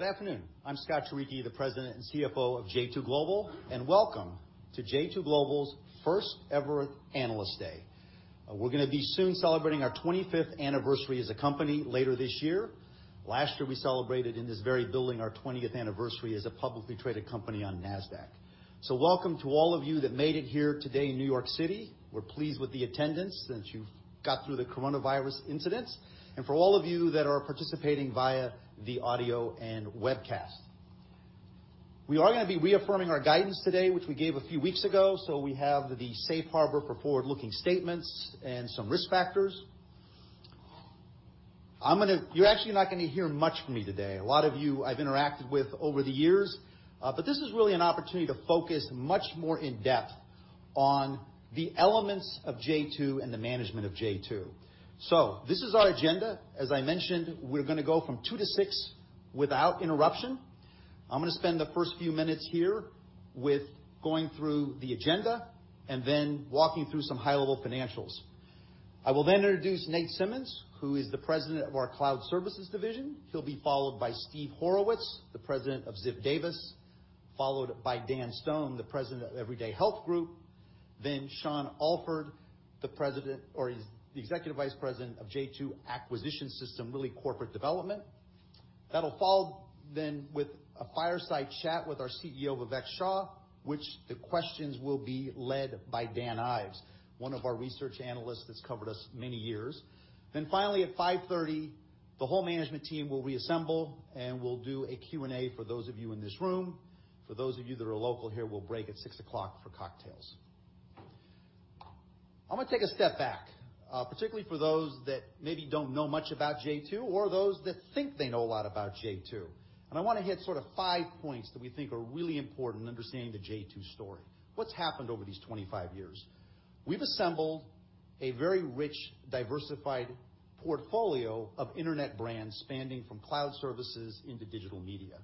Good afternoon. I'm Scott Turicchi, the President and CFO of J2 Global. Welcome to J2 Global's first-ever Analyst Day. We're going to be soon celebrating our 25th anniversary as a company later this year. Last year, we celebrated in this very building our 20th anniversary as a publicly traded company on Nasdaq. Welcome to all of you that made it here today in New York City. We're pleased with the attendance since you've got through the coronavirus incidents. For all of you that are participating via the audio and webcast. We are going to be reaffirming our guidance today, which we gave a few weeks ago. We have the safe harbor for forward-looking statements and some risk factors. You're actually not going to hear much from me today. A lot of you I've interacted with over the years, but this is really an opportunity to focus much more in depth on the elements of J2 global and the management of J2 Global. This is our agenda. As I mentioned, we're going to go from 2:00 P.M. to 6:00 P.M. without interruption. I'm going to spend the first few minutes here with going through the agenda and walking through some high-level financials. I will introduce Nate Simmons, who is the president of our Cloud Services division. He'll be followed by Steve Horowitz, the president of Ziff Davis, followed by Dan Stone, the president of Everyday Health Group, Sean Alford, the executive vice president of J2 global Acquisition System, really corporate development. That'll follow with a fireside chat with our CEO, Vivek Shah, which the questions will be led by Dan Ives, one of our research analysts that's covered us many years. Finally at 5:30 P.M., the whole management team will reassemble, and we'll do a Q&A for those of you in this room. For those of you that are local here, we'll break at 6:00 P.M. for cocktails. I'm going to take a step back, particularly for those that maybe don't know much about J2 or those that think they know a lot about J2. I want to hit sort of five points that we think are really important in understanding the J2 story. What's happened over these 25 years? We've assembled a very rich, diversified portfolio of internet brands spanning from Cloud Services into digital media.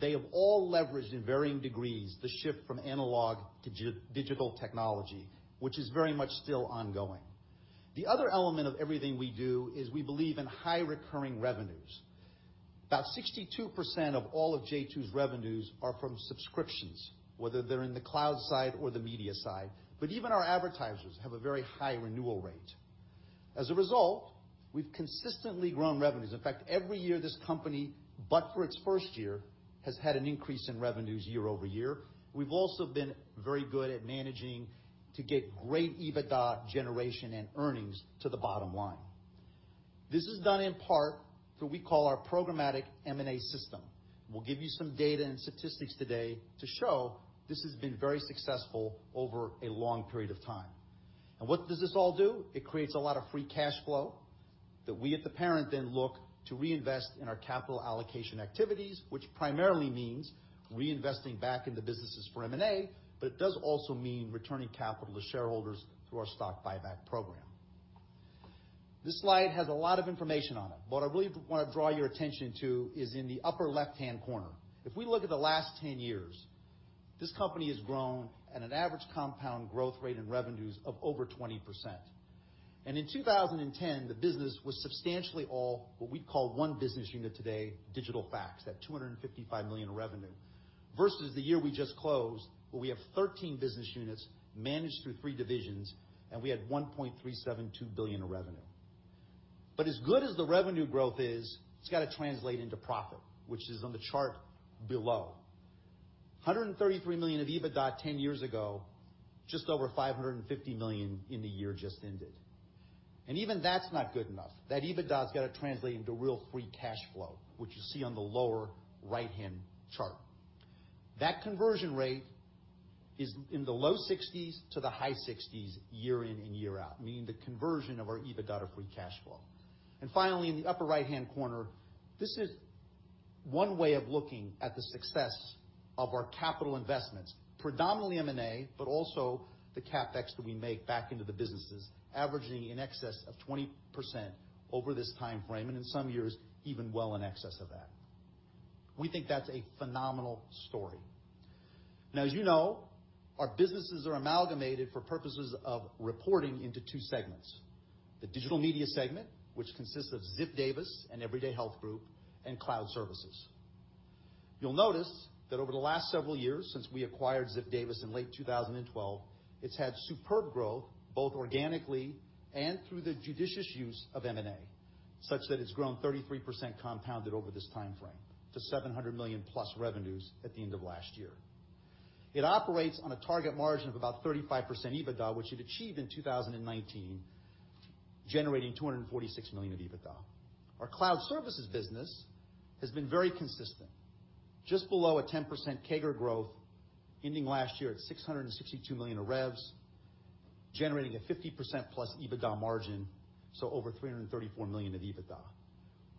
They have all leveraged, in varying degrees, the shift from analog to digital technology, which is very much still ongoing. The other element of everything we do is we believe in high recurring revenues. About 62% of all of J2's revenues are from subscriptions, whether they're in the cloud side or the media side. Even our advertisers have a very high renewal rate. As a result, we've consistently grown revenues. In fact, every year, this company, but for its first year, has had an increase in revenues year-over-year. We've also been very good at managing to get great EBITDA generation and earnings to the bottom line. This is done in part through what we call our programmatic M&A system. We'll give you some data and statistics today to show this has been very successful over a long period of time. What does this all do? It creates a lot of free cash flow that we at the parent then look to reinvest in our capital allocation activities, which primarily means reinvesting back in the businesses for M&A, but it does also mean returning capital to shareholders through our stock buyback program. This slide has a lot of information on it. What I really want to draw your attention to is in the upper left-hand corner. If we look at the last 10 years, this company has grown at an average compound growth rate in revenues of over 20%. In 2010, the business was substantially all what we'd call one business unit today, Digital Fax, at $255 million in revenue, versus the year we just closed, where we have 13 business units managed through three divisions, and we had $1.372 billion in revenue. As good as the revenue growth is, it's got to translate into profit, which is on the chart below. $133 million of EBITDA 10 years ago, just over $550 million in the year just ended. Even that's not good enough. That EBITDA's got to translate into real free cash flow, which you see on the lower right-hand chart. That conversion rate is in the low 60s to the high 60s year in and year out, meaning the conversion of our EBITDA to free cash flow. Finally, in the upper right-hand corner, this is one way of looking at the success of our capital investments, predominantly M&A, but also the CapEx that we make back into the businesses, averaging in excess of 20% over this time frame, and in some years, even well in excess of that. We think that's a phenomenal story. As you know, our businesses are amalgamated for purposes of reporting into two segments, the digital media segment, which consists of Ziff Davis and Everyday Health Group, and Cloud Services. You'll notice that over the last several years since we acquired Ziff Davis in late 2012, it's had superb growth, both organically and through the judicious use of M&A, such that it's grown 33% compounded over this time frame to $700 million-plus revenues at the end of last year. It operates on a target margin of about 35% EBITDA, which it achieved in 2019, generating $246 million of EBITDA. Our Cloud Services business has been very consistent, just below a 10% CAGR growth ending last year at $662 million of revs, generating a 50%-plus EBITDA margin, so over $334 million of EBITDA.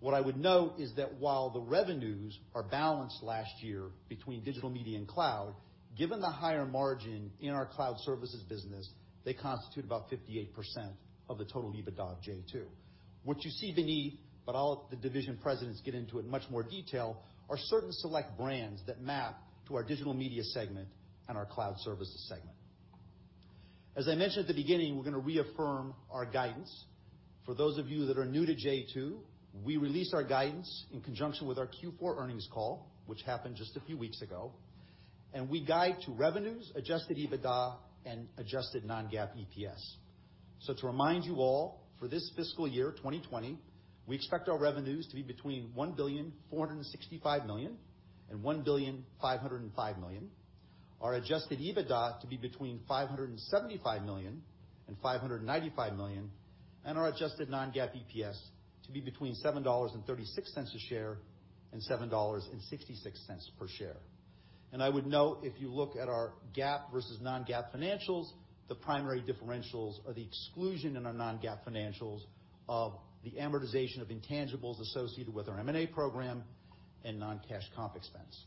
What I would note is that while the revenues are balanced last year between Digital Media and Cloud, given the higher margin in our Cloud Services business, they constitute about 58% of the total EBITDA of J2. What you see beneath, but all of the division presidents get into in much more detail, are certain select brands that map to our Digital Media segment and our Cloud Services segment. As I mentioned at the beginning, we're going to reaffirm our guidance. For those of you that are new to J2, we release our guidance in conjunction with our Q4 earnings call, which happened just a few weeks ago. We guide to revenues, adjusted EBITDA, and adjusted non-GAAP EPS. To remind you all, for this fiscal year 2020, we expect our revenues to be between $1.465 billion and $1.505 billion, our adjusted EBITDA to be between $575 million and $595 million, our adjusted non-GAAP EPS to be between $7.36 per share and $7.66 per share. I would note, if you look at our GAAP versus non-GAAP financials, the primary differentials are the exclusion in our non-GAAP financials of the amortization of intangibles associated with our M&A program and non-cash comp expense.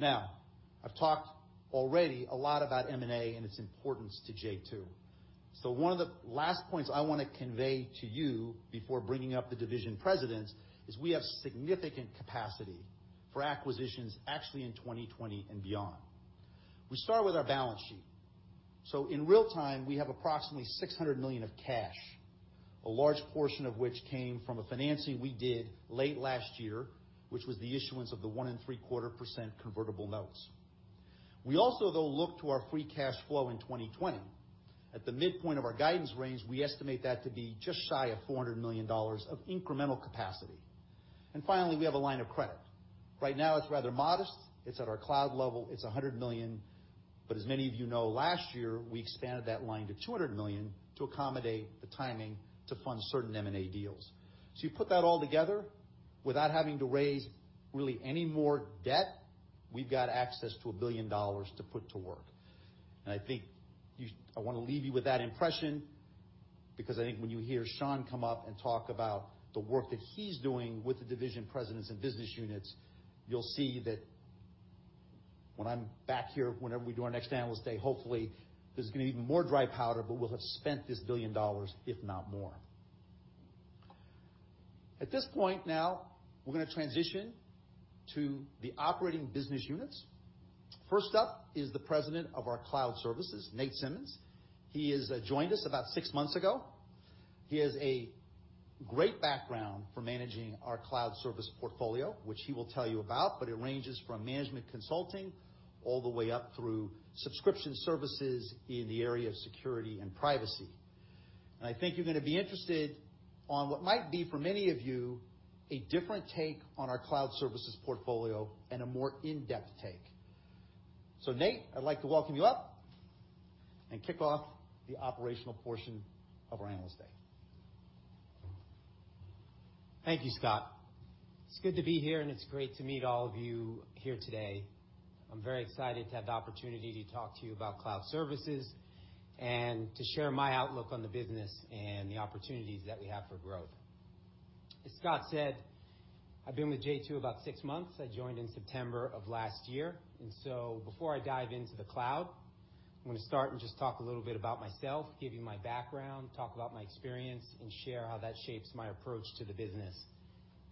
I've talked already a lot about M&A and its importance to J2. One of the last points I want to convey to you before bringing up the division presidents is we have significant capacity for acquisitions actually in 2020 and beyond. We start with our balance sheet. In real time, we have approximately $600 million of cash, a large portion of which came from a financing we did late last year, which was the issuance of the 1.75% convertible notes. We also, though, look to our free cash flow in 2020. At the midpoint of our guidance range, we estimate that to be just shy of $400 million of incremental capacity. Finally, we have a line of credit. Right now it's rather modest. It's at our Cloud level. It's $100 million. As many of you know, last year, we expanded that line to $200 million to accommodate the timing to fund certain M&A deals. You put that all together without having to raise really any more debt, we've got access to $1 billion to put to work. I think I want to leave you with that impression because I think when you hear Sean come up and talk about the work that he's doing with the division presidents and business units, you'll see that when I'm back here, whenever we do our next Analyst Day, hopefully there's going to be even more dry powder, but we'll have spent this $1 billion, if not more. At this point now, we're going to transition to the operating business units. First up is the President of our Cloud Services, Nate Simmons. He has joined us about six months ago. He has a great background for managing our cloud service portfolio, which he will tell you about, but it ranges from management consulting all the way up through subscription services in the area of security and privacy. I think you're going to be interested on what might be, for many of you, a different take on our Cloud Services portfolio and a more in-depth take. Nate, I'd like to welcome you up and kick off the operational portion of our Analyst Day. Thank you, Scott. It's good to be here, and it's great to meet all of you here today. I'm very excited to have the opportunity to talk to you about Cloud Services and to share my outlook on the business and the opportunities that we have for growth. As Scott said, I've been with J2 about six months. I joined in September of last year, and so before I dive into the cloud, I'm going to start and just talk a little bit about myself, give you my background, talk about my experience, and share how that shapes my approach to the business,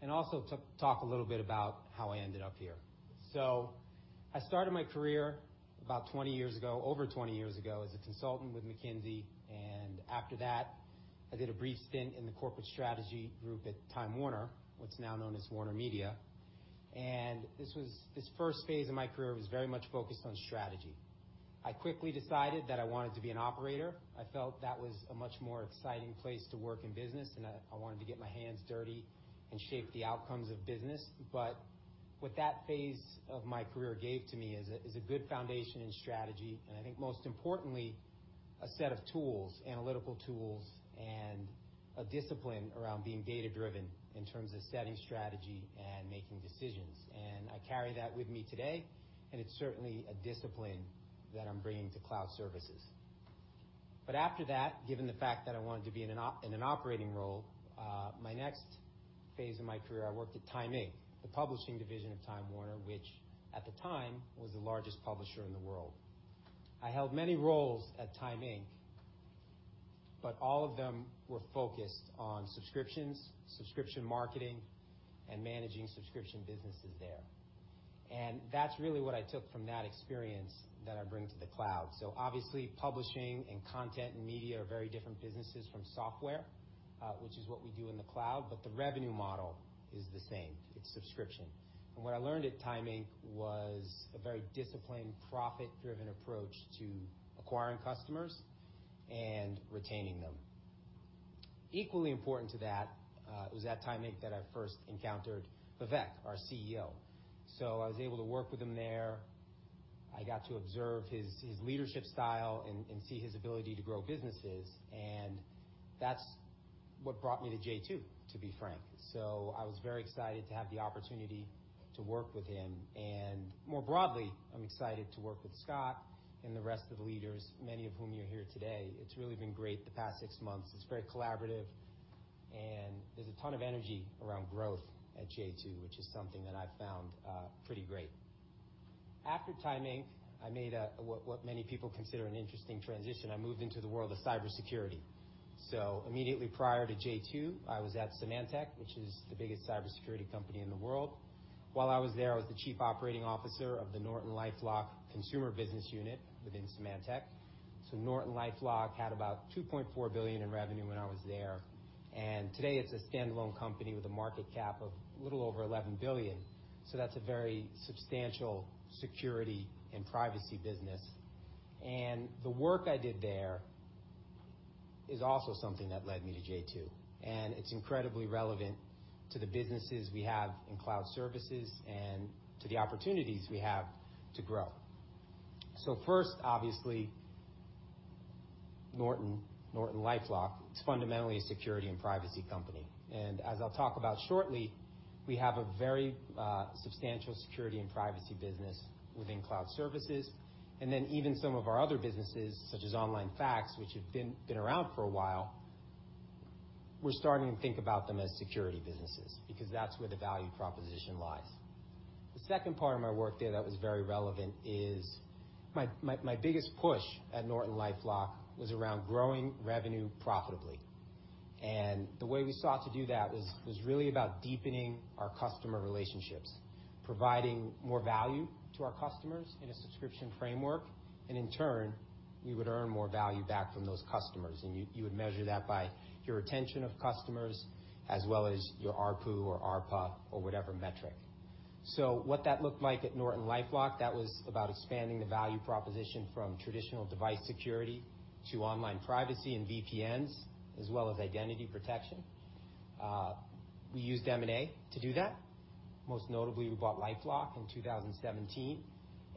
and also talk a little bit about how I ended up here. I started my career about 20 years ago, over 20 years ago, as a consultant with McKinsey, and after that, I did a brief stint in the corporate strategy group at Time Warner, what's now known as WarnerMedia. This first phase of my career was very much focused on strategy. I quickly decided that I wanted to be an operator. I felt that was a much more exciting place to work in business, and I wanted to get my hands dirty and shape the outcomes of business. What that phase of my career gave to me is a good foundation in strategy, and I think most importantly, a set of tools, analytical tools, and a discipline around being data-driven in terms of setting strategy and making decisions. I carry that with me today, and it's certainly a discipline that I'm bringing to Cloud Services. After that, given the fact that I wanted to be in an operating role, my next phase of my career, I worked at Time Inc., the publishing division of Time Warner, which at the time was the largest publisher in the world. I held many roles at Time Inc., but all of them were focused on subscriptions, subscription marketing, and managing subscription businesses there. That's really what I took from that experience that I bring to the cloud. Obviously, publishing and content and media are very different businesses from software, which is what we do in the cloud, but the revenue model is the same. It's subscription. What I learned at Time Inc. was a very disciplined, profit-driven approach to acquiring customers and retaining them. Equally important to that, it was at Time Inc. that I first encountered Vivek, our CEO. I was able to work with him there. I got to observe his leadership style and see his ability to grow businesses, and that's what brought me to J2, to be frank. I was very excited to have the opportunity to work with him. More broadly, I'm excited to work with Scott and the rest of the leaders, many of whom you hear today. It's really been great the past six months. It's very collaborative, and there's a ton of energy around growth at J2, which is something that I've found pretty great. After Time Inc., I made what many people consider an interesting transition. I moved into the world of cybersecurity. Immediately prior to J2, I was at Symantec, which is the biggest cybersecurity company in the world. While I was there, I was the Chief Operating Officer of the NortonLifeLock consumer business unit within Symantec. NortonLifeLock had about $2.4 billion in revenue when I was there, and today it's a standalone company with a market cap of a little over $11 billion. That's a very substantial security and privacy business. The work I did there is also something that led me to J2, and it's incredibly relevant to the businesses we have in Cloud Services and to the opportunities we have to grow. First, obviously, NortonLifeLock is fundamentally a security and privacy company. As I'll talk about shortly, we have a very substantial security and privacy business within Cloud Services, and then even some of our other businesses, such as online fax, which have been around for a while. We're starting to think about them as security businesses because that's where the value proposition lies. The second part of my work there that was very relevant is my biggest push at NortonLifeLock was around growing revenue profitably. The way we sought to do that was really about deepening our customer relationships, providing more value to our customers in a subscription framework, and in turn, we would earn more value back from those customers. You would measure that by your retention of customers, as well as your ARPU or ARPA or whatever metric. What that looked like at NortonLifeLock, that was about expanding the value proposition from traditional device security to online privacy and VPNs, as well as identity protection. We used M&A to do that. Most notably, we bought LifeLock in 2017,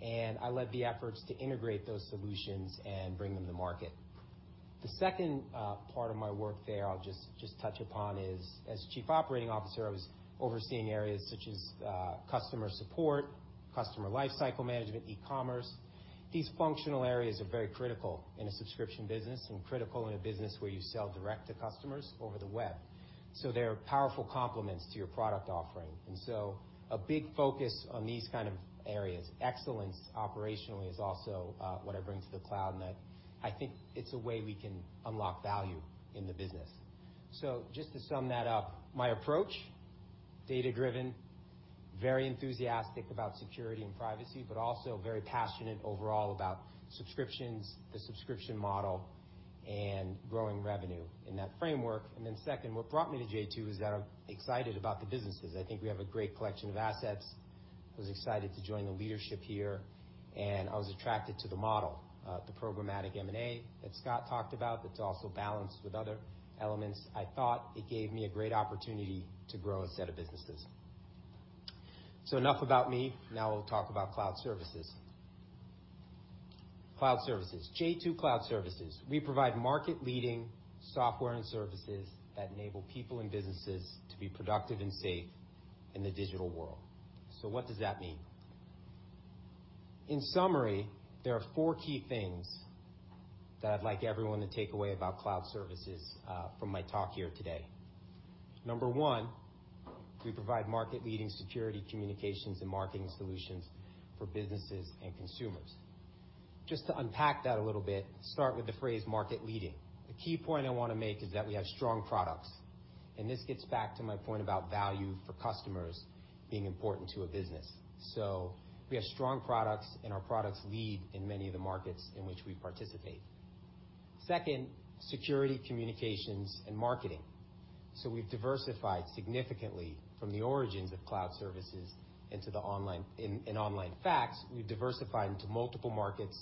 and I led the efforts to integrate those solutions and bring them to market. The second part of my work there I'll just touch upon is, as chief operating officer, I was overseeing areas such as customer support, customer life cycle management, e-commerce. These functional areas are very critical in a subscription business, and critical in a business where you sell direct to customers over the web. They are powerful complements to your product offering. A big focus on these kind of areas. Excellence operationally is also what I bring to the cloud. That I think it's a way we can unlock value in the business. Just to sum that up, my approach, data-driven, very enthusiastic about security and privacy, but also very passionate overall about subscriptions, the subscription model, and growing revenue in that framework. Second, what brought me to J2 is that I'm excited about the businesses. I think we have a great collection of assets. I was excited to join the leadership here, and I was attracted to the model, the programmatic M&A that Scott talked about, that's also balanced with other elements. I thought it gave me a great opportunity to grow a set of businesses. Enough about me. Now we'll talk about Cloud Services. Cloud Services. J2 Cloud Services. We provide market-leading software and services that enable people and businesses to be productive and safe in the digital world. What does that mean? In summary, there are four key things that I'd like everyone to take away about Cloud Services from my talk here today. Number one, we provide market-leading security, communications, and marketing solutions for businesses and consumers. Just to unpack that a little bit, start with the phrase market-leading. The key point I want to make is that we have strong products, and this gets back to my point about value for customers being important to a business. We have strong products, and our products lead in many of the markets in which we participate. Second, security, communications, and marketing. We've diversified significantly from the origins of Cloud Services into the online. In online fax, we've diversified into multiple markets,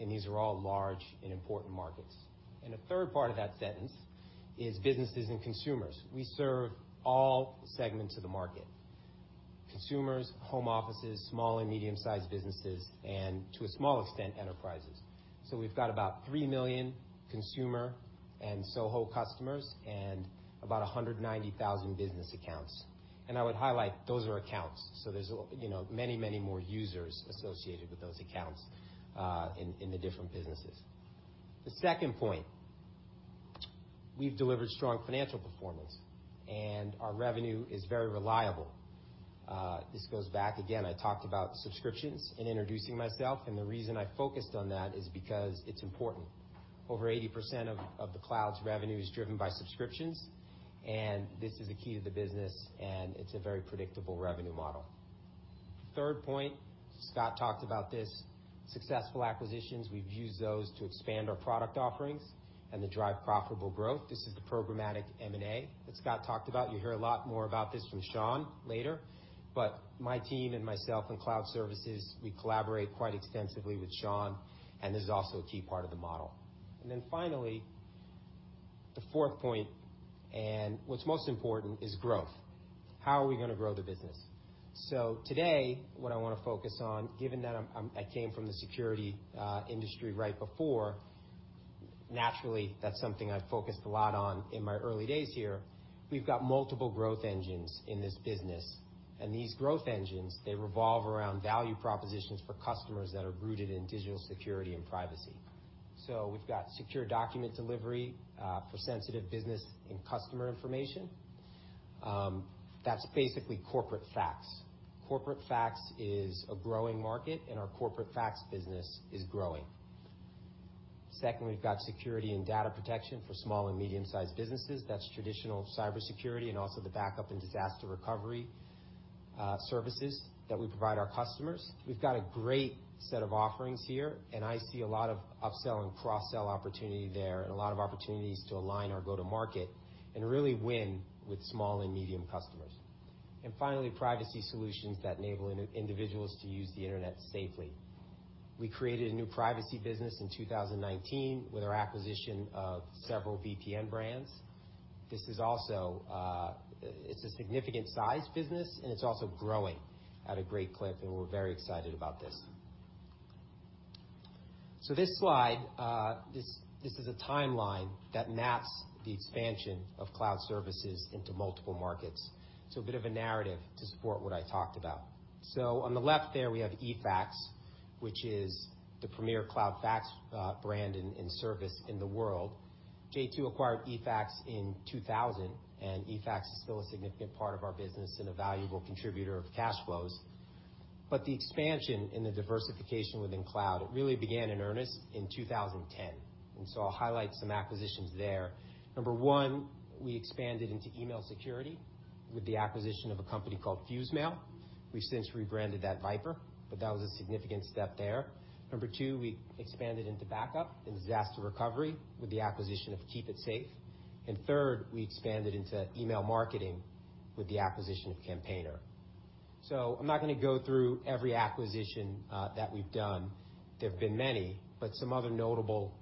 and these are all large and important markets. The third part of that sentence is businesses and consumers. We serve all segments of the market: consumers, home offices, small and medium-sized businesses, and to a small extent, enterprises. We've got about 3 million consumer and SOHO customers and about 190,000 business accounts. I would highlight, those are accounts. There's many more users associated with those accounts in the different businesses. The second point, we've delivered strong financial performance, and our revenue is very reliable. This goes back again, I talked about subscriptions in introducing myself, and the reason I focused on that is because it's important. Over 80% of the Cloud Services' revenue is driven by subscriptions, and this is the key to the business, and it's a very predictable revenue model. Third point, Scott talked about this, successful acquisitions. We've used those to expand our product offerings and to drive profitable growth. This is the programmatic M&A that Scott talked about. You hear a lot more about this from Sean later. My team and myself in Cloud Services, we collaborate quite extensively with Sean, and this is also a key part of the model. Finally, the fourth point, and what's most important, is growth. How are we going to grow the business? Today, what I want to focus on, given that I came from the security industry right before, naturally, that's something I focused a lot on in my early days here. We've got multiple growth engines in this business, and these growth engines, they revolve around value propositions for customers that are rooted in digital security and privacy. We've got secure document delivery for sensitive business and customer information. That's basically corporate fax. Corporate fax is a growing market, and our corporate fax business is growing. Second, we've got security and data protection for small and medium-sized businesses. That's traditional cybersecurity and also the backup and disaster recovery services that we provide our customers. We've got a great set of offerings here, and I see a lot of upsell and cross-sell opportunity there, and a lot of opportunities to align our go-to-market and really win with small and medium customers. Finally, privacy solutions that enable individuals to use the internet safely. We created a new privacy business in 2019 with our acquisition of several VPN brands. This is a significant size business, and it's also growing at a great clip, and we're very excited about this. This slide, this is a timeline that maps the expansion of Cloud Services into multiple markets. A bit of a narrative to support what I talked about. On the left there, we have eFax, which is the premier cloud fax brand and service in the world. J2 acquired eFax in 2000, eFax is still a significant part of our business and a valuable contributor of cash flows. The expansion and the diversification within cloud, it really began in earnest in 2010. I'll highlight some acquisitions there. Number one, we expanded into email security with the acquisition of a company called FuseMail. We've since rebranded that VIPRE, but that was a significant step there. Number two, we expanded into backup and disaster recovery with the acquisition of KeepItSafe. Third, we expanded into email marketing with the acquisition of Campaigner. I'm not going to go through every acquisition that we've done. There have been many, but some other notable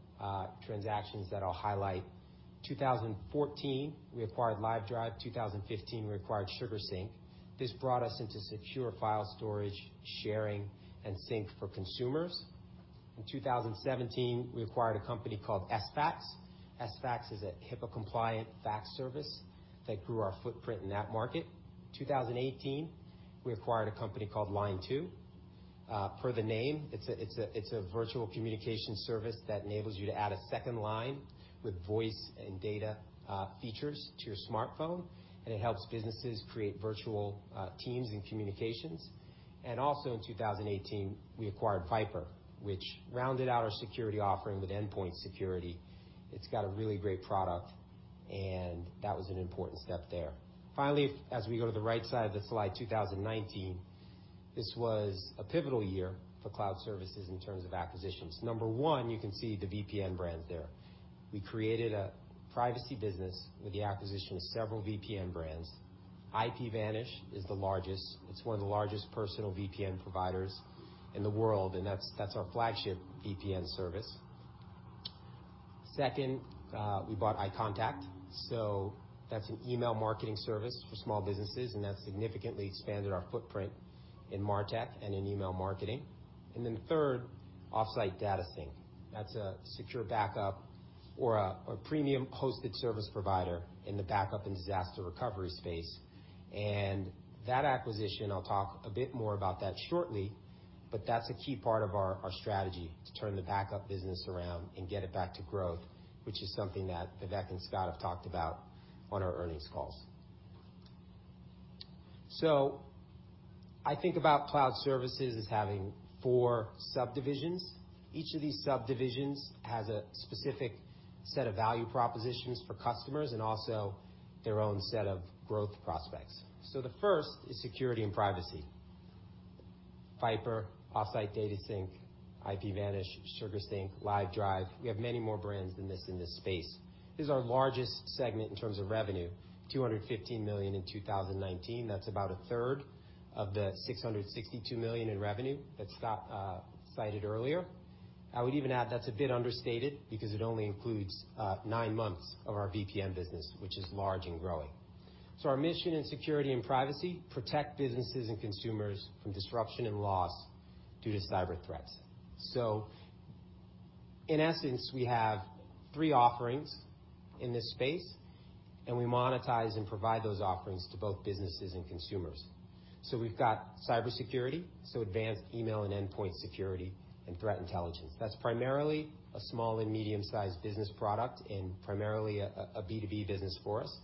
transactions that I'll highlight, 2014, we acquired Livedrive. 2015, we acquired SugarSync. This brought us into secure file storage, sharing, and sync for consumers. In 2017, we acquired a company called Sfax. Sfax is a HIPAA-compliant fax service that grew our footprint in that market. 2018, we acquired a company called Line2. Per the name, it is a virtual communication service that enables you to add a second line with voice and data features to your smartphone, and it helps businesses create virtual teams and communications. Also in 2018, we acquired VIPRE, which rounded out our security offering with endpoint security. It has got a really great product, and that was an important step there. As we go to the right side of the slide, 2019, this was a pivotal year for cloud services in terms of acquisitions. Number one, you can see the VPN brands there. We created a privacy business with the acquisition of several VPN brands. IPVanish is the largest. It is one of the largest personal VPN providers in the world, and that is our flagship VPN service. Second, we bought iContact. That's an email marketing service for small businesses, and that significantly expanded our footprint in MarTech and in email marketing. Third, OffsiteDataSync. That's a secure backup or a premium hosted service provider in the backup and disaster recovery space. That acquisition, I'll talk a bit more about that shortly, but that's a key part of our strategy to turn the backup business around and get it back to growth, which is something that Vivek and Scott have talked about on our earnings calls. I think about Cloud Services as having four subdivisions. Each of these subdivisions has a specific set of value propositions for customers and also their own set of growth prospects. The first is security and privacy. VIPRE, OffsiteDataSync, IPVanish, SugarSync, Livedrive. We have many more brands than this in this space. This is our largest segment in terms of revenue, $215 million in 2019. That's about a third of the $662 million in revenue that Scott cited earlier. I would even add that's a bit understated because it only includes nine months of our VPN business, which is large and growing. Our mission in security and privacy, protect businesses and consumers from disruption and loss due to cyber threats. In essence, we have three offerings in this space, and we monetize and provide those offerings to both businesses and consumers. We've got cybersecurity, so advanced email and endpoint security and threat intelligence. That's primarily a small and medium-sized business product and primarily a B2B business for us,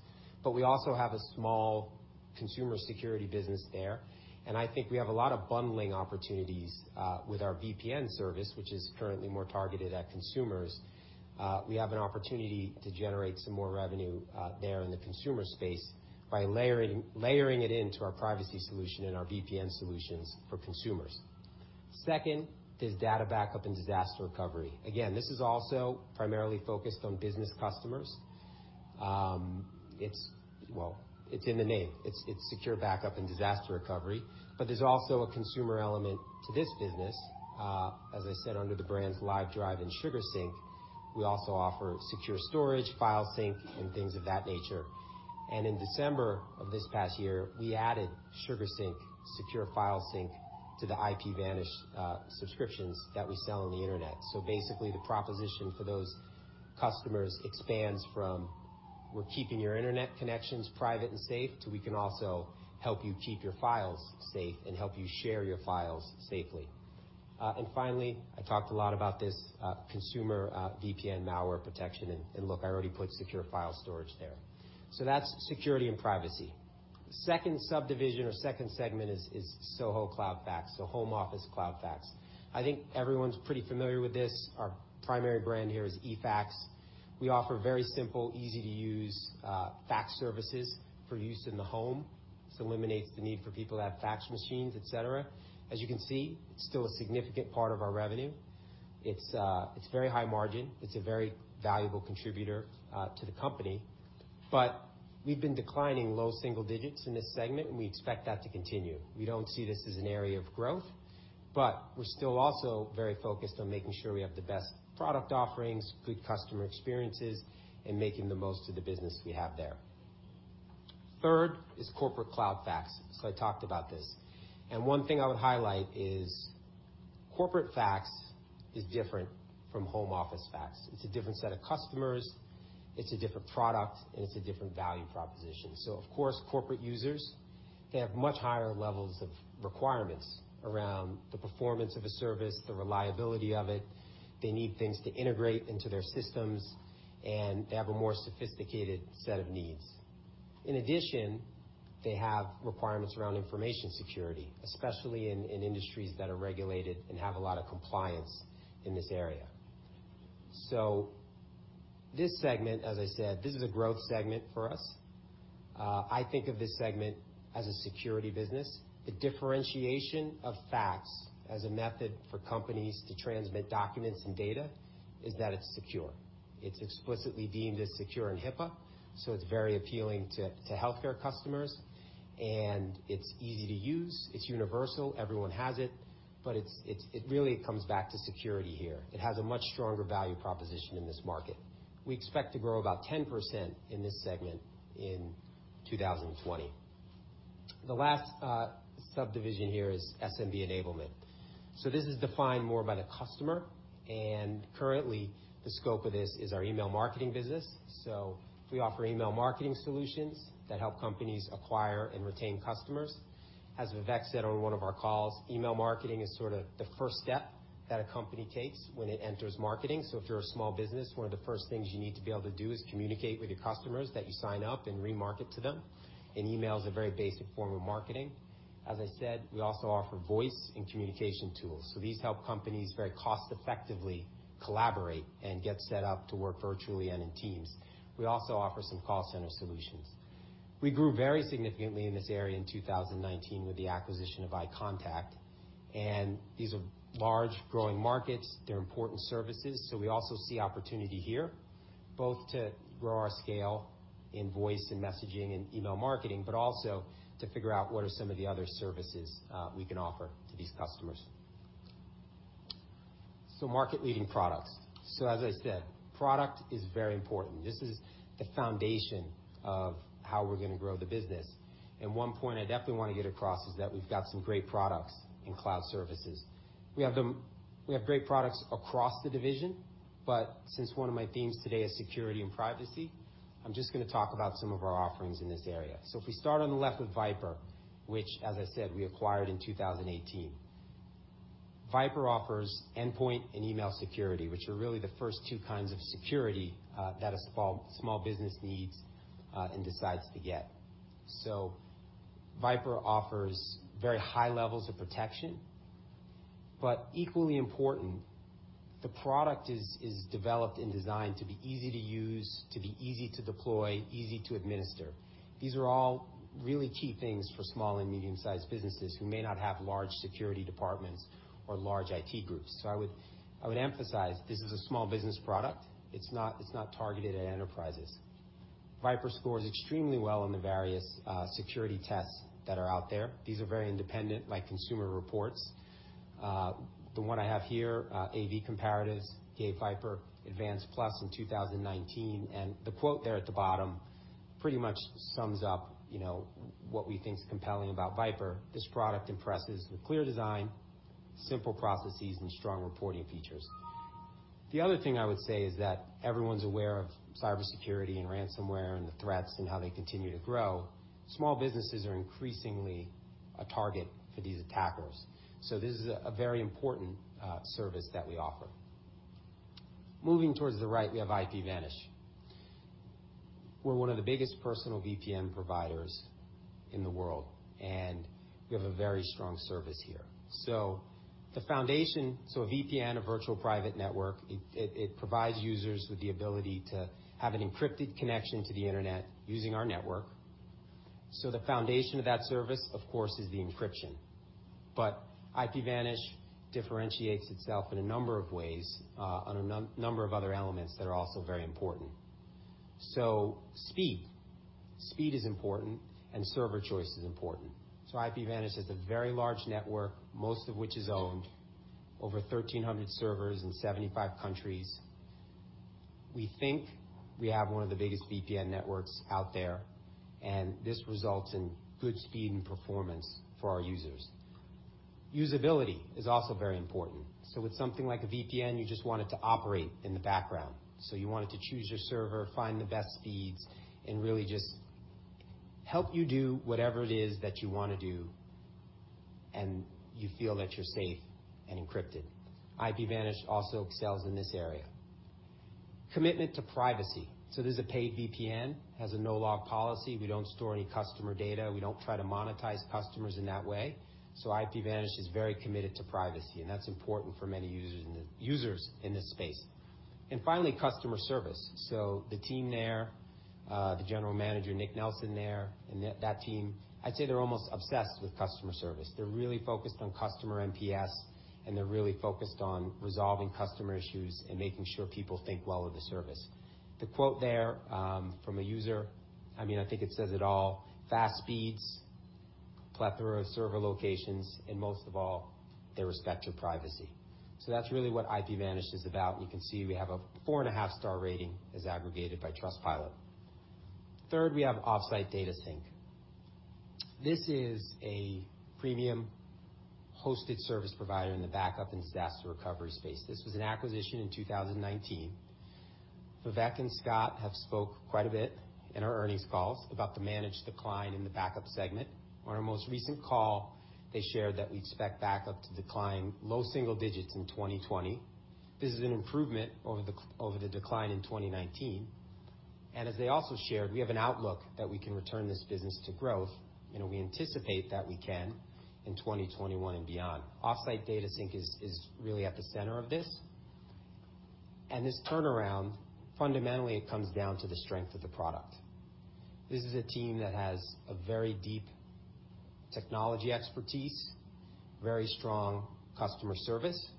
but we also have a small consumer security business there, and I think we have a lot of bundling opportunities with our VPN service, which is currently more targeted at consumers. We have an opportunity to generate some more revenue there in the consumer space by layering it into our privacy solution and our VPN solutions for consumers. Second, there's data backup and disaster recovery. Again, this is also primarily focused on business customers. It's in the name. It's secure backup and disaster recovery, but there's also a consumer element to this business. As I said, under the brands Livedrive and SugarSync, we also offer secure storage, file sync, and things of that nature. In December of this past year, we added SugarSync secure file sync to the IPVanish subscriptions that we sell on the internet. Basically, the proposition for those customers expands from we're keeping your internet connections private and safe, to we can also help you keep your files safe and help you share your files safely. Finally, I talked a lot about this consumer VPN malware protection, and look, I already put secure file storage there. That's security and privacy. Second subdivision or second segment is SOHO cloud fax. Home office cloud fax. I think everyone's pretty familiar with this. Our primary brand here is eFax. We offer very simple, easy-to-use fax services for use in the home. This eliminates the need for people to have fax machines, et cetera. As you can see, it's still a significant part of our revenue. It's very high margin. It's a very valuable contributor to the company. We've been declining low single digits in this segment, and we expect that to continue. We don't see this as an area of growth, but we're still also very focused on making sure we have the best product offerings, good customer experiences, and making the most of the business we have there. Third is corporate Cloud Fax. I talked about this, and one thing I would highlight is corporate fax is different from home office fax. It's a different set of customers, it's a different product, and it's a different value proposition. Of course, corporate users, they have much higher levels of requirements around the performance of a service, the reliability of it. They need things to integrate into their systems, and they have a more sophisticated set of needs. In addition, they have requirements around information security, especially in industries that are regulated and have a lot of compliance in this area. This segment, as I said, this is a growth segment for us. I think of this segment as a security business. The differentiation of fax as a method for companies to transmit documents and data is that it's secure. It's explicitly deemed as secure in HIPAA, so it's very appealing to healthcare customers, and it's easy to use. It's universal. Everyone has it, but it really comes back to security here. It has a much stronger value proposition in this market. We expect to grow about 10% in this segment in 2020. The last subdivision here is SMB Enablement. This is defined more by the customer, and currently the scope of this is our email marketing business. We offer email marketing solutions that help companies acquire and retain customers. As Vivek said on one of our calls, email marketing is sort of the first step that a company takes when it enters marketing. If you're a small business, one of the first things you need to be able to do is communicate with your customers, that you sign up and remarket to them, and email is a very basic form of marketing. As I said, we also offer voice and communication tools. These help companies very cost-effectively collaborate and get set up to work virtually and in teams. We also offer some call center solutions. We grew very significantly in this area in 2019 with the acquisition of iContact, and these are large growing markets. They're important services. We also see opportunity here, both to grow our scale in voice and messaging and email marketing, but also to figure out what are some of the other services we can offer to these customers. Market-leading products. As I said, product is very important. This is the foundation of how we're going to grow the business. One point I definitely want to get across is that we've got some great products in Cloud Services. We have great products across the division, but since one of my themes today is security and privacy, I'm just going to talk about some of our offerings in this area. If we start on the left with VIPRE, which as I said, we acquired in 2018. VIPRE offers endpoint and email security, which are really the first two kinds of security that a small business needs and decides to get. VIPRE offers very high levels of protection, but equally important, the product is developed and designed to be easy to use, to be easy to deploy, easy to administer. These are all really key things for small and medium-sized businesses who may not have large security departments or large IT groups. I would emphasize this is a small business product. It's not targeted at enterprises. VIPRE scores extremely well on the various security tests that are out there. These are very independent, like consumer reports. The one I have here, AV-Comparatives, gave VIPRE Advanced Plus in 2019, and the quote there at the bottom pretty much sums up what we think is compelling about VIPRE. This product impresses with clear design, simple processes, and strong reporting features." The other thing I would say is that everyone's aware of cybersecurity and ransomware and the threats and how they continue to grow. Small businesses are increasingly a target for these attackers, this is a very important service that we offer. Moving towards the right, we have IPVanish. We're one of the biggest personal VPN providers in the world, we have a very strong service here. A VPN, a virtual private network, it provides users with the ability to have an encrypted connection to the internet using our network. The foundation of that service, of course, is the encryption. IPVanish differentiates itself in a number of ways on a number of other elements that are also very important. Speed. Speed is important and server choice is important. IPVanish has a very large network, most of which is owned. Over 1,300 servers in 75 countries. We think we have one of the biggest VPN networks out there, and this results in good speed and performance for our users. Usability is also very important. With something like a VPN, you just want it to operate in the background. You want it to choose your server, find the best speeds, and really just help you do whatever it is that you want to do, and you feel that you're safe and encrypted. IPVanish also excels in this area. Commitment to privacy. This is a paid VPN, has a no-log policy. We don't store any customer data. We don't try to monetize customers in that way. IPVanish is very committed to privacy, and that's important for many users in this space. Finally, customer service. The team there, the general manager, Nick Nelson there, and that team, I'd say they're almost obsessed with customer service. They're really focused on customer NPS, and they're really focused on resolving customer issues and making sure people think well of the service. The quote there from a user, I think it says it all, "Fast speeds, plethora of server locations, and most of all, their respect to privacy." That's really what IPVanish is about, and you can see we have a four and a half star rating as aggregated by Trustpilot. Third, we have OffsiteDataSync. This is a premium hosted service provider in the backup and disaster recovery space. This was an acquisition in 2019. Vivek and Scott have spoke quite a bit in our earnings calls about the managed decline in the backup segment. On our most recent call, they shared that we expect backup to decline low single digits in 2020. This is an improvement over the decline in 2019, and as they also shared, we have an outlook that we can return this business to growth, and we anticipate that we can in 2021 and beyond. OffsiteDataSync is really at the center of this. This turnaround, fundamentally, it comes down to the strength of the product. This is a team that has a very deep technology expertise, very strong customer service.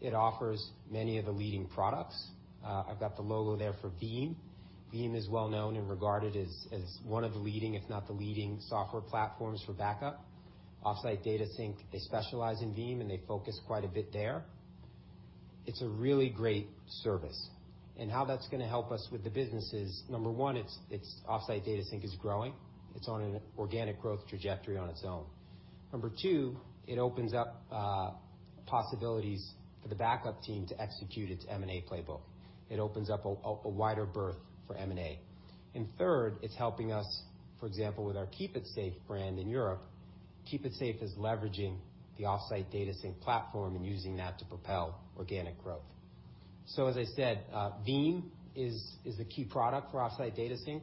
It offers many of the leading products. I've got the logo there for Veeam. Veeam is well known and regarded as one of the leading, if not the leading software platforms for backup. OffsiteDataSync, they specialize in Veeam, and they focus quite a bit there. It's a really great service. How that's going to help us with the business is, number one, OffsiteDataSync is growing. It's on an organic growth trajectory on its own. Number two, it opens up possibilities for the backup team to execute its M&A playbook. It opens up a wider berth for M&A. Third, it's helping us, for example, with our KeepItSafe brand in Europe. KeepItSafe is leveraging the OffsiteDataSync platform and using that to propel organic growth. As I said, Veeam is the key product for OffsiteDataSync.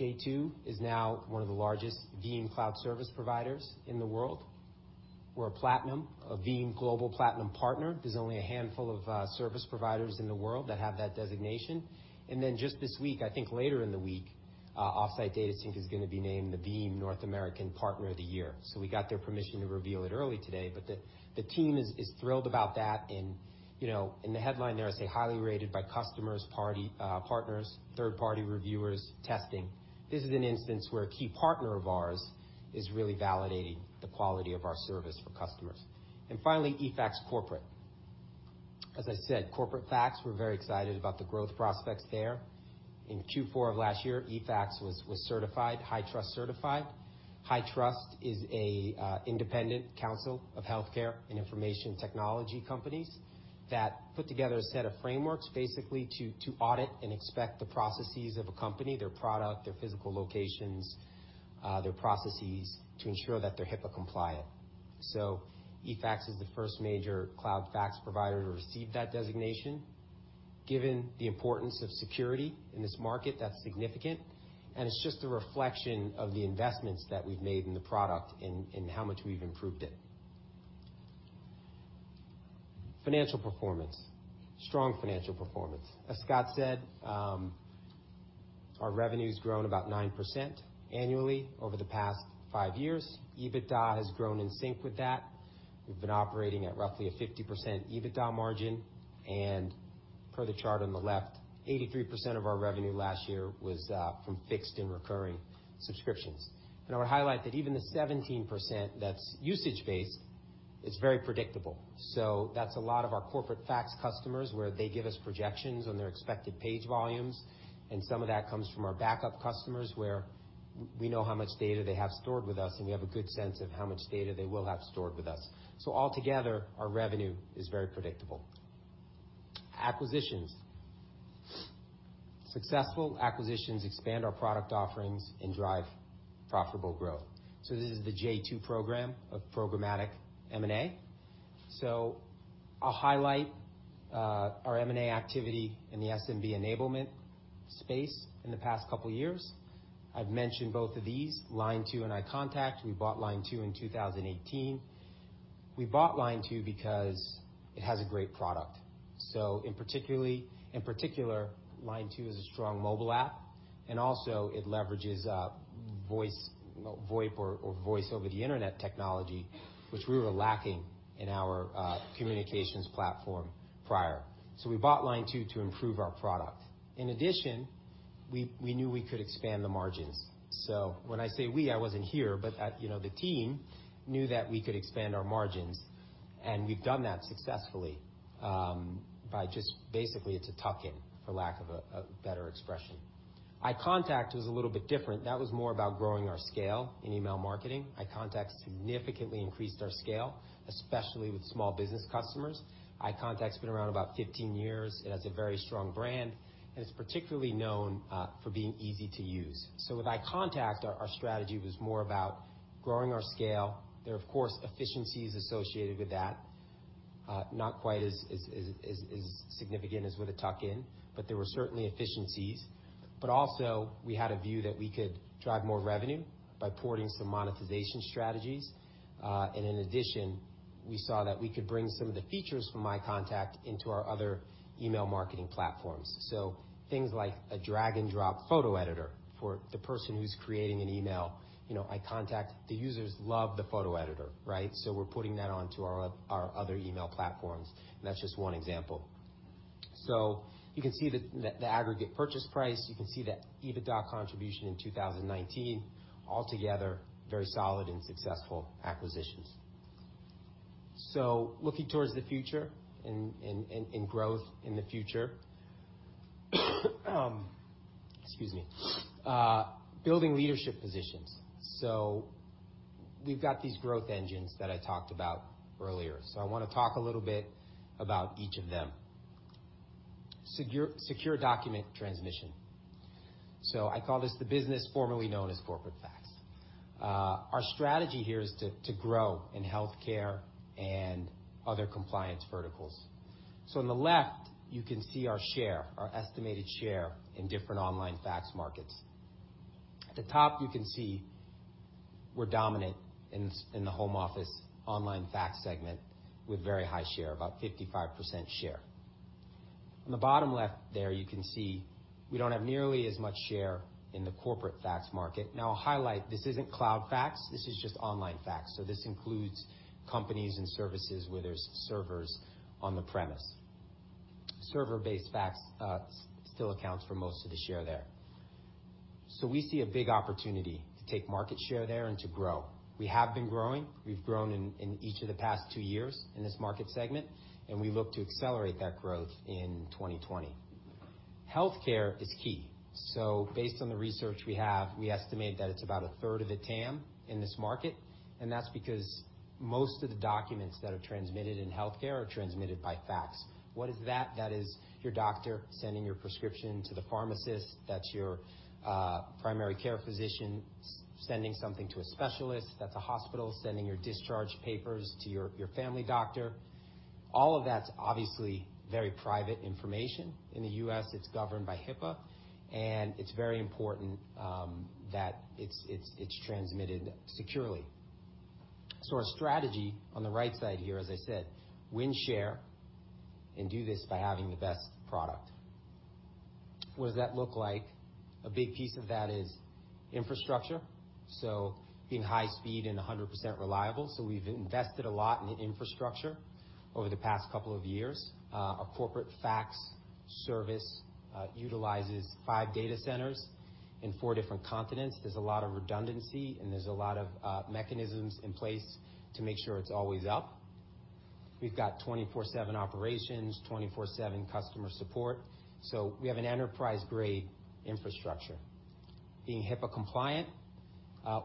J2 is now one of the largest Veeam cloud service providers in the world. We're a Veeam Global Platinum Partner. There's only a handful of service providers in the world that have that designation. Then just this week, I think later in the week, OffsiteDataSync is going to be named the Veeam North American Partner of the Year. We got their permission to reveal it early today, but the team is thrilled about that. In the headline there, I say highly rated by customers, partners, third-party reviewers, testing. This is an instance where a key partner of ours is really validating the quality of our service for customers. Finally, eFax Corporate. As I said, corporate fax, we're very excited about the growth prospects there. In Q4 of last year, eFax was HITRUST certified. HITRUST is an independent council of healthcare and information technology companies that put together a set of frameworks, basically to audit and inspect the processes of a company, their product, their physical locations, their processes to ensure that they're HIPAA compliant. eFax is the first major cloud fax provider to receive that designation. Given the importance of security in this market, that's significant, and it's just a reflection of the investments that we've made in the product and how much we've improved it. Financial performance. Strong financial performance. As Scott said, our revenue's grown about 9% annually over the past five years. EBITDA has grown in sync with that. We've been operating at roughly a 50% EBITDA margin. Per the chart on the left, 83% of our revenue last year was from fixed and recurring subscriptions. I would highlight that even the 17% that's usage-based, it's very predictable. That's a lot of our corporate fax customers where they give us projections on their expected page volumes, and some of that comes from our backup customers, where we know how much data they have stored with us, and we have a good sense of how much data they will have stored with us. Altogether, our revenue is very predictable. Acquisitions. Successful acquisitions expand our product offerings and drive profitable growth. This is the J2 program of programmatic M&A. I'll highlight our M&A activity in the SMB enablement space in the past couple of years. I've mentioned both of these, Line2 and iContact. We bought Line2 in 2018. We bought Line2 because it has a great product. In particular, Line2 is a strong mobile app, and also it leverages VoIP or voice over the internet technology, which we were lacking in our communications platform prior. We bought Line2 to improve our product. In addition, we knew we could expand the margins. When I say we, I wasn't here, but the team knew that we could expand our margins. And we've done that successfully by just basically it's a tuck-in, for lack of a better expression. iContact was a little bit different. That was more about growing our scale in email marketing. iContact significantly increased our scale, especially with small business customers. iContact's been around about 15 years. It has a very strong brand, and it's particularly known for being easy to use. With iContact, our strategy was more about growing our scale. There are, of course, efficiencies associated with that. Not quite as significant as with a tuck-in, but there were certainly efficiencies. Also, we had a view that we could drive more revenue by porting some monetization strategies. In addition, we saw that we could bring some of the features from iContact into our other email marketing platforms. Things like a drag and drop photo editor for the person who's creating an email. iContact, the users love the photo editor, right? We're putting that onto our other email platforms, and that's just one example. You can see the aggregate purchase price. You can see the EBITDA contribution in 2019, altogether very solid and successful acquisitions. Looking towards the future and growth in the future. Excuse me. Building leadership positions. We've got these growth engines that I talked about earlier. I want to talk a little bit about each of them. Secure document transmission. I call this the business formerly known as corporate fax. Our strategy here is to grow in healthcare and other compliance verticals. On the left, you can see our share, our estimated share in different online fax markets. At the top, you can see we're dominant in the home office online fax segment with very high share, about 55% share. On the bottom left there, you can see we don't have nearly as much share in the corporate fax market. Now, I'll highlight, this isn't Cloud Fax, this is just online fax. This includes companies and services where there's servers on the premise. Server-based fax still accounts for most of the share there. We see a big opportunity to take market share there and to grow. We have been growing. We've grown in each of the past two years in this market segment, and we look to accelerate that growth in 2020. Healthcare is key. Based on the research we have, we estimate that it's about a third of the TAM in this market, and that's because most of the documents that are transmitted in healthcare are transmitted by fax. What is that? That is your doctor sending your prescription to the pharmacist. That's your primary care physician sending something to a specialist. That's a hospital sending your discharge papers to your family doctor. All of that's obviously very private information. In the U.S., it's governed by HIPAA, and it's very important that it's transmitted securely. Our strategy on the right side here, as I said, win share and do this by having the best product. What does that look like? A big piece of that is infrastructure, being high speed and 100% reliable. We've invested a lot in infrastructure over the past couple of years. Our corporate fax service utilizes five data centers in four different continents. There's a lot of redundancy, and there's a lot of mechanisms in place to make sure it's always up. We've got 24/7 operations, 24/7 customer support. We have an enterprise-grade infrastructure, being HIPAA compliant.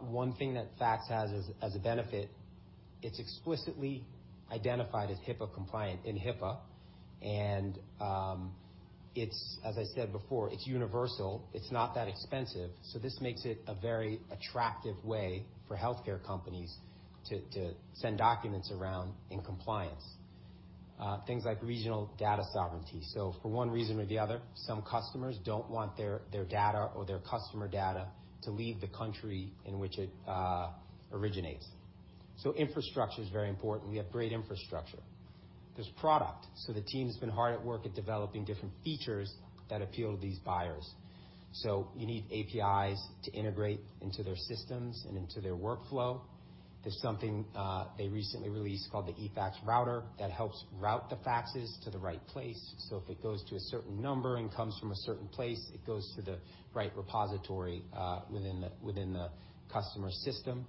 One thing that fax has as a benefit, it's explicitly identified as HIPAA compliant in HIPAA, and as I said before, it's universal. It's not that expensive. This makes it a very attractive way for healthcare companies to send documents around in compliance. Things like regional data sovereignty. For one reason or the other, some customers don't want their data or their customer data to leave the country in which it originates. Infrastructure is very important. We have great infrastructure. There's product. The team's been hard at work at developing different features that appeal to these buyers. You need APIs to integrate into their systems and into their workflow. There's something they recently released called the eFax Router that helps route the faxes to the right place. If it goes to a certain number and comes from a certain place, it goes to the right repository within the customer system.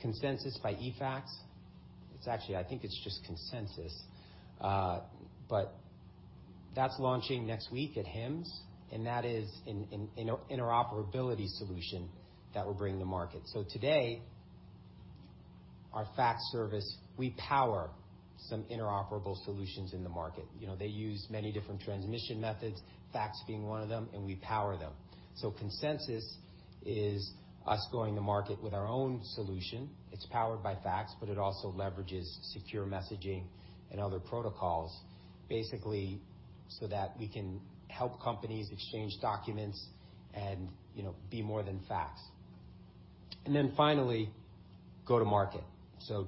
Consensus by eFax. It's actually, I think it's just Consensus. That's launching next week at HIMSS, and that is an interoperability solution that we're bringing to market. Today, our fax service, we power some interoperable solutions in the market. They use many different transmission methods, fax being one of them, and we power them. Consensus is us going to market with our own solution. It's powered by fax, but it also leverages secure messaging and other protocols, basically, so that we can help companies exchange documents and be more than fax. Finally, go to market.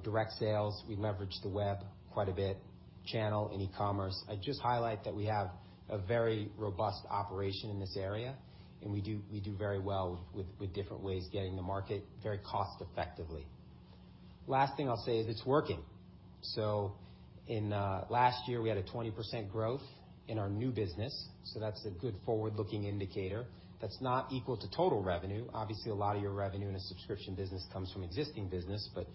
Direct sales, we leverage the web quite a bit, channel, and e-commerce. I'd just highlight that we have a very robust operation in this area, and we do very well with different ways of getting the market very cost effectively. Last thing I'll say is it's working. In last year, we had a 20% growth in our new business, so that's a good forward-looking indicator. That's not equal to total revenue. Obviously, a lot of your revenue in a subscription business comes from existing business, but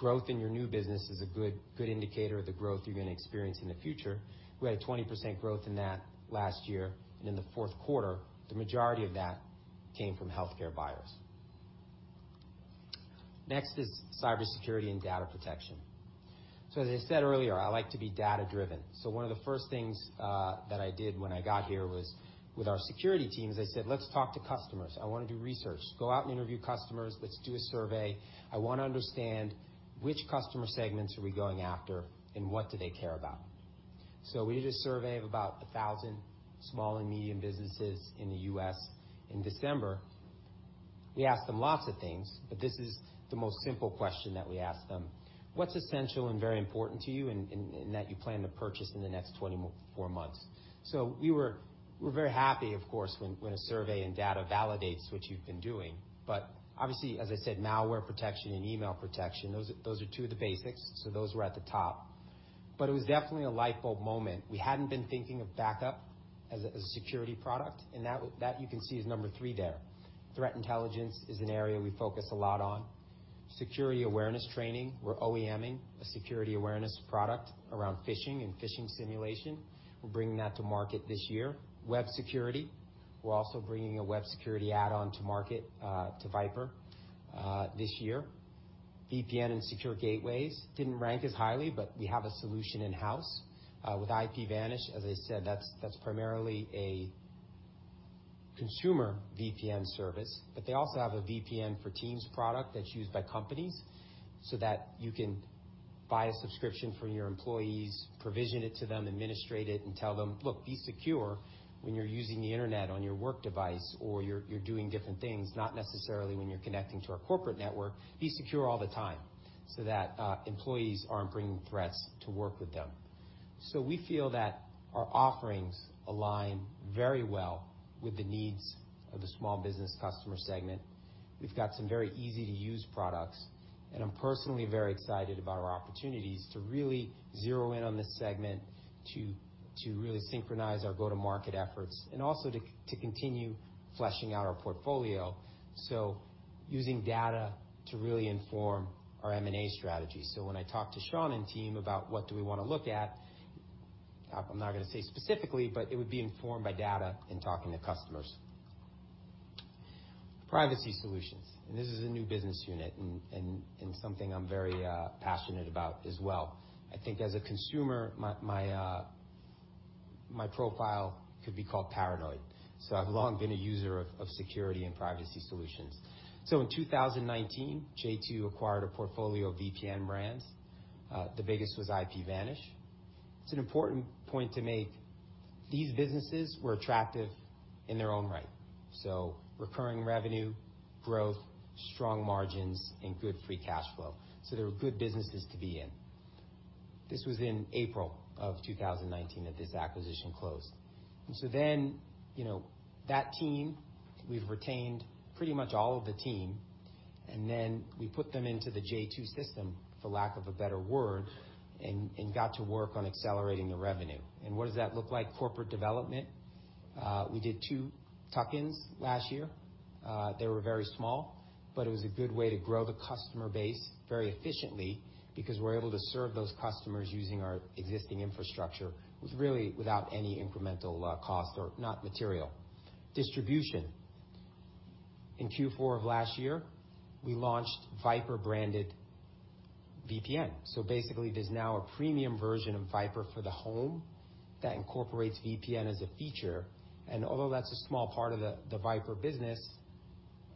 growth in your new business is a good indicator of the growth you're going to experience in the future. We had a 20% growth in that last year. In the fourth quarter, the majority of that came from healthcare buyers. Next is cybersecurity and data protection. As I said earlier, I like to be data-driven. One of the first things that I did when I got here was with our security teams, I said, "Let's talk to customers. I want to do research. Go out and interview customers. Let's do a survey. I want to understand which customer segments are we going after and what do they care about." We did a survey of about 1,000 small and medium businesses in the U.S. in December. We asked them lots of things. This is the most simple question that we asked them: What's essential and very important to you, and that you plan to purchase in the next 24 months? We're very happy, of course, when a survey and data validates what you've been doing. Obviously, as I said, malware protection and email protection, those are two of the basics. Those were at the top. It was definitely a light bulb moment. We hadn't been thinking of backup as a security product, and that you can see is number 3 there. Threat intelligence is an area we focus a lot on. Security awareness training, we're OEM-ing a security awareness product around phishing and phishing simulation. We're bringing that to market this year. Web security, we're also bringing a web security add-on to market, to VIPRE, this year. VPN and secure gateways didn't rank as highly, we have a solution in-house with IPVanish. As I said, that's primarily a consumer VPN service, but they also have a VPN for Teams product that's used by companies so that you can buy a subscription for your employees, provision it to them, administrate it, and tell them, "Look, be secure when you're using the internet on your work device or you're doing different things, not necessarily when you're connecting to our corporate network. Be secure all the time." That employees aren't bringing threats to work with them. We feel that our offerings align very well with the needs of the small business customer segment. We've got some very easy-to-use products, and I'm personally very excited about our opportunities to really zero in on this segment to really synchronize our go-to-market efforts and also to continue fleshing out our portfolio. Using data to really inform our M&A strategy. When I talk to Sean and team about what do we want to look at, I'm not going to say specifically, but it would be informed by data and talking to customers. Privacy solutions, this is a new business unit and something I'm very passionate about as well. I think as a consumer, my profile could be called paranoid. I've long been a user of security and privacy solutions. In 2019, J2 acquired a portfolio of VPN brands. The biggest was IPVanish. It's an important point to make. These businesses were attractive in their own right. Recurring revenue, growth, strong margins, and good free cash flow. They were good businesses to be in. This was in April of 2019 that this acquisition closed. That team, we've retained pretty much all of the team, and then we put them into the J2 global system, for lack of a better word, and got to work on accelerating the revenue. What does that look like? Corporate development. We did two tuck-ins last year. They were very small, but it was a good way to grow the customer base very efficiently because we're able to serve those customers using our existing infrastructure, really without any incremental cost or not material. Distribution. In Q4 of last year, we launched VIPRE-branded VPN. So basically, there's now a premium version of VIPRE for the home that incorporates VPN as a feature. Although that's a small part of the VIPRE business,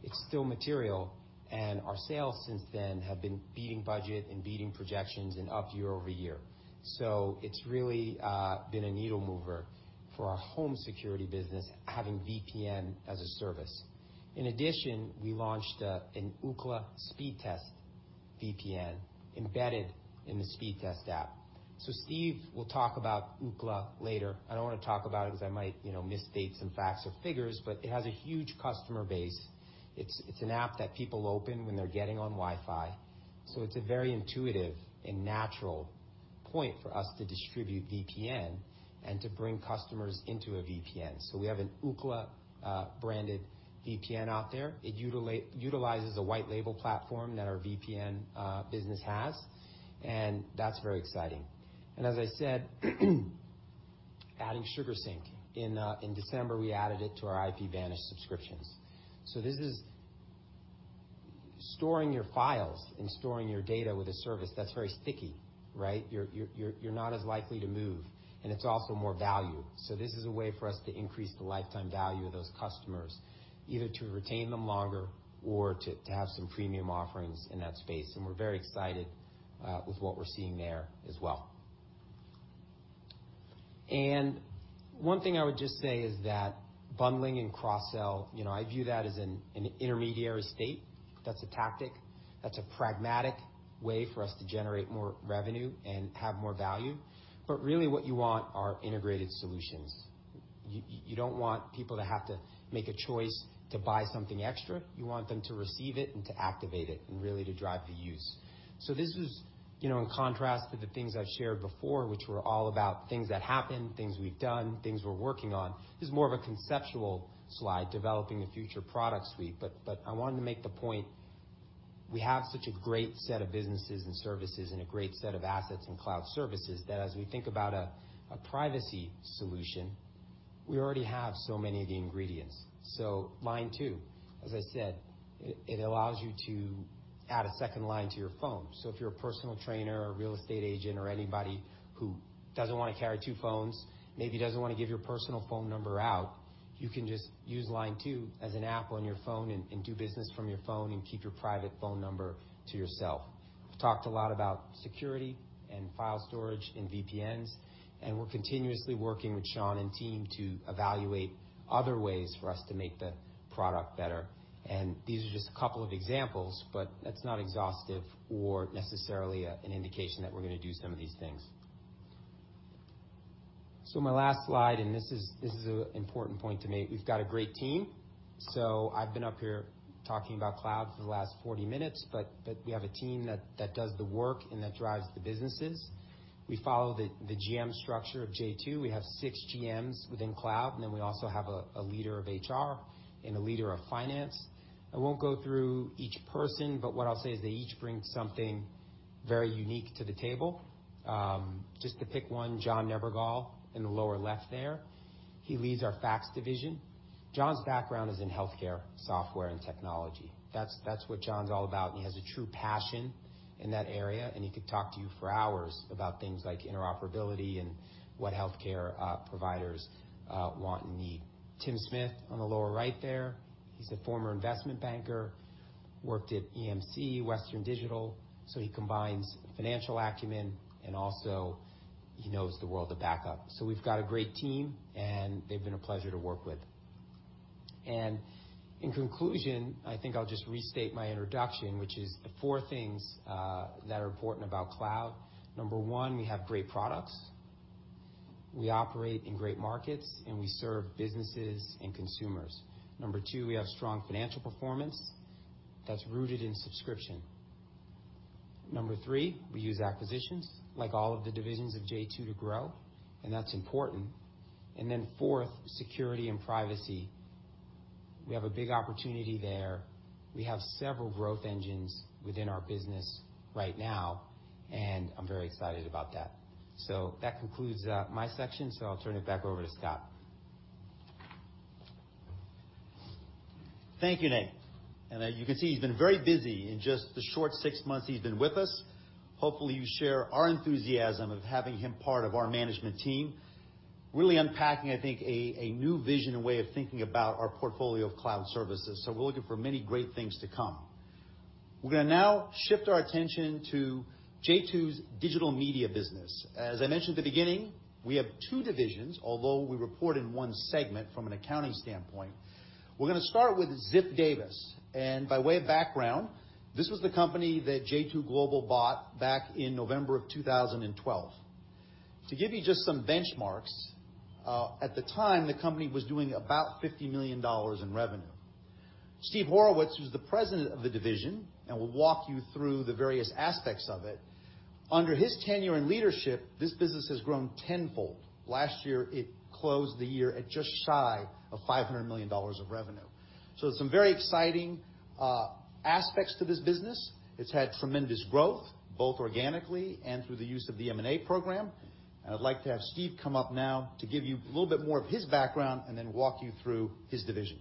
it's still material, and our sales since then have been beating budget and beating projections and up year-over-year. It's really been a needle mover for our home security business, having VPN as a service. In addition, we launched an Ookla Speedtest VPN embedded in the Speedtest app. Steve will talk about Ookla later. I don't want to talk about it because I might misstate some facts or figures, but it has a huge customer base. It's an app that people open when they're getting on Wi-Fi. It's a very intuitive and natural point for us to distribute VPN and to bring customers into a VPN. We have an Ookla-branded VPN out there. It utilizes a white label platform that our VPN business has, and that's very exciting. As I said, adding SugarSync. In December, we added it to our IPVanish subscriptions. This is storing your files and storing your data with a service that's very sticky, right? You're not as likely to move, and it's also more value. This is a way for us to increase the lifetime value of those customers, either to retain them longer or to have some premium offerings in that space. We're very excited with what we're seeing there as well. One thing I would just say is that bundling and cross-sell, I view that as an intermediary state. That's a tactic. That's a pragmatic way for us to generate more revenue and have more value. Really what you want are integrated solutions. You don't want people to have to make a choice to buy something extra. You want them to receive it and to activate it and really to drive the use. This is in contrast to the things I've shared before, which were all about things that happened, things we've done, things we're working on. This is more of a conceptual slide, developing the future product suite. I wanted to make the point, we have such a great set of businesses and services and a great set of assets and Cloud Services that as we think about a privacy solution, we already have so many of the ingredients. Line2, as I said, it allows you to add a second line to your phone. If you're a personal trainer or real estate agent or anybody who doesn't want to carry two phones, maybe doesn't want to give your personal phone number out, you can just use Line2 as an app on your phone and do business from your phone and keep your private phone number to yourself. We've talked a lot about security and file storage and VPNs, we're continuously working with Sean and team to evaluate other ways for us to make the product better. These are just a couple of examples, but that's not exhaustive or necessarily an indication that we're going to do some of these things. My last slide, this is an important point to make. We've got a great team. I've been up here talking about cloud for the last 40 minutes, but we have a team that does the work and that drives the businesses. We follow the GM structure of J2. We have six GMs within cloud, then we also have a leader of HR and a leader of finance. I won't go through each person, but what I'll say is they each bring something very unique to the table. Just to pick one, John Nebergall in the lower left there, he leads our fax division. John's background is in healthcare software and technology. That's what John's all about. He has a true passion in that area. He could talk to you for hours about things like interoperability and what healthcare providers want and need. Tim Smith on the lower right there, he's a former investment banker, worked at EMC, Western Digital. He combines financial acumen and also he knows the world of backup. We've got a great team. They've been a pleasure to work with. In conclusion, I think I'll just restate my introduction, which is the four things that are important about cloud. Number one, we have great products. We operate in great markets. We serve businesses and consumers. Number two, we have strong financial performance that's rooted in subscription. Number three, we use acquisitions like all of the divisions of J2 to grow, and that's important. Fourth, security and privacy. We have a big opportunity there. We have several growth engines within our business right now, and I'm very excited about that. That concludes my section. I'll turn it back over to Scott. Thank you, Nate. As you can see, he's been very busy in just the short six months he's been with us. Hopefully, you share our enthusiasm of having him part of our management team, really unpacking, I think, a new vision and way of thinking about our portfolio of Cloud Services. We're looking for many great things to come. We're going to now shift our attention to J2's digital media business. As I mentioned at the beginning, we have two divisions, although we report in one segment from an accounting standpoint. We're going to start with Ziff Davis. By way of background, this was the company that J2 Global bought back in November of 2012. To give you just some benchmarks, at the time, the company was doing about $50 million in revenue. Steve Horowitz, who's the president of the division and will walk you through the various aspects of it, under his tenure and leadership, this business has grown tenfold. Last year, it closed the year at just shy of $500 million of revenue. There's some very exciting aspects to this business. It's had tremendous growth, both organically and through the use of the M&A program. I'd like to have Steve come up now to give you a little bit more of his background and then walk you through his division.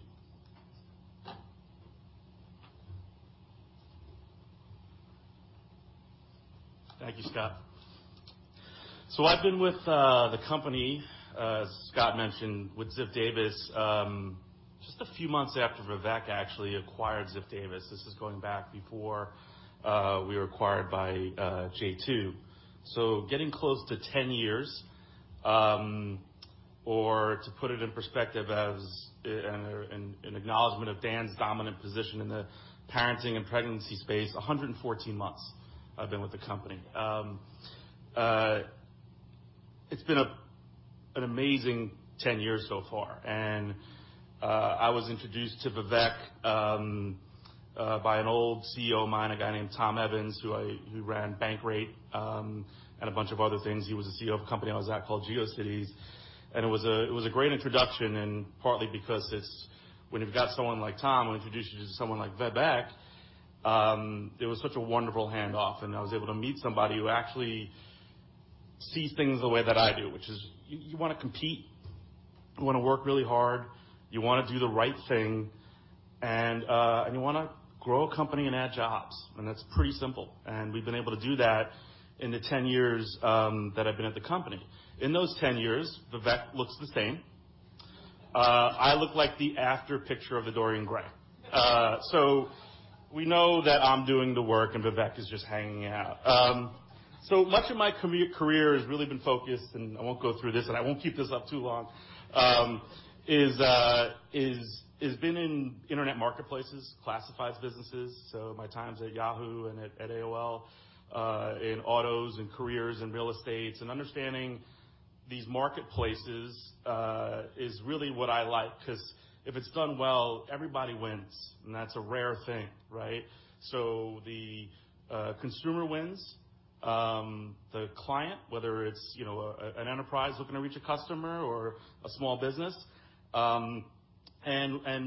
Thank you, Scott. I've been with the company, as Scott mentioned, with Ziff Davis, just a few months after Vivek actually acquired Ziff Davis. This is going back before we were acquired by J2. Getting close to 10 years, or to put it in perspective as an acknowledgment of Dan's dominant position in the parenting and pregnancy space, 114 months I've been with the company. It's been an amazing 10 years so far. I was introduced to Vivek by an old CEO of mine, a guy named Tom Evans, who ran Bankrate and a bunch of other things. He was the CEO of a company I was at called GeoCities. It was a great introduction, and partly because when you've got someone like Tom who introduces you to someone like Vivek, it was such a wonderful handoff. I was able to meet somebody who actually sees things the way that I do, which is you want to compete, you want to work really hard, you want to do the right thing, and you want to grow a company and add jobs. That's pretty simple. We've been able to do that in the 10 years that I've been at the company. In those 10 years, Vivek looks the same. I look like the after picture of the Dorian Gray. We know that I'm doing the work and Vivek is just hanging out. Much of my career has really been focused, and I won't go through this, and I won't keep this up too long. It's been in internet marketplaces, classifieds businesses. My times at Yahoo and at AOL, in autos and careers and real estate and understanding these marketplaces, is really what I like, because if it's done well, everybody wins, and that's a rare thing, right? The consumer wins, the client, whether it's an enterprise looking to reach a customer or a small business, and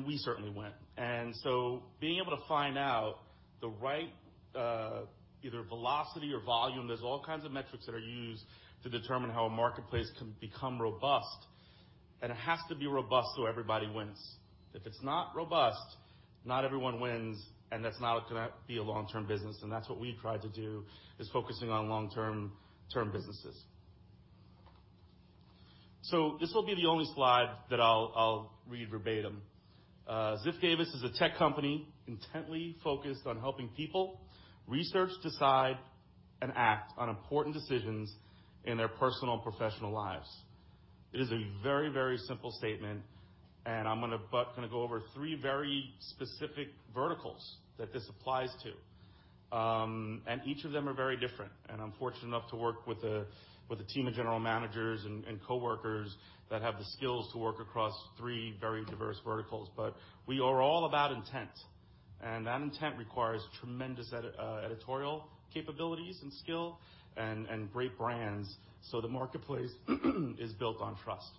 we certainly win. Being able to find out the right, either velocity or volume, there's all kinds of metrics that are used to determine how a marketplace can become robust. It has to be robust so everybody wins. If it's not robust, not everyone wins, and that's not going to be a long-term business and that's what we try to do, is focusing on long-term businesses. This will be the only slide that I'll read verbatim. Ziff Davis is a tech company intently focused on helping people research, decide, and act on important decisions in their personal and professional lives. It is a very simple statement. I'm going to go over three very specific verticals that this applies to. Each of them are very different. I'm fortunate enough to work with a team of general managers and coworkers that have the skills to work across three very diverse verticals. We are all about intent, and that intent requires tremendous editorial capabilities and skill and great brands. The marketplace is built on trust.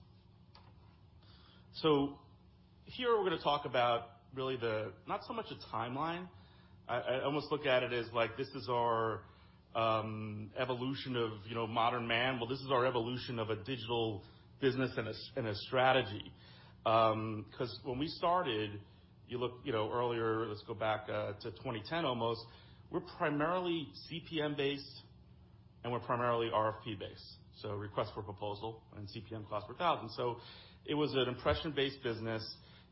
Here we're going to talk about really the, not so much a timeline. I almost look at it as like this is our evolution of modern man. Well, this is our evolution of a digital business and a strategy. When we started, you look earlier, let's go back to 2010 almost. We're primarily CPM-based and we're primarily RFP-based, so request for proposal and CPM, cost per thousand. It was an impression-based business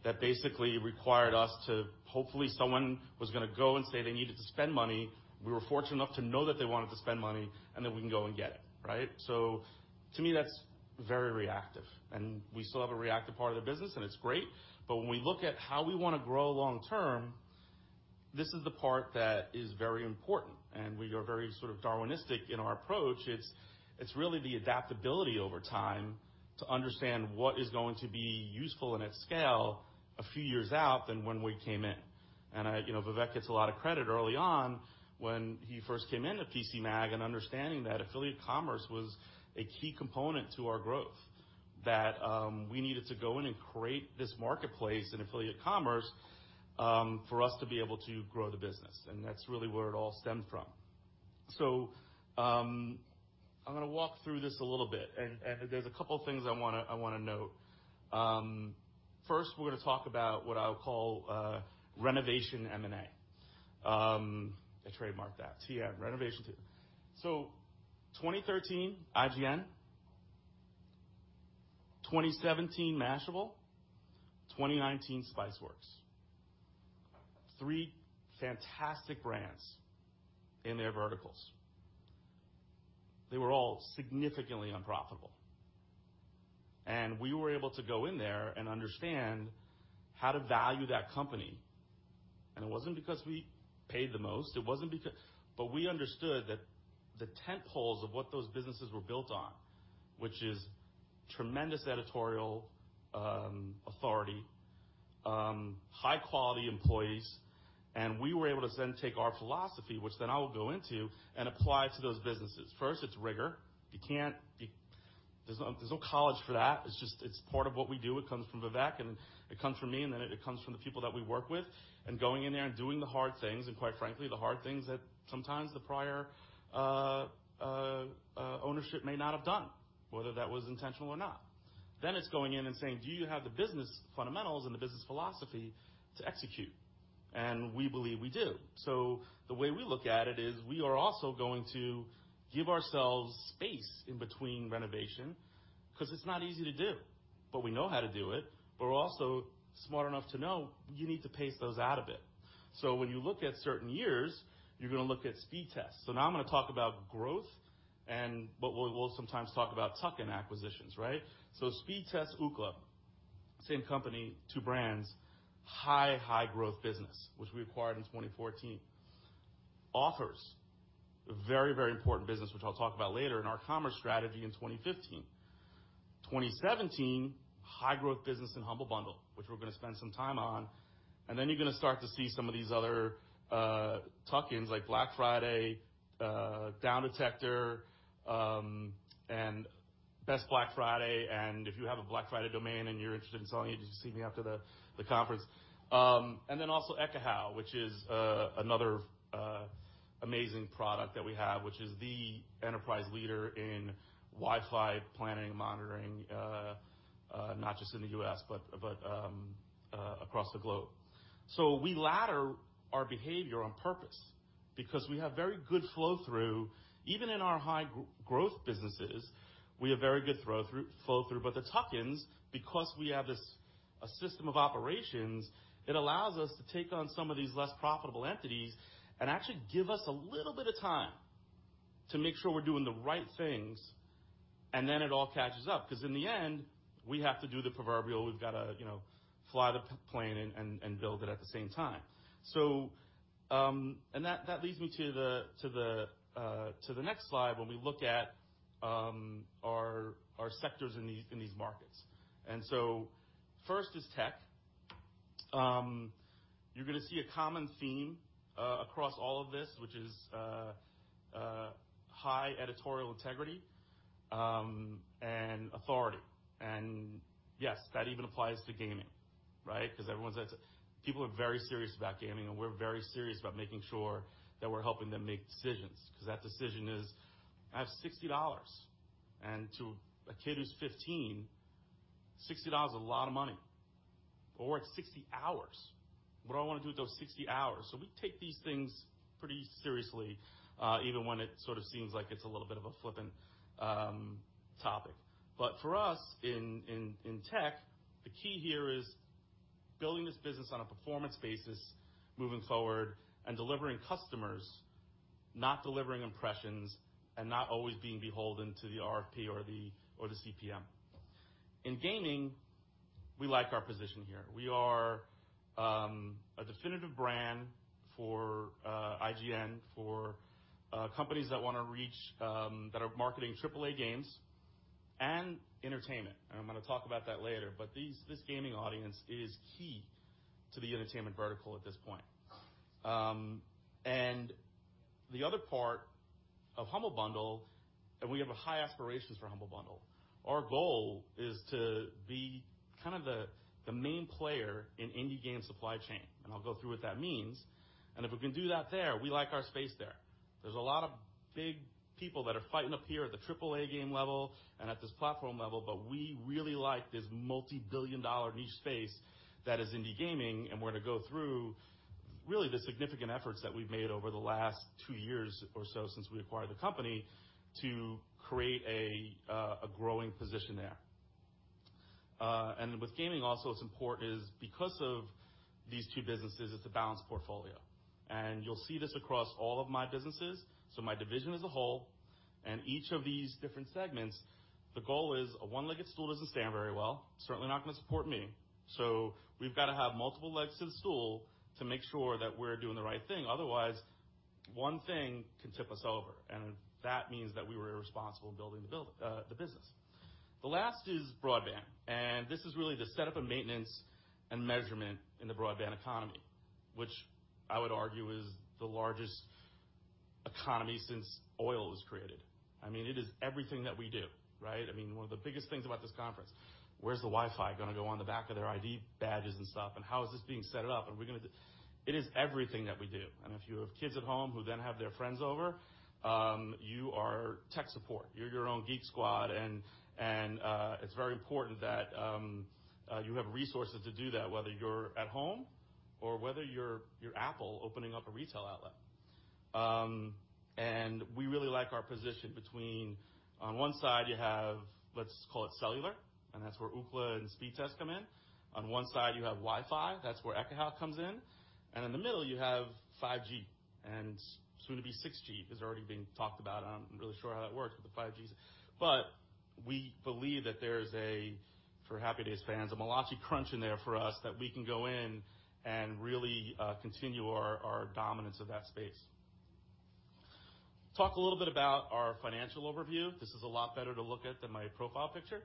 that basically required us to, hopefully, someone was going to go and say they needed to spend money. We were fortunate enough to know that they wanted to spend money and that we can go and get it. Right? To me, that's very reactive and we still have a reactive part of the business and it's great, but when we look at how we want to grow long-term, this is the part that is very important, and we are very Darwinistic in our approach. It's really the adaptability over time to understand what is going to be useful and at scale a few years out than when we came in. Vivek gets a lot of credit early on when he first came in at PCMag and understanding that affiliate commerce was a key component to our growth. We needed to go in and create this marketplace in affiliate commerce, for us to be able to grow the business. That's really where it all stemmed from. I'm going to walk through this a little bit, and there's a couple things I want to note. First, we're going to talk about what I'll call renovation M&A. I trademarked that, TM, renovation. 2013, IGN. 2017, Mashable. 2019, Spiceworks. Three fantastic brands in their verticals. They were all significantly unprofitable. We were able to go in there and understand how to value that company. It wasn't because we paid the most. We understood that the tent poles of what those businesses were built on, which is tremendous editorial authority, high-quality employees. We were able to take our philosophy, which I will go into, and apply it to those businesses. First, it's rigor. There's no college for that. It's part of what we do. It comes from Vivek and it comes from me, it comes from the people that we work with, and going in there and doing the hard things, and quite frankly, the hard things that sometimes the prior ownership may not have done, whether that was intentional or not. It's going in and saying, do you have the business fundamentals and the business philosophy to execute? We believe we do. The way we look at it is we are also going to give ourselves space in between renovation because it's not easy to do. We know how to do it, but we're also smart enough to know you need to pace those out a bit. When you look at certain years, you're going to look at Speedtest. Now I'm going to talk about growth and what we'll sometimes talk about tuck-in acquisitions, right? Speedtest, Ookla, same company, two brands, high growth business, which we acquired in 2014. Offers.com, a very important business which I'll talk about later in our commerce strategy in 2015. 2017, high growth business in Humble Bundle, which we're going to spend some time on. You're going to start to see some of these other tuck-ins like Black Friday, DownDetector, and BestBlackFriday.com. If you have a Black Friday domain and you're interested in selling it, you just see me after the conference. Also Ekahau, which is another amazing product that we have, which is the enterprise leader in Wi-Fi planning and monitoring, not just in the U.S., but across the globe. We ladder our behavior on purpose because we have very good flow-through, even in our high growth businesses, we have very good flow-through. The tuck-ins, because we have this system of operations, it allows us to take on some of these less profitable entities and actually give us a little bit of time to make sure we're doing the right things, and then it all catches up. In the end, we have to do the proverbial, we've got to fly the plane and build it at the same time. That leads me to the next slide, when we look at our sectors in these markets. First is tech. You're going to see a common theme across all of this, which is high editorial integrity and authority. Yes, that even applies to gaming. Because everyone says people are very serious about gaming, and we're very serious about making sure that we're helping them make decisions. Because that decision is, I have $60, and to a kid who's 15, $60 is a lot of money, or it's 60 hours. What do I want to do with those 60 hours? We take these things pretty seriously, even when it sort of seems like it's a little bit of a flippant topic. For us in tech, the key here is building this business on a performance basis, moving forward and delivering customers, not delivering impressions, and not always being beholden to the RFP or the CPM. In gaming, we like our position here. We are a definitive brand for IGN, for companies that are marketing AAA games and entertainment, and I'm going to talk about that later. This gaming audience is key to the entertainment vertical at this point. The other part of Humble Bundle, and we have high aspirations for Humble Bundle. Our goal is to be kind of the main player in indie game supply chain, and I'll go through what that means. If we can do that there, we like our space there. There's a lot of big people that are fighting up here at the AAA game level and at this platform level, but we really like this multi-billion-dollar niche space that is indie gaming. We're going to go through, really, the significant efforts that we've made over the last two years or so since we acquired the company to create a growing position there. With gaming, also what's important is because of these two businesses, it's a balanced portfolio. You'll see this across all of my businesses. My division as a whole and each of these different segments, the goal is a one-legged stool doesn't stand very well. Certainly not going to support me. We've got to have multiple legs to the stool to make sure that we're doing the right thing. Otherwise, one thing can tip us over, and that means that we were irresponsible in building the business. The last is broadband, and this is really the setup of maintenance and measurement in the broadband economy, which I would argue is the largest economy since oil was created. It is everything that we do. One of the biggest things about this conference, where's the Wi-Fi going to go on the back of their ID badges and stuff, and how is this being set up? It is everything that we do. If you have kids at home who then have their friends over, you are tech support. You're your own Geek Squad, and it's very important that you have resources to do that, whether you're at home or whether you're Apple opening up a retail outlet. We really like our position between, on one side, you have cellular, that's where Ookla and Speedtest come in. On one side, you have Wi-Fi, that's where Ekahau comes in. In the middle, you have 5G, soon to be 6G because it's already being talked about. I'm not really sure how that works with the 5G. We believe that there's a, for Happy Days fans, a Malachi Crunch in there for us that we can go in and really continue our dominance of that space. Talk a little bit about our financial overview. This is a lot better to look at than my profile picture.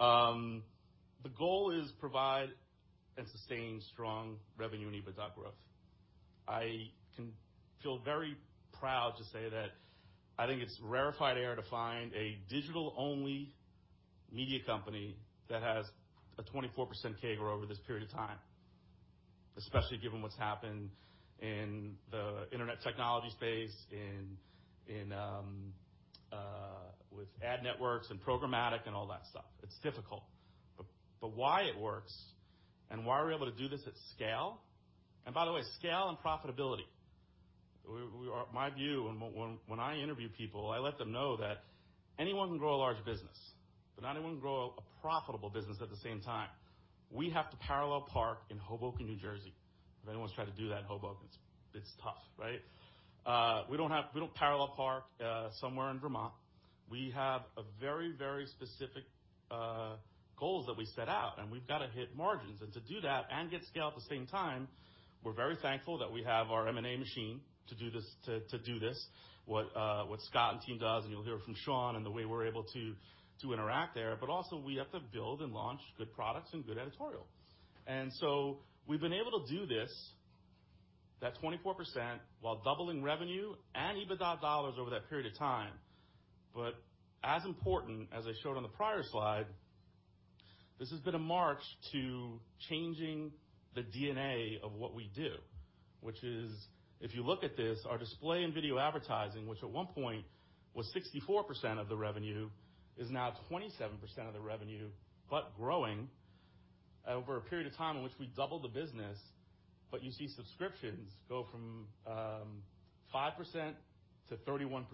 The goal is provide and sustain strong revenue and EBITDA growth. I can feel very proud to say that I think it's rarefied air to find a digital-only media company that has a 24% CAGR over this period of time, especially given what's happened in the internet technology space, with ad networks and programmatic and all that stuff. It's difficult. Why it works and why we're able to do this at scale, and by the way, scale and profitability. My view when I interview people, I let them know that anyone can grow a large business, but not anyone can grow a profitable business at the same time. We have to parallel park in Hoboken, New Jersey. If anyone's tried to do that in Hoboken, it's tough. We don't parallel park somewhere in Vermont. We have very specific goals that we set out, and we've got to hit margins. To do that and get scale at the same time, we're very thankful that we have our M&A machine to do this. What Scott and team does, and you'll hear from Sean and the way we're able to interact there, but also we have to build and launch good products and good editorial. We've been able to do this, that 24%, while doubling revenue and EBITDA dollars over that period of time. As important as I showed on the prior slide, this has been a march to changing the DNA of what we do. Which is, if you look at this, our display and video advertising, which at one point was 64% of the revenue, is now 27% of the revenue, but growing over a period of time in which we doubled the business. You see subscriptions go from 5% to 31%.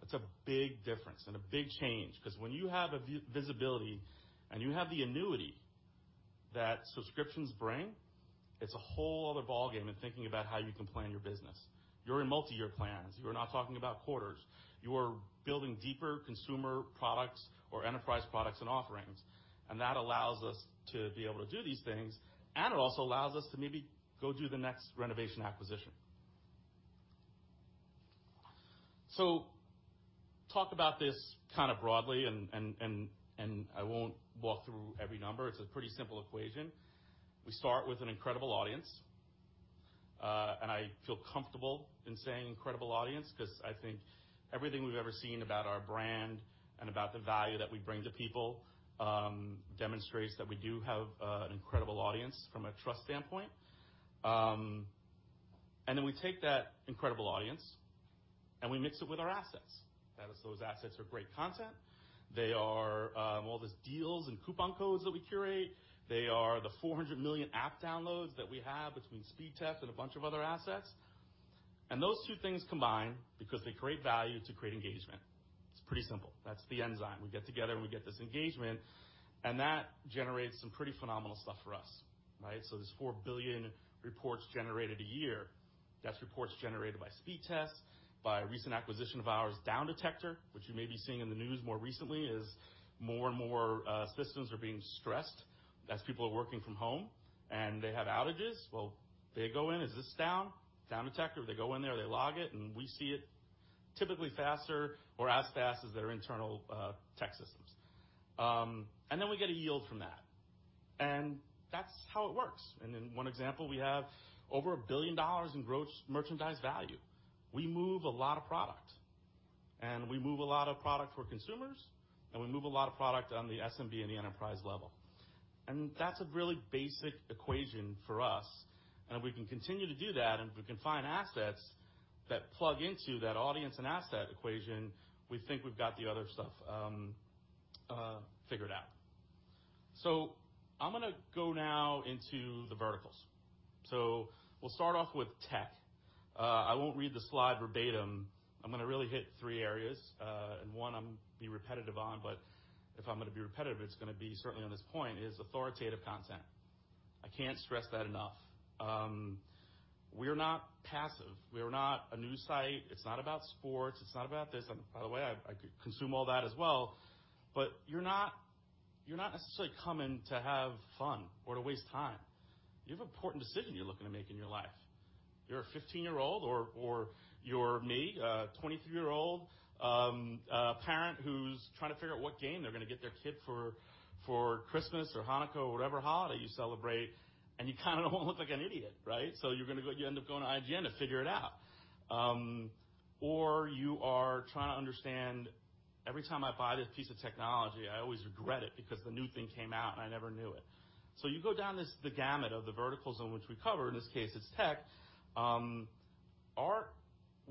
That's a big difference and a big change because when you have visibility and you have the annuity that subscriptions bring, it's a whole other ballgame in thinking about how you can plan your business. You're in multi-year plans. You are not talking about quarters. You are building deeper consumer products or enterprise products and offerings. That allows us to be able to do these things, and it also allows us to maybe go do the next renovation acquisition. Talk about this kind of broadly, and I won't walk through every number. It's a pretty simple equation. We start with an incredible audience. I feel comfortable in saying incredible audience because I think everything we've ever seen about our brand and about the value that we bring to people, demonstrates that we do have an incredible audience from a trust standpoint. Then we take that incredible audience, and we mix it with our assets. Those assets are great content. They are all these deals and coupon codes that we curate. They are the 400 million app downloads that we have between Speedtest and a bunch of other assets. Those two things combined because they create value to create engagement. It's pretty simple. That's the enzyme. We get together, and we get this engagement, and that generates some pretty phenomenal stuff for us. There's 4 billion reports generated a year. That's reports generated by Speedtest, by a recent acquisition of ours, DownDetector, which you may be seeing in the news more recently as more and more systems are being stressed as people are working from home and they have outages. Well, they go in. Is this down? DownDetector, they go in there, they log it, we see it typically faster or as fast as their internal tech systems. Then we get a yield from that. That's how it works. In one example, we have over $1 billion in gross merchandise value. We move a lot of product. We move a lot of product for consumers, and we move a lot of product on the SMB and the enterprise level. That's a really basic equation for us. If we can continue to do that, and if we can find assets that plug into that audience and asset equation, we think we've got the other stuff figured out. I'm going to go now into the verticals. We'll start off with tech. I won't read the slide verbatim. I'm going to really hit three areas. One I'm being repetitive on, but if I'm going to be repetitive, it's going to be certainly on this point is authoritative content. I can't stress that enough. We're not passive. We are not a news site. It's not about sports. It's not about this. By the way, I consume all that as well, but you're not necessarily coming to have fun or to waste time. You have an important decision you're looking to make in your life. You're a 15-year-old or you're me, a 23-year-old parent who's trying to figure out what game they're going to get their kid for Christmas or Hanukkah or whatever holiday you celebrate, and you kind of don't want to look like an idiot, right? You end up going to IGN to figure it out. You are trying to understand, every time I buy this piece of technology, I always regret it because the new thing came out, and I never knew it. You go down the gamut of the verticals in which we cover, in this case it's tech. We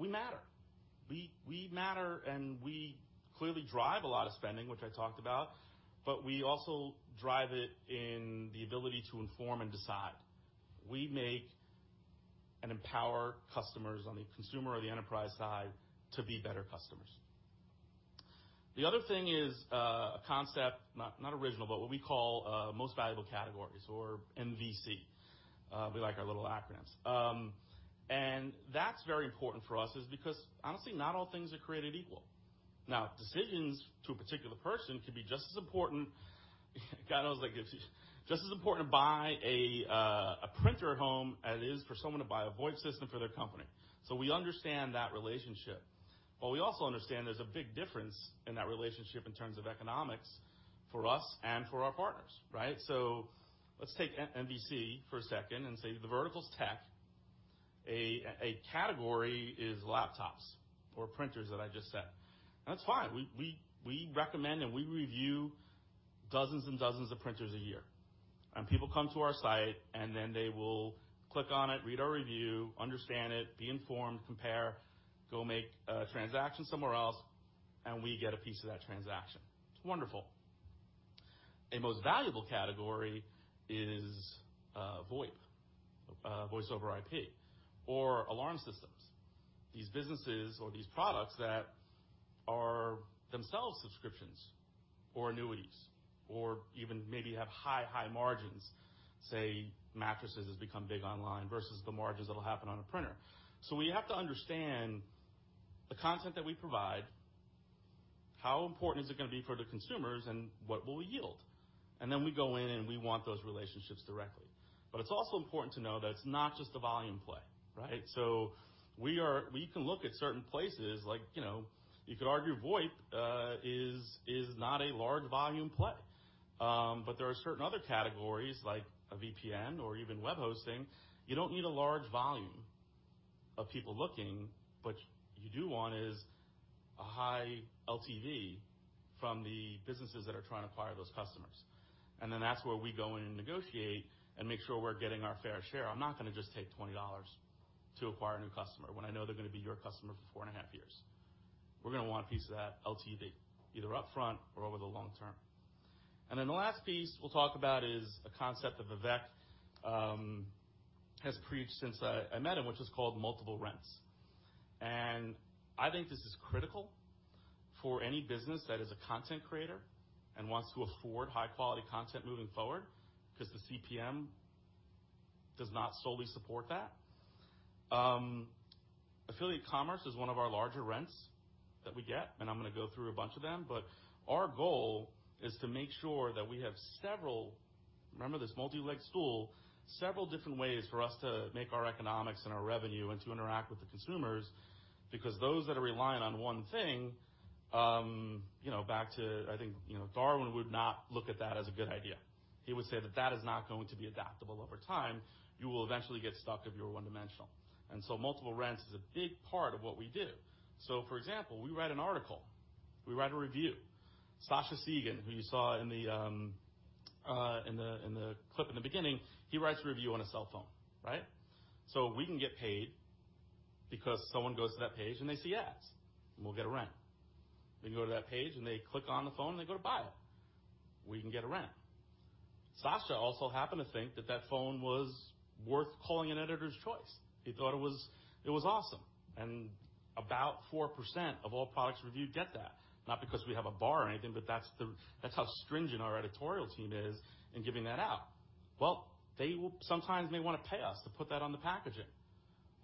matter. We matter, and we clearly drive a lot of spending, which I talked about, but we also drive it in the ability to inform and decide. We make and empower customers on the consumer or the enterprise side to be better customers. The other thing is a concept, not original, but what we call most valuable categories or MVC. We like our little acronyms. That's very important for us is because honestly, not all things are created equal. Decisions to a particular person can be just as important to buy a printer at home as it is for someone to buy a VoIP system for their company. We understand that relationship, we also understand there's a big difference in that relationship in terms of economics for us and for our partners. Right? Let's take MVC for a second and say the vertical's tech. A category is laptops or printers that I just said. That's fine. We recommend and we review dozens and dozens of printers a year. People come to our site, then they will click on it, read our review, understand it, be informed, compare, go make a transaction somewhere else, we get a piece of that transaction. It's wonderful. A most valuable category is VoIP, voice-over IP, or alarm systems. These businesses or these products that are themselves subscriptions or annuities, or even maybe have high margins, say, mattresses has become big online versus the margins that will happen on a printer. We have to understand the content that we provide, how important is it going to be for the consumers, and what will we yield. Then we go in and we want those relationships directly. It's also important to know that it's not just a volume play, right? We can look at certain places like, you could argue VoIP is not a large volume play. But there are certain other categories like a VPN or even web hosting. You don't need a large volume of people looking, but you do want is a high LTV from the businesses that are trying to acquire those customers. That's where we go in and negotiate and make sure we're getting our fair share. I'm not going to just take $20 to acquire a new customer when I know they're going to be your customer for four and a half years. We're going to want a piece of that LTV, either upfront or over the long term. The last piece we'll talk about is a concept that Vivek has preached since I met him, which is called multiple rents. I think this is critical for any business that is a content creator and wants to afford high-quality content moving forward, because the CPM does not solely support that. Affiliate commerce is one of our larger rents that we get, and I'm going to go through a bunch of them. Our goal is to make sure that we have several, remember this multi-leg stool, several different ways for us to make our economics and our revenue and to interact with the consumers, because those that are reliant on one thing, back to, I think, Darwin would not look at that as a good idea. He would say that that is not going to be adaptable over time. You will eventually get stuck if you are one-dimensional. Multiple rents is a big part of what we do. For example, we write an article, we write a review. Sascha Segan, who you saw in the clip in the beginning, he writes a review on a cell phone. Right? We can get paid because someone goes to that page and they see ads, and we'll get a rent. They can go to that page and they click on the phone and they go to buy it. We can get a rent. Sascha also happened to think that that phone was worth calling an editor's choice. He thought it was awesome. About 4% of all products reviewed get that. Not because we have a bar or anything, but that's how stringent our editorial team is in giving that out. Well, they will sometimes may want to pay us to put that on the packaging.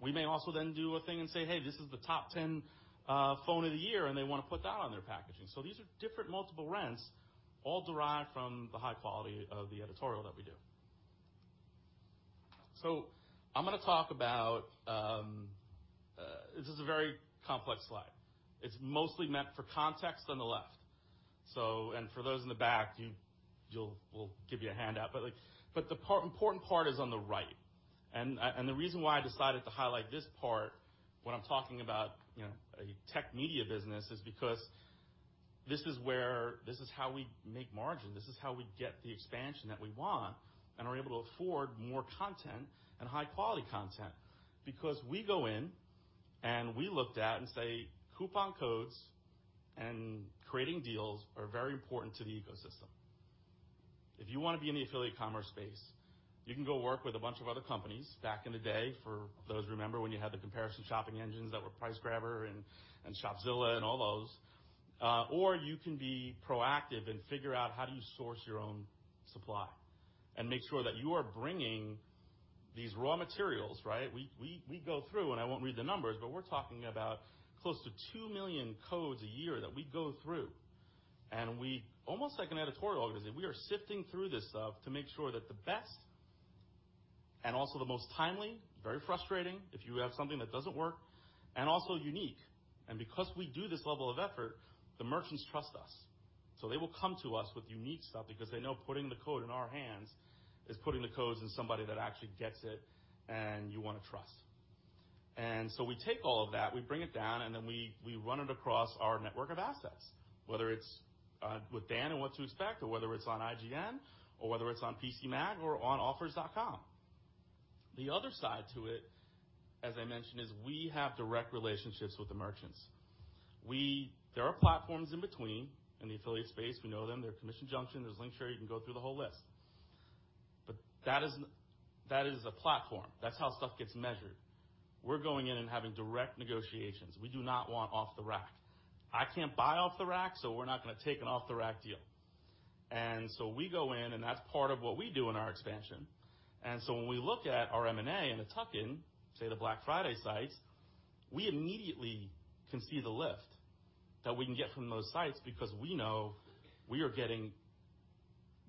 We may also then do a thing and say, "Hey, this is the top 10 phone of the year," and they want to put that on their packaging. These are different multiple rents all derived from the high quality of the editorial that we do. This is a very complex slide. It's mostly meant for context on the left. For those in the back, we'll give you a handout. The important part is on the right. The reason why I decided to highlight this part when I'm talking about a tech media business is because this is how we make margin. This is how we get the expansion that we want and are able to afford more content and high-quality content. We go in and we looked at and say coupon codes and creating deals are very important to the ecosystem. If you want to be in the affiliate commerce space, you can go work with a bunch of other companies back in the day. For those who remember when you had the comparison shopping engines that were PriceGrabber and Shopzilla and all those. You can be proactive and figure out how do you source your own supply and make sure that you are bringing these raw materials. We go through, and I won't read the numbers, but we're talking about close to 2 million codes a year that we go through. We, almost like an editorial organization, we are sifting through this stuff to make sure that the best and also the most timely, very frustrating if you have something that doesn't work, and also unique. Because we do this level of effort, the merchants trust us. They will come to us with unique stuff because they know putting the code in our hands is putting the codes in somebody that actually gets it and you want to trust. We take all of that, we bring it down, and then we run it across our network of assets, whether it's with Dan and What to Expect, or whether it's on IGN, or whether it's on PCMag or on offers.com. The other side to it, as I mentioned, is we have direct relationships with the merchants. There are platforms in between in the affiliate space. We know them. There's Commission Junction, there's LinkShare, you can go through the whole list. That is a platform. That's how stuff gets measured. We're going in and having direct negotiations. We do not want off-the-rack. I can't buy off-the-rack, so we're not going to take an off-the-rack deal. We go in, and that's part of what we do in our expansion. When we look at our M&A and a tuck-in, say, the Black Friday sites, we immediately can see the lift that we can get from those sites because we know we are getting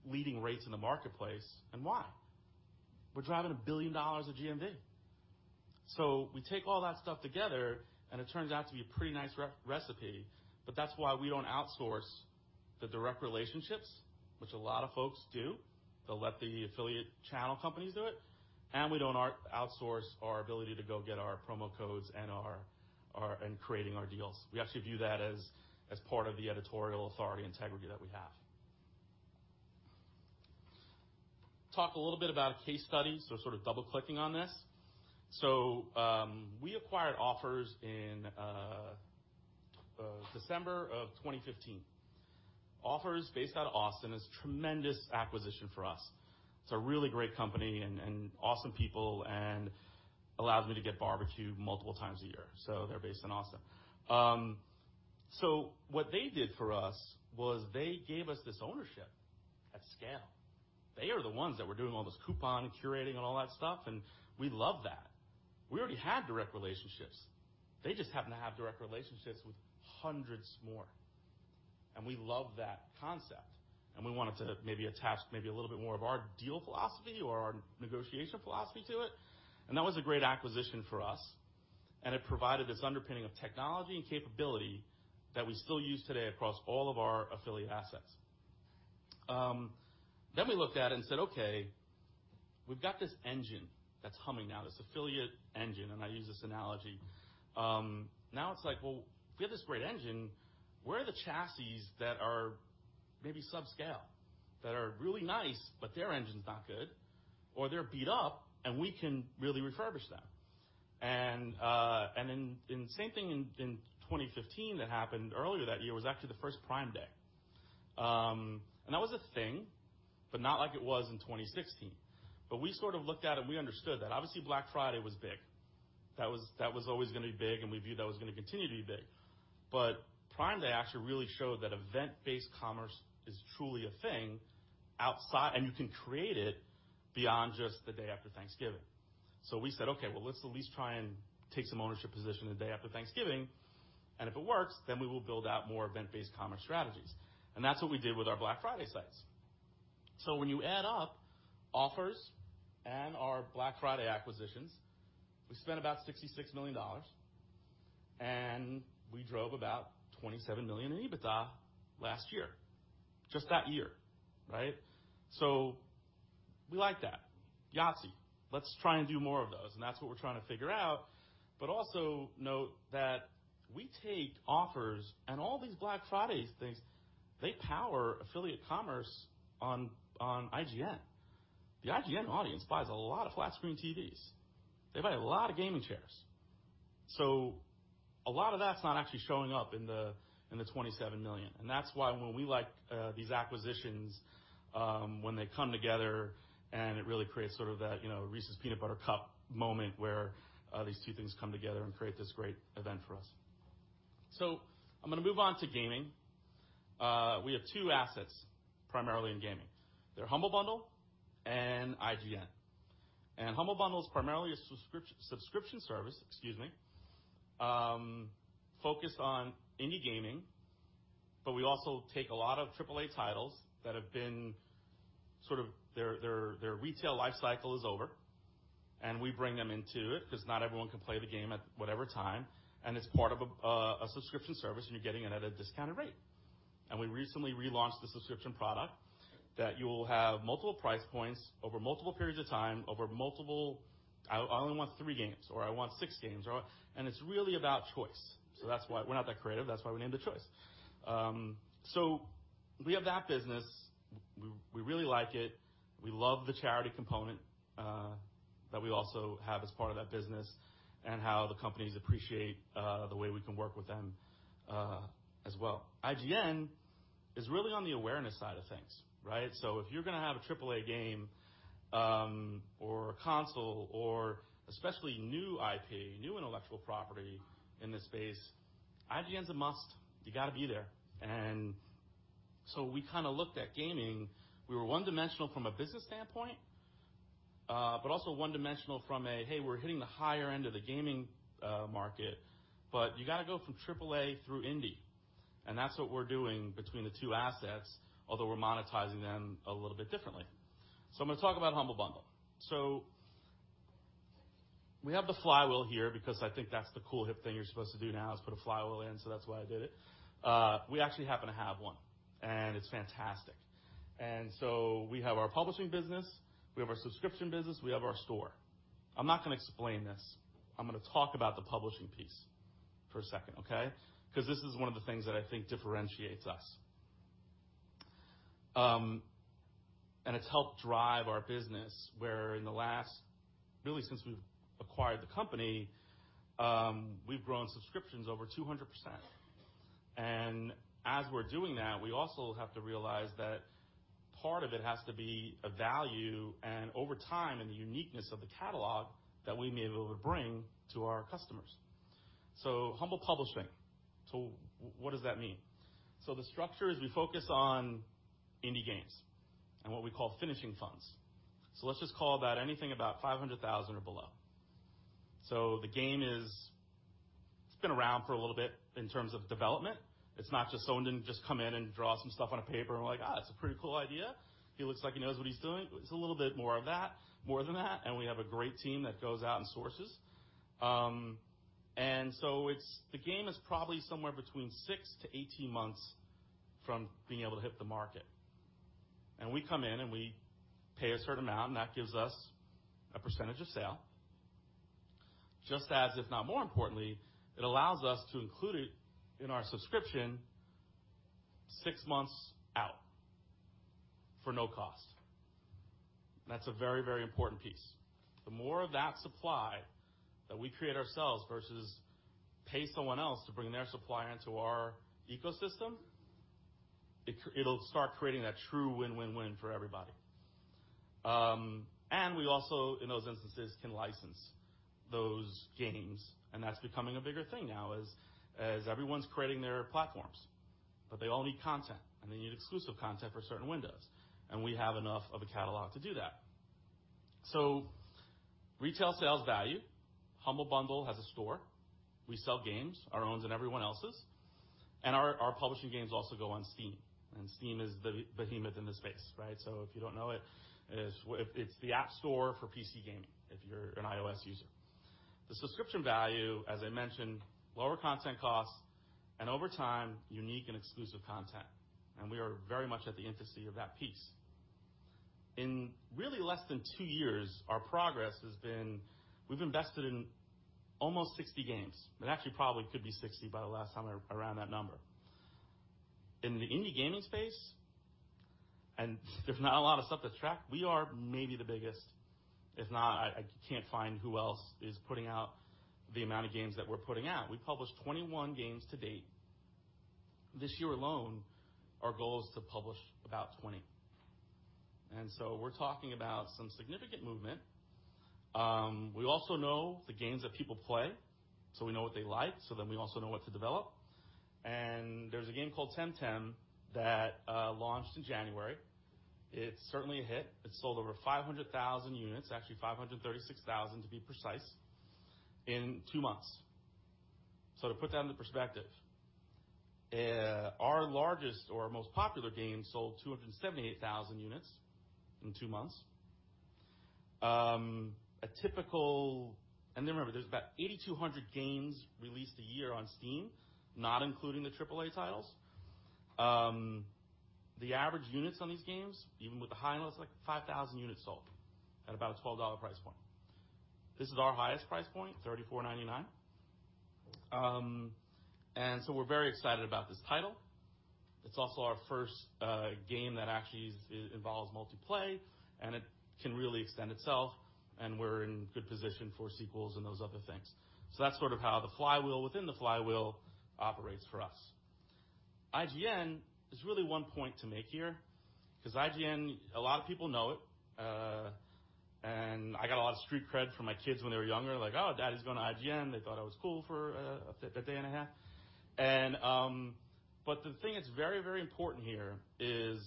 leading rates in the marketplace, and why? We're driving $1 billion of GMV. We take all that stuff together and it turns out to be a pretty nice recipe. That's why we don't outsource the direct relationships, which a lot of folks do. They'll let the affiliate channel companies do it. We don't outsource our ability to go get our promo codes and creating our deals. We actually view that as part of the editorial authority integrity that we have. Talk a little bit about case studies or sort of double-clicking on this. We acquired Offers in December of 2015. Offers.com, based out of Austin, is a tremendous acquisition for us. It's a really great company and awesome people and allows me to get barbecue multiple times a year. They're based in Austin. What they did for us was they gave us this ownership at scale. They are the ones that were doing all this coupon curating and all that stuff, and we love that. We already had direct relationships. They just happened to have direct relationships with hundreds more, and we love that concept. We wanted to maybe attach maybe a little more of our deal philosophy or our negotiation philosophy to it. That was a great acquisition for us, and it provided this underpinning of technology and capability that we still use today across all of our affiliate assets. We looked at it and said, "Okay, we've got this engine that's humming now, this affiliate engine," and I use this analogy. Now it's like, well, we have this great engine. Where are the chassis that are maybe subscale, that are really nice, but their engine's not good, or they're beat up and we can really refurbish them? Same thing in 2015 that happened earlier that year was actually the first Prime Day. That was a thing, but not like it was in 2016. We looked at it, and we understood that obviously Black Friday was big. That was always going to be big, and we viewed that was going to continue to be big. Prime Day actually really showed that event-based commerce is truly a thing outside, and you can create it beyond just the day after Thanksgiving. We said, "Okay, well, let's at least try and take some ownership position the day after Thanksgiving, and if it works, then we will build out more event-based commerce strategies." That's what we did with our Black Friday sites. When you add up Offers and our Black Friday acquisitions, we spent about $66 million, and we drove about $27 million in EBITDA last year. Just that year. We like that. Yahtzee. Let's try and do more of those, and that's what we're trying to figure out. Also note that we take Offers and all these Black Friday things, they power affiliate commerce on IGN. The IGN audience buys a lot of flat-screen TVs. They buy a lot of gaming chairs. A lot of that's not actually showing up in the $27 million. That's why when we like these acquisitions, when they come together and it really creates sort of that Reese's Peanut Butter Cup moment where these two things come together and create this great event for us. I'm going to move on to gaming. We have two assets, primarily in gaming. They're Humble Bundle and IGN. Humble Bundle is primarily a subscription service, excuse me focused on indie gaming, but we also take a lot of AAA titles that have been sort of their retail life cycle is over, and we bring them into it because not everyone can play the game at whatever time, and it's part of a subscription service, and you're getting it at a discounted rate. We recently relaunched the subscription product that you will have multiple price points over multiple periods of time, over multiple, "I only want three games," or, "I want six games." It's really about choice. We're not that creative, that's why we named it Choice. We have that business. We really like it. We love the charity component that we also have as part of that business and how the companies appreciate the way we can work with them as well. IGN is really on the awareness side of things, right? If you're going to have a AAA game or a console or especially new IP, new intellectual property in this space, IGN's a must. You got to be there. We kind of looked at gaming. We were one-dimensional from a business standpoint, but also one-dimensional from a, hey, we're hitting the higher end of the gaming market, but you got to go from AAA through indie, and that's what we're doing between the two assets, although we're monetizing them a little bit differently. I'm going to talk about Humble Bundle. We have the flywheel here because I think that's the cool, hip thing you're supposed to do now is put a flywheel in, that's why I did it. We actually happen to have one, it's fantastic. We have our publishing business, we have our subscription business, we have our store. I'm not going to explain this. I'm going to talk about the publishing piece for a second, okay? This is one of the things that I think differentiates us. It's helped drive our business where in the last really since we've acquired the company, we've grown subscriptions over 200%. As we're doing that, we also have to realize that part of it has to be a value and over time and the uniqueness of the catalog that we may be able to bring to our customers. Humble publishing. What does that mean? The structure is we focus on indie games and what we call finishing funds. Let's just call that anything about $500,000 or below. The game is it's been around for a little bit in terms of development. It's not just someone didn't just come in and draw some stuff on a paper and we're like, "It's a pretty cool idea. He looks like he knows what he's doing." It's a little bit more of that, more than that, and we have a great team that goes out and sources. The game is probably somewhere between six to 18 months from being able to hit the market. We come in, and we pay a certain amount, and that gives us a percentage of sale. Just as, if not more importantly, it allows us to include it in our subscription six months out for no cost. That's a very important piece. The more of that supply that we create ourselves versus pay someone else to bring their supply into our ecosystem, it'll start creating that true win-win-win for everybody. We also, in those instances, can license those games, and that's becoming a bigger thing now as everyone's creating their platforms. They all need content, and they need exclusive content for certain windows. We have enough of a catalog to do that. Retail sales value. Humble Bundle has a store. We sell games, our own and everyone else's. Our publishing games also go on Steam. Steam is the behemoth in the space. If you don't know it's the App Store for PC gaming if you're an iOS user. The subscription value, as I mentioned, lower content costs, and over time, unique and exclusive content. We are very much at the infancy of that piece. In really less than two years, our progress has been we've invested in almost 60 games. It actually probably could be 60 by the last time I ran that number. In the indie gaming space. There's not a lot of stuff to track. We are maybe the biggest. If not, I can't find who else is putting out the amount of games that we're putting out. We published 21 games to date. This year alone, our goal is to publish about 20. We're talking about some significant movement. We also know the games that people play, so we know what they like, so then we also know what to develop. There's a game called "Temtem" that launched in January. It's certainly a hit. It sold over 500,000 units, actually 536,000 to be precise, in two months. To put that into perspective, our largest or most popular game sold 278,000 units in two months. Remember, there's about 8,200 games released a year on Steam, not including the AAA titles. The average units on these games, even with the high end, it's like 5,000 units sold at about a $12 price point. This is our highest price point, $34.99. We're very excited about this title. It's also our first game that actually involves multi-play, and it can really extend itself, and we're in good position for sequels and those other things. That's sort of how the flywheel within the flywheel operates for us. IGN is really one point to make here, because IGN, a lot of people know it. I got a lot of street cred for my kids when they were younger, like, "Oh, daddy's going to IGN." They thought I was cool for a day and a half. The thing that's very important here is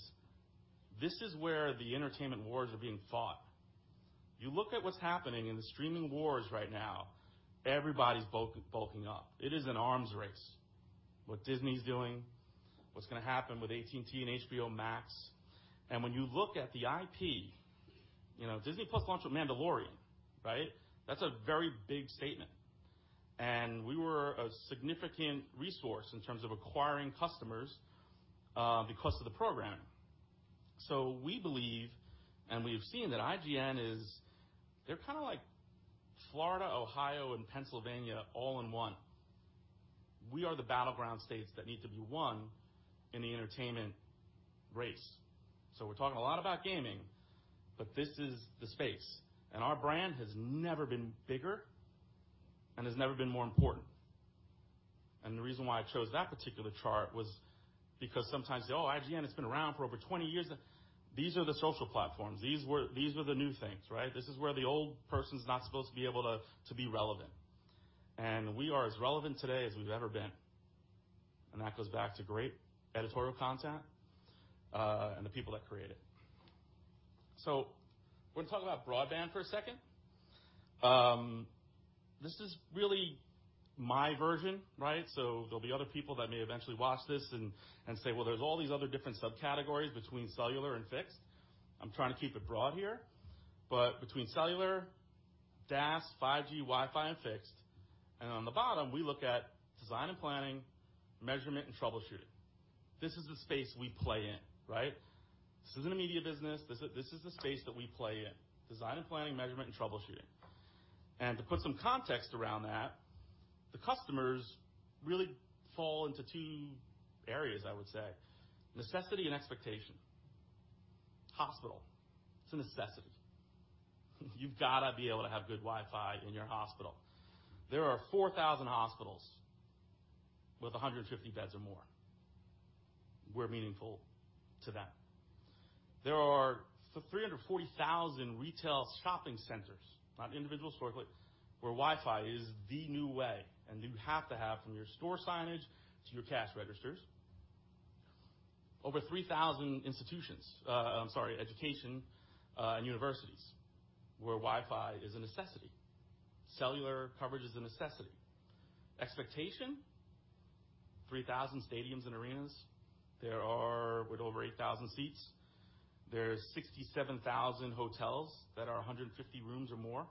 this is where the entertainment wars are being fought. You look at what's happening in the streaming wars right now. Everybody's bulking up. It is an arms race. What Disney's doing, what's going to happen with AT&T and HBO Max. When you look at the IP, Disney+ launched with "The Mandalorian," right? That's a very big statement. We were a significant resource in terms of acquiring customers because of the programming. We believe, and we've seen that IGN, they're kind of like Florida, Ohio, and Pennsylvania all in one. We are the battleground states that need to be won in the entertainment race. We're talking a lot about gaming, but this is the space. Our brand has never been bigger and has never been more important. The reason why I chose that particular chart was because sometimes they all, "IGN, it's been around for over 20 years." These are the social platforms. These were the new things. This is where the old person's not supposed to be able to be relevant. We are as relevant today as we've ever been. That goes back to great editorial content, and the people that create it. We're going to talk about broadband for a second. This is really my version. There'll be other people that may eventually watch this and say, "Well, there's all these other different subcategories between cellular and fixed." I'm trying to keep it broad here, but between cellular, DAS, 5G, Wi-Fi, and fixed. On the bottom, we look at design and planning, measurement, and troubleshooting. This is the space we play in. This isn't a media business. This is the space that we play in, design and planning, measurement, and troubleshooting. To put some context around that, the customers really fall into two areas, I would say, necessity and expectation. Hospital, it's a necessity. You've got to be able to have good Wi-Fi in your hospital. There are 4,000 hospitals with 150 beds or more. We're meaningful to them. There are 340,000 retail shopping centers, not individual stores, where Wi-Fi is the new way, and you have to have from your store signage to your cash registers. Over 3,000 institutions, education, and universities where Wi-Fi is a necessity. Cellular coverage is a necessity. Expectation, 3,000 stadiums and arenas. There are with over 8,000 seats. There are 67,000 hotels that are 150 rooms or more.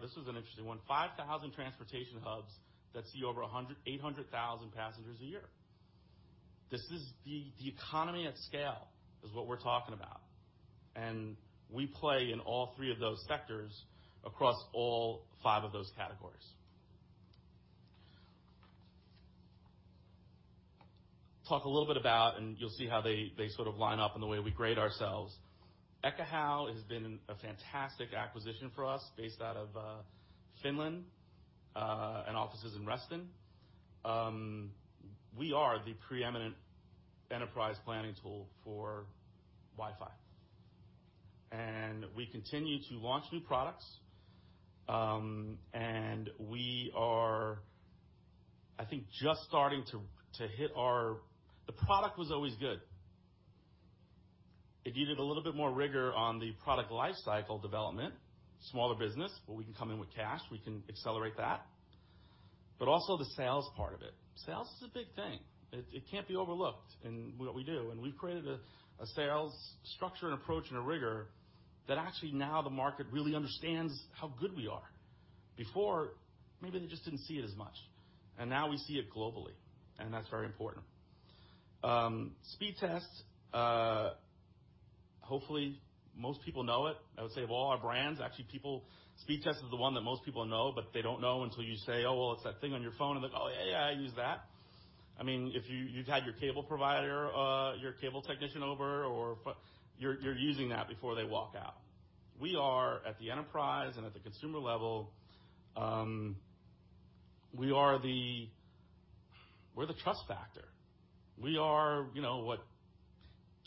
This is an interesting one. 5,000 transportation hubs that see over 800,000 passengers a year. The economy at scale is what we're talking about. We play in all three of those sectors across all five of those categories. Talk a little bit about, and you'll see how they sort of line up in the way we grade ourselves. Ekahau has been a fantastic acquisition for us, based out of Finland, and offices in Reston. We are the preeminent enterprise planning tool for Wi-Fi. We continue to launch new products. We are, I think. The product was always good. It needed a little bit more rigor on the product life cycle development, smaller business, where we can come in with cash, we can accelerate that, but also the sales part of it. Sales is a big thing. It can't be overlooked in what we do. We've created a sales structure and approach and a rigor that actually now the market really understands how good we are. Before, maybe they just didn't see it as much. Now we see it globally, and that's very important. Speedtest. Hopefully, most people know it. I would say of all our brands, actually, Speedtest is the one that most people know, but they don't know until you say, "Oh, well, it's that thing on your phone." They go, "Oh, yeah, I use that." If you've had your cable provider, your cable technician over, you're using that before they walk out. We are at the enterprise and at the consumer level. We're the trust factor. We are what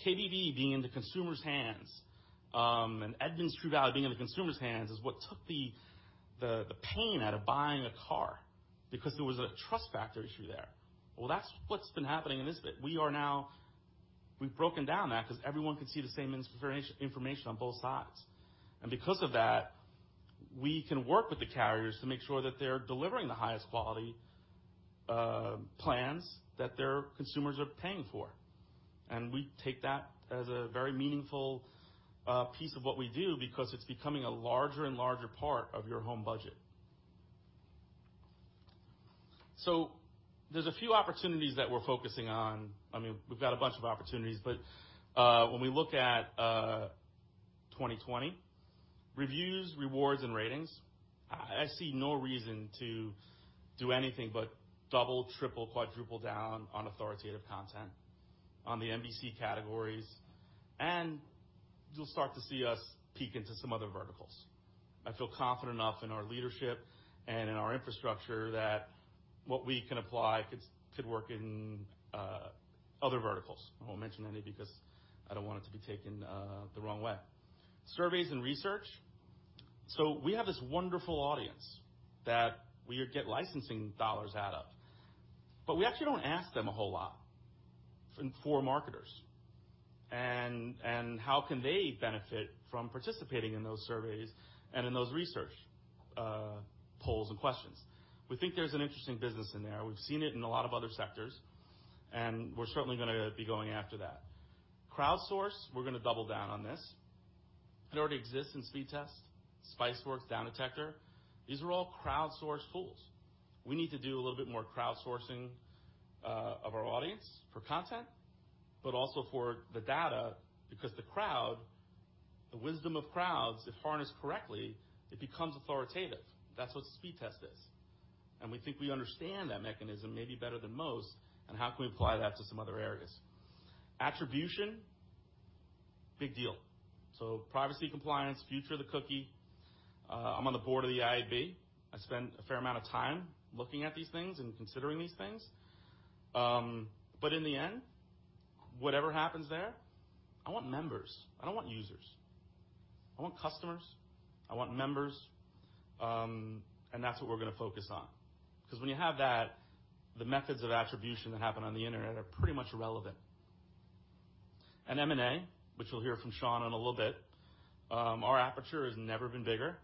KBB being in the consumer's hands, and Edmunds True Market Value being in the consumer's hands is what took the pain out of buying a car because there was a trust factor issue there. Well, that's what's been happening in this bit. We've broken down that because everyone can see the same information on both sides. Because of that, we can work with the carriers to make sure that they're delivering the highest quality plans that their consumers are paying for. We take that as a very meaningful piece of what we do because it's becoming a larger and larger part of your home budget. There's a few opportunities that we're focusing on. We've got a bunch of opportunities, but when we look at 2020, reviews, rewards, and ratings, I see no reason to do anything but double, triple, quadruple down on authoritative content on the YMYL categories. You'll start to see us peek into some other verticals. I feel confident enough in our leadership and in our infrastructure that what we can apply could work in other verticals. I won't mention any because I don't want it to be taken the wrong way. Surveys and research. We have this wonderful audience that we would get licensing $ out of. We actually don't ask them a whole lot for marketers, and how can they benefit from participating in those surveys and in those research polls and questions. We think there's an interesting business in there. We've seen it in a lot of other sectors, and we're certainly going to be going after that. Crowdsource, we're going to double down on this. It already exists in Speedtest, Spiceworks, DownDetector. These are all crowdsourced tools. We need to do a little bit more crowdsourcing of our audience for content, but also for the data because the crowd, the wisdom of crowds, if harnessed correctly, it becomes authoritative. That's what Speedtest is. We think we understand that mechanism maybe better than most, and how can we apply that to some other areas. Attribution, big deal. Privacy compliance, future of the cookie. I'm on the board of the IAB. I spend a fair amount of time looking at these things and considering these things. In the end, whatever happens there, I want members. I don't want users. I want customers. I want members. That's what we're going to focus on. Because when you have that, the methods of attribution that happen on the Internet are pretty much irrelevant. M&A, which you'll hear from Sean in a little bit. Our aperture has never been bigger.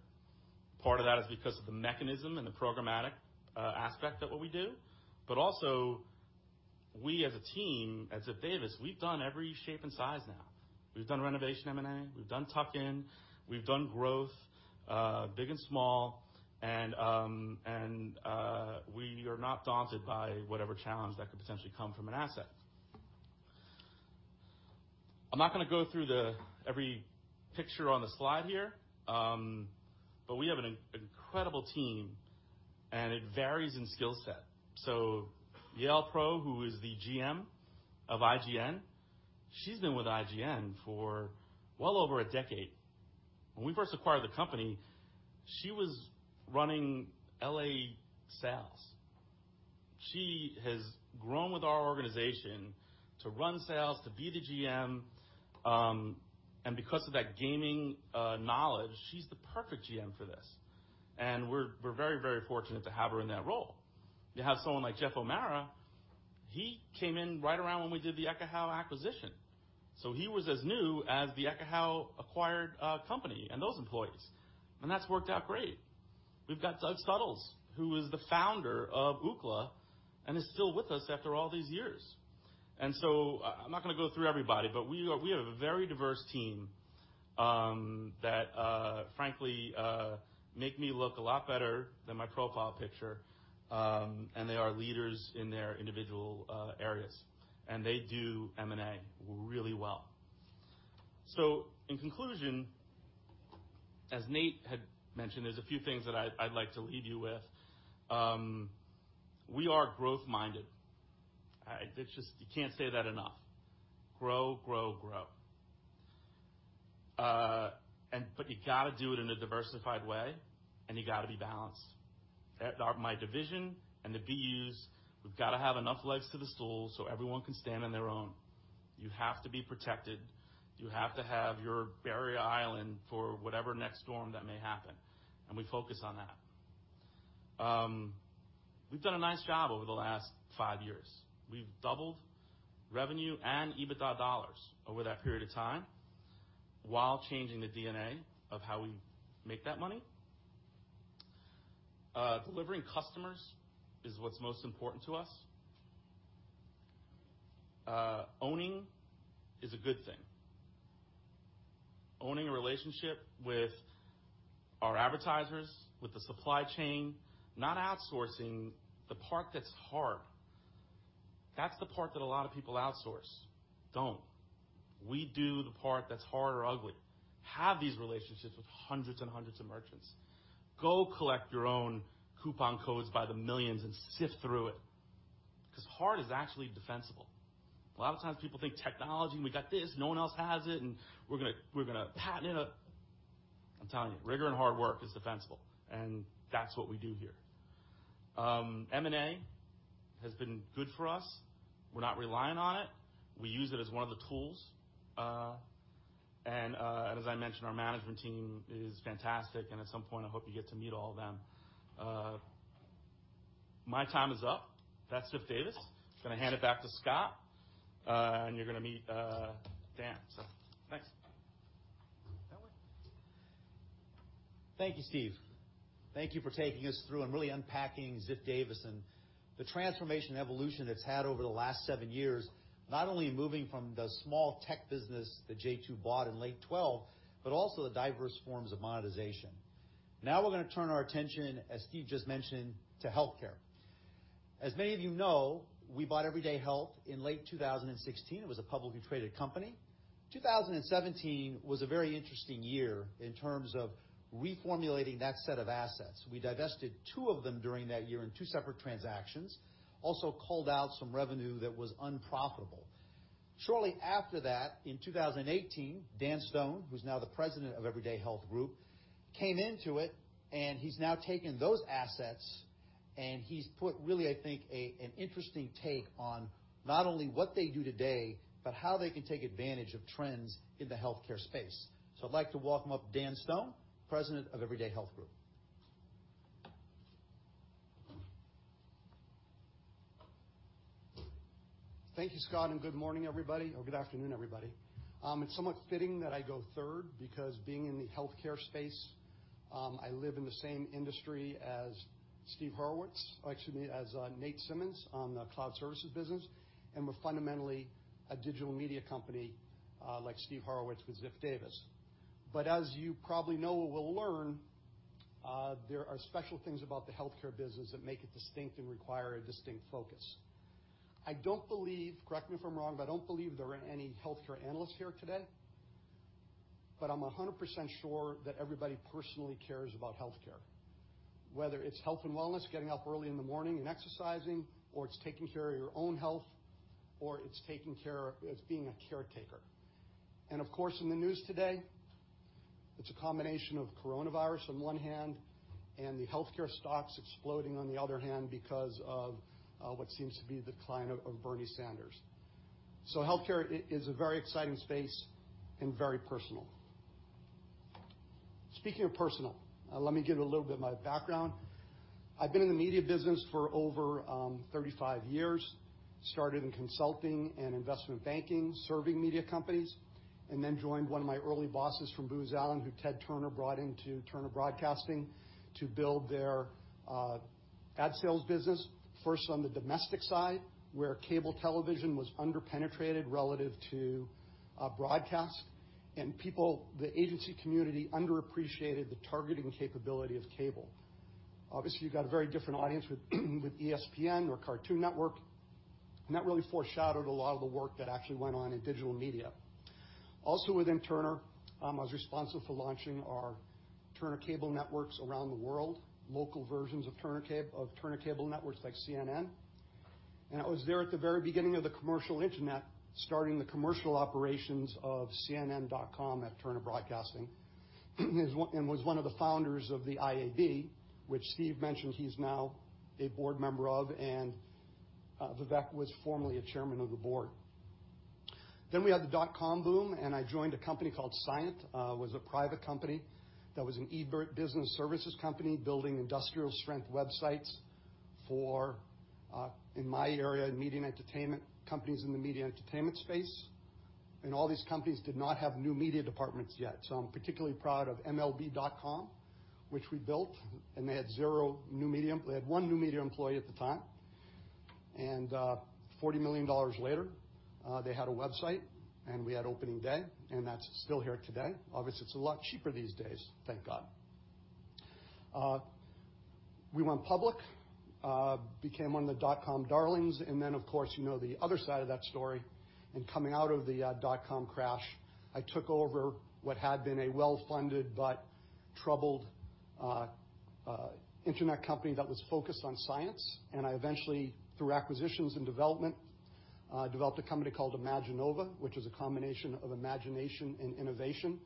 Part of that is because of the mechanism and the programmatic aspect of what we do. Also we as a team at Ziff Davis, we've done every shape and size now. We've done renovation M&A, we've done tuck-in, we've done growth, big and small. We are not daunted by whatever challenge that could potentially come from an asset. I'm not going to go through every picture on the slide here. We have an incredible team, and it varies in skill set. Yael Prough, who is the GM of IGN, she's been with IGN for well over a decade. When we first acquired the company, she was running L.A. sales. She has grown with our organization to run sales, to be the GM, and because of that gaming knowledge, she's the perfect GM for this. We're very fortunate to have her in that role. You have someone like Jeff O'Mara, he came in right around when we did the Ekahau acquisition. He was as new as the Ekahau-acquired company and those employees. That's worked out great. We've got Doug Suttles, who is the founder of Ookla and is still with us after all these years. I'm not going to go through everybody, but we have a very diverse team that frankly, make me look a lot better than my profile picture. They are leaders in their individual areas, and they do M&A really well. In conclusion, as Nate had mentioned, there's a few things that I'd like to leave you with. We are growth-minded. You can't say that enough. Grow. You got to do it in a diversified way, and you got to be balanced. My division and the BUs, we've got to have enough legs to the stool so everyone can stand on their own. You have to be protected. You have to have your barrier island for whatever next storm that may happen, and we focus on that. We've done a nice job over the last five years. We've doubled revenue and EBITDA dollars over that period of time while changing the DNA of how we make that money. Delivering customers is what's most important to us. Owning is a good thing. Owning a relationship with our advertisers, with the supply chain, not outsourcing the part that's hard. That's the part that a lot of people outsource. Don't. We do the part that's hard or ugly. Have these relationships with hundreds and hundreds of merchants. Go collect your own coupon codes by the millions and sift through it, because hard is actually defensible. A lot of times people think technology, and we got this, no one else has it, and we're going to patent it. I'm telling you, rigor and hard work is defensible, and that's what we do here. M&A has been good for us. We're not reliant on it. We use it as one of the tools. As I mentioned, our management team is fantastic, and at some point I hope you get to meet all of them. My time is up. That's Ziff Davis. I'm going to hand it back to Scott, and you're going to meet Dan. Thanks. Thank you, Steve. Thank you for taking us through and really unpacking Ziff Davis and the transformation evolution it's had over the last seven years, not only moving from the small tech business that J2 bought in late 2012, but also the diverse forms of monetization. We're going to turn our attention, as Steve just mentioned, to healthcare. As many of you know, we bought Everyday Health in late 2016. It was a publicly traded company. 2017 was a very interesting year in terms of reformulating that set of assets. We divested two of them during that year in two separate transactions, also culled out some revenue that was unprofitable. Shortly after that, in 2018, Dan Stone, who's now the President of Everyday Health Group, came into it and he's now taken those assets and he's put really, I think, an interesting take on not only what they do today, but how they can take advantage of trends in the healthcare space. I'd like to welcome up Dan Stone, President of Everyday Health Group. Thank you, Scott. Good morning, everybody, or good afternoon, everybody. It's somewhat fitting that I go third because being in the healthcare space, I live in the same industry as Steve Horowitz, or excuse me, as Nate Simmons on the Cloud Services business. We're fundamentally a digital media company, like Steve Horowitz with Ziff Davis. As you probably know or will learn, there are special things about the healthcare business that make it distinct and require a distinct focus. I don't believe, correct me if I'm wrong, I don't believe there are any healthcare analysts here today. I'm 100% sure that everybody personally cares about healthcare. Whether it's health and wellness, getting up early in the morning and exercising, or it's taking care of your own health, or it's being a caretaker. Of course, in the news today, it's a combination of coronavirus on one hand and the healthcare stocks exploding on the other hand because of what seems to be the decline of Bernie Sanders. Healthcare is a very exciting space and very personal. Speaking of personal, let me give a little bit of my background. I've been in the media business for over 35 years. Started in consulting and investment banking, serving media companies, and then joined one of my early bosses from Booz Allen, who Ted Turner brought into Turner Broadcasting to build their ad sales business, first on the domestic side, where cable television was under-penetrated relative to broadcast, and people, the agency community, underappreciated the targeting capability of cable. Obviously, you've got a very different audience with ESPN or Cartoon Network. That really foreshadowed a lot of the work that actually went on in digital media. Also within Turner, I was responsible for launching our Turner Cable Networks around the world, local versions of Turner Cable Networks like CNN. I was there at the very beginning of the commercial internet, starting the commercial operations of cnn.com at Turner Broadcasting and was one of the founders of the IAB, which Steve mentioned he's now a board member of and Vivek was formerly a chairman of the board. We had the dot-com boom, and I joined a company called Scient. It was a private company that was an e-business services company building industrial-strength websites for, in my area, companies in the media and entertainment space. All these companies did not have new media departments yet. I'm particularly proud of mlb.com, which we built, and they had one new media employee at the time. $40 million later, they had a website and we had opening day, and that's still here today. Obviously, it's a lot cheaper these days, thank God. We went public, became one of the dot-com darlings, of course, you know the other side of that story. In coming out of the dot-com crash, I took over what had been a well-funded but troubled internet company that was focused on science. I eventually, through acquisitions and development, developed a company called Imaginova, which is a combination of imagination and innovation,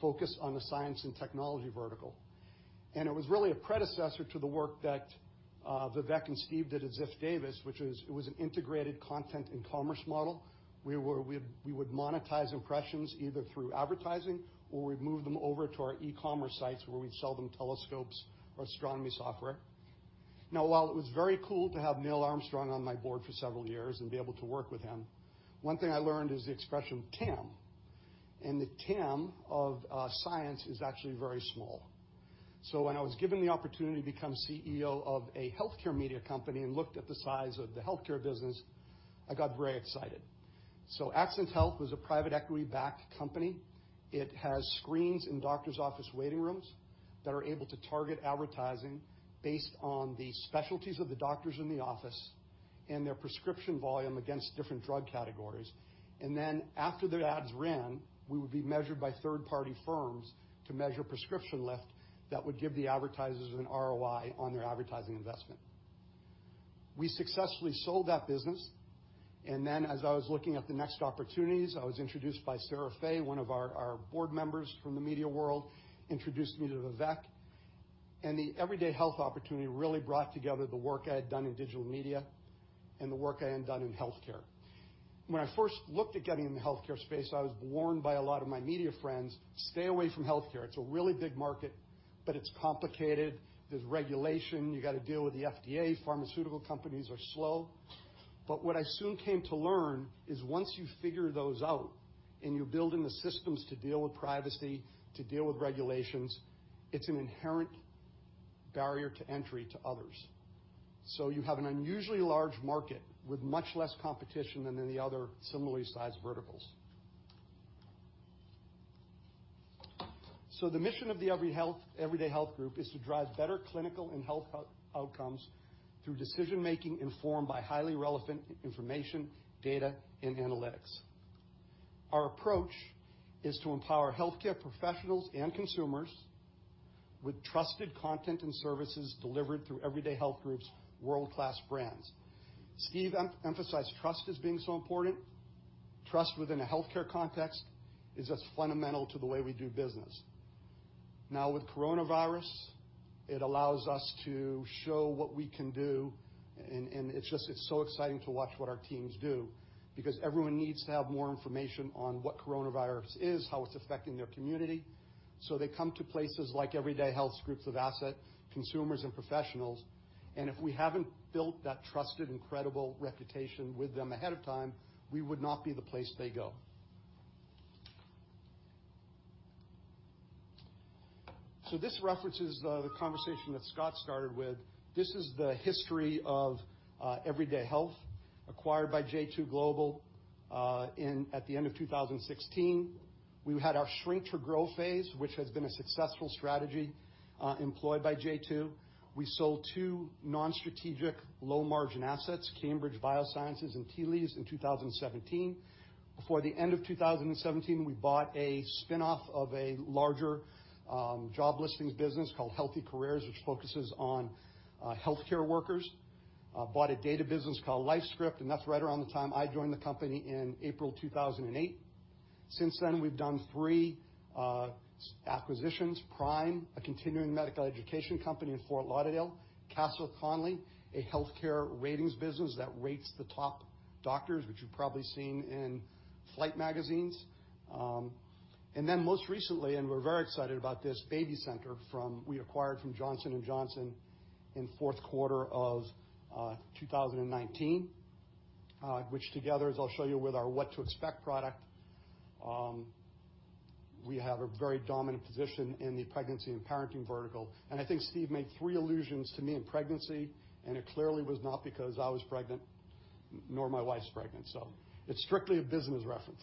focused on the science and technology vertical. It was really a predecessor to the work that Vivek and Steve did at Ziff Davis, which is it was an integrated content and commerce model, where we would monetize impressions either through advertising or we'd move them over to our e-commerce sites where we'd sell them telescopes or astronomy software. Now, while it was very cool to have Neil Ashe on my board for several years and be able to work with him, one thing I learned is the expression TAM, and the TAM of science is actually very small. When I was given the opportunity to become CEO of a healthcare media company and looked at the size of the healthcare business, I got very excited. AccentHealth was a private equity-backed company. It has screens in doctor's office waiting rooms that are able to target advertising based on the specialties of the doctors in the office and their prescription volume against different drug categories. After their ads ran, we would be measured by third-party firms to measure prescription lift that would give the advertisers an ROI on their advertising investment. We successfully sold that business, and then as I was looking at the next opportunities, I was introduced by Sarah Fay, one of our board members from the media world, introduced me to Vivek. The Everyday Health opportunity really brought together the work I had done in digital media and the work I had done in healthcare. When I first looked at getting in the healthcare space, I was warned by a lot of my media friends, "Stay away from healthcare. It's a really big market, but it's complicated. There's regulation. You got to deal with the FDA. Pharmaceutical companies are slow. What I soon came to learn is once you figure those out and you build in the systems to deal with privacy, to deal with regulations, it's an inherent barrier to entry to others. You have an unusually large market with much less competition than any other similarly sized verticals. The mission of the Everyday Health Group is to drive better clinical and health outcomes through decision-making informed by highly relevant information, data, and analytics. Our approach is to empower healthcare professionals and consumers with trusted content and services delivered through Everyday Health Group's world-class brands. Steve emphasized trust as being so important. Trust within a healthcare context is as fundamental to the way we do business. With coronavirus, it allows us to show what we can do, and it's so exciting to watch what our teams do, because everyone needs to have more information on what coronavirus is, how it's affecting their community. They come to places like Everyday Health Group's assets, consumers, and professionals, and if we haven't built that trusted and credible reputation with them ahead of time, we would not be the place they go. This references the conversation that Scott started with. This is the history of Everyday Health, acquired by J2 Global at the end of 2016. We had our shrink for grow phase, which has been a successful strategy employed by J2. We sold two non-strategic low-margin assets, Cambridge BioMarketing and Tea Leaves Health in 2017. Before the end of 2017, we bought a spin-off of a larger job listings business called Health eCareers, which focuses on healthcare workers. Bought a data business called LifeScript, and that's right around the time I joined the company in April 2008. Since then, we've done three acquisitions. PRIME, a continuing medical education company in Fort Lauderdale. Castle Connolly, a healthcare ratings business that rates the top doctors, which you've probably seen in flight magazines. Most recently, and we're very excited about this, BabyCenter, we acquired from Johnson & Johnson in fourth quarter of 2019. Together, as I'll show you with our What to Expect product, we have a very dominant position in the pregnancy and parenting vertical. I think Steve made three allusions to me and pregnancy, and it clearly was not because I was pregnant, nor my wife's pregnant. It's strictly a business reference.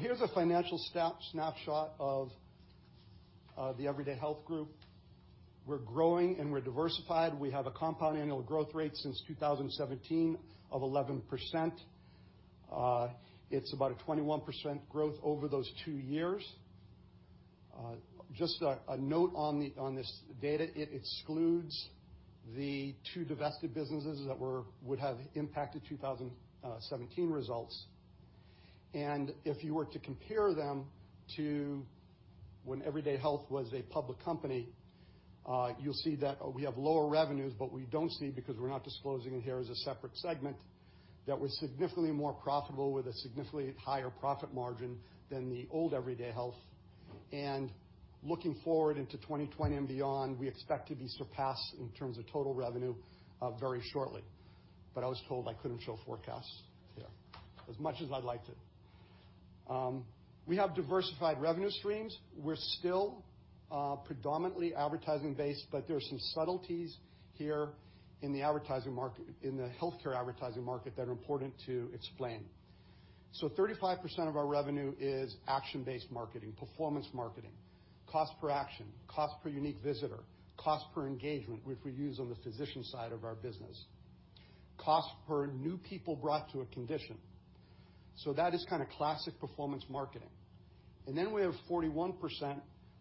Here's a financial snapshot of the Everyday Health Group. We're growing and we're diversified. We have a compound annual growth rate since 2017 of 11%. It's about a 21% growth over those two years. Just a note on this data, it excludes the two divested businesses that would have impacted 2017 results. If you were to compare them to when Everyday Health was a public company, you'll see that we have lower revenues, but we don't see, because we're not disclosing it here as a separate segment, that we're significantly more profitable with a significantly higher profit margin than the old Everyday Health. Looking forward into 2020 and beyond, we expect to be surpassed in terms of total revenue very shortly. I was told I couldn't show forecasts here as much as I'd liked to. We have diversified revenue streams. We're still predominantly advertising-based, but there's some subtleties here in the healthcare advertising market that are important to explain. 35% of our revenue is action-based marketing, performance marketing, cost per action, cost per unique visitor, cost per engagement, which we use on the physician side of our business, cost per new people brought to a condition. That is kind of classic performance marketing. Then we have 41%,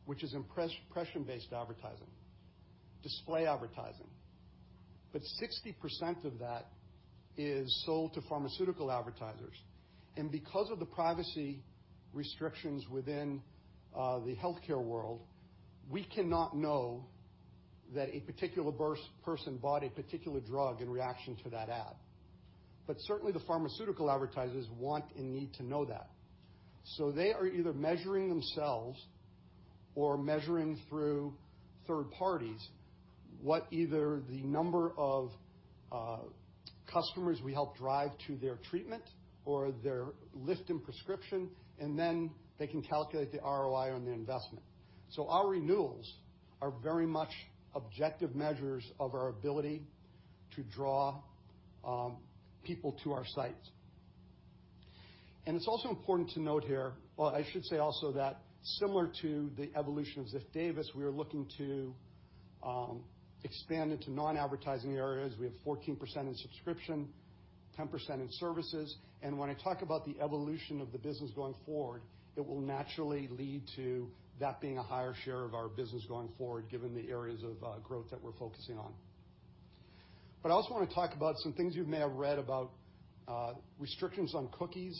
which is impression-based advertising, display advertising. 60% of that is sold to pharmaceutical advertisers. Because of the privacy restrictions within the healthcare world, we cannot know that a particular person bought a particular drug in reaction to that ad. Certainly, the pharmaceutical advertisers want and need to know that. They are either measuring themselves or measuring through third parties what either the number of customers we help drive to their treatment or their lift in prescription, and then they can calculate the ROI on their investment. Our renewals are very much objective measures of our ability to draw people to our sites. It's also important to note here, or I should say also that similar to the evolution of Ziff Davis, we are looking to expand into non-advertising areas. We have 14% in subscription, 10% in services. When I talk about the evolution of the business going forward, it will naturally lead to that being a higher share of our business going forward, given the areas of growth that we're focusing on. I also want to talk about some things you may have read about restrictions on cookies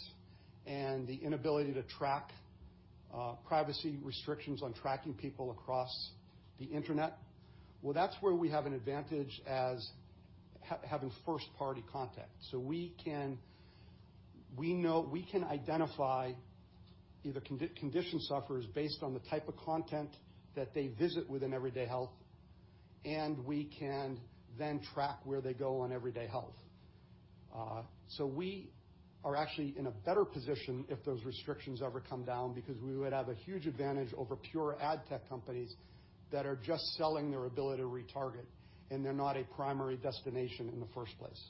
and the inability to track privacy restrictions on tracking people across the internet. That's where we have an advantage as having first-party contact. We can identify either condition sufferers based on the type of content that they visit within Everyday Health, and we can then track where they go on Everyday Health. We are actually in a better position if those restrictions ever come down, because we would have a huge advantage over pure ad tech companies that are just selling their ability to retarget, and they're not a primary destination in the first place.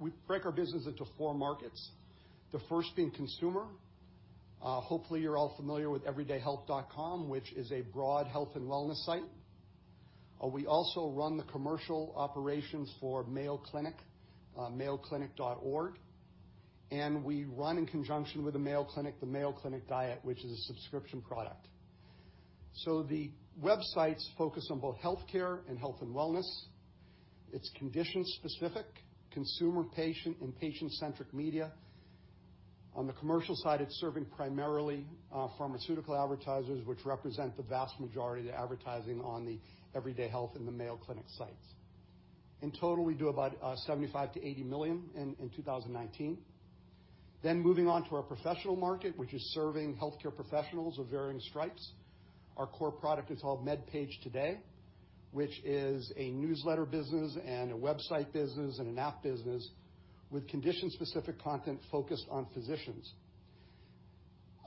We break our business into four markets, the first being consumer. Hopefully, you're all familiar with everydayhealth.com, which is a broad health and wellness site. We also run the commercial operations for Mayo Clinic, mayoclinic.org, and we run in conjunction with the Mayo Clinic, the Mayo Clinic Diet, which is a subscription product. The websites focus on both healthcare and health and wellness. It's condition-specific, consumer patient, and patient-centric media. On the commercial side, it's serving primarily pharmaceutical advertisers, which represent the vast majority of the advertising on the Everyday Health and the Mayo Clinic sites. In total, we do about $75 million-$80 million in 2019. Moving on to our professional market, which is serving healthcare professionals of varying stripes. Our core product is called MedPage Today, which is a newsletter business and a website business and an app business with condition-specific content focused on physicians.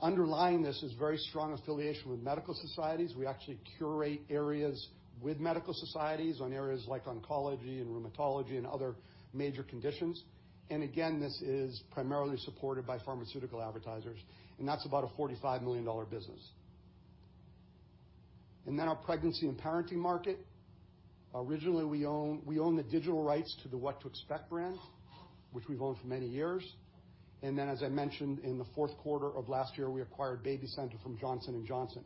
Underlying this is very strong affiliation with medical societies. We actually curate areas with medical societies on areas like oncology and rheumatology and other major conditions. Again, this is primarily supported by pharmaceutical advertisers, and that's about a $45 million business. Our pregnancy and parenting market. Originally, we own the digital rights to the What to Expect brand, which we've owned for many years. As I mentioned, in the fourth quarter of last year, we acquired BabyCenter from Johnson & Johnson.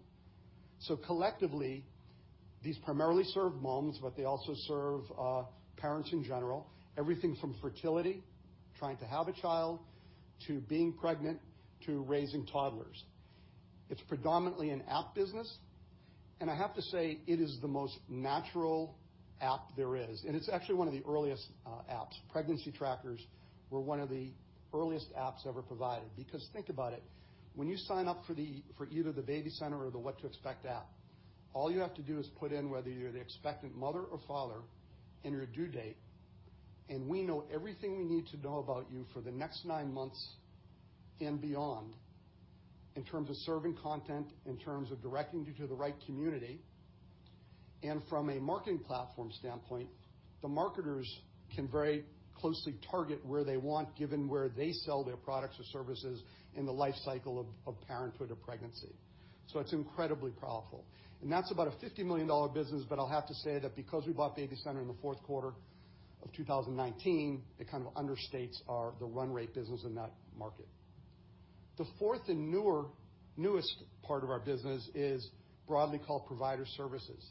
Collectively, these primarily serve moms, but they also serve parents in general. Everything from fertility, trying to have a child, to being pregnant, to raising toddlers. It's predominantly an app business, and I have to say, it is the most natural app there is. It's actually one of the earliest apps. Pregnancy trackers were one of the earliest apps ever provided. Think about it, when you sign up for either the BabyCenter or the What to Expect app, all you have to do is put in whether you're the expectant mother or father and your due date, and we know everything we need to know about you for the next nine months and beyond in terms of serving content, in terms of directing you to the right community. From a marketing platform standpoint, the marketers can very closely target where they want, given where they sell their products or services in the life cycle of parenthood or pregnancy. It's incredibly powerful. That's about a $50 million business, but I'll have to say that because we bought BabyCenter in the fourth quarter of 2019, it kind of understates the run rate business in that market. The fourth and newest part of our business is broadly called provider services.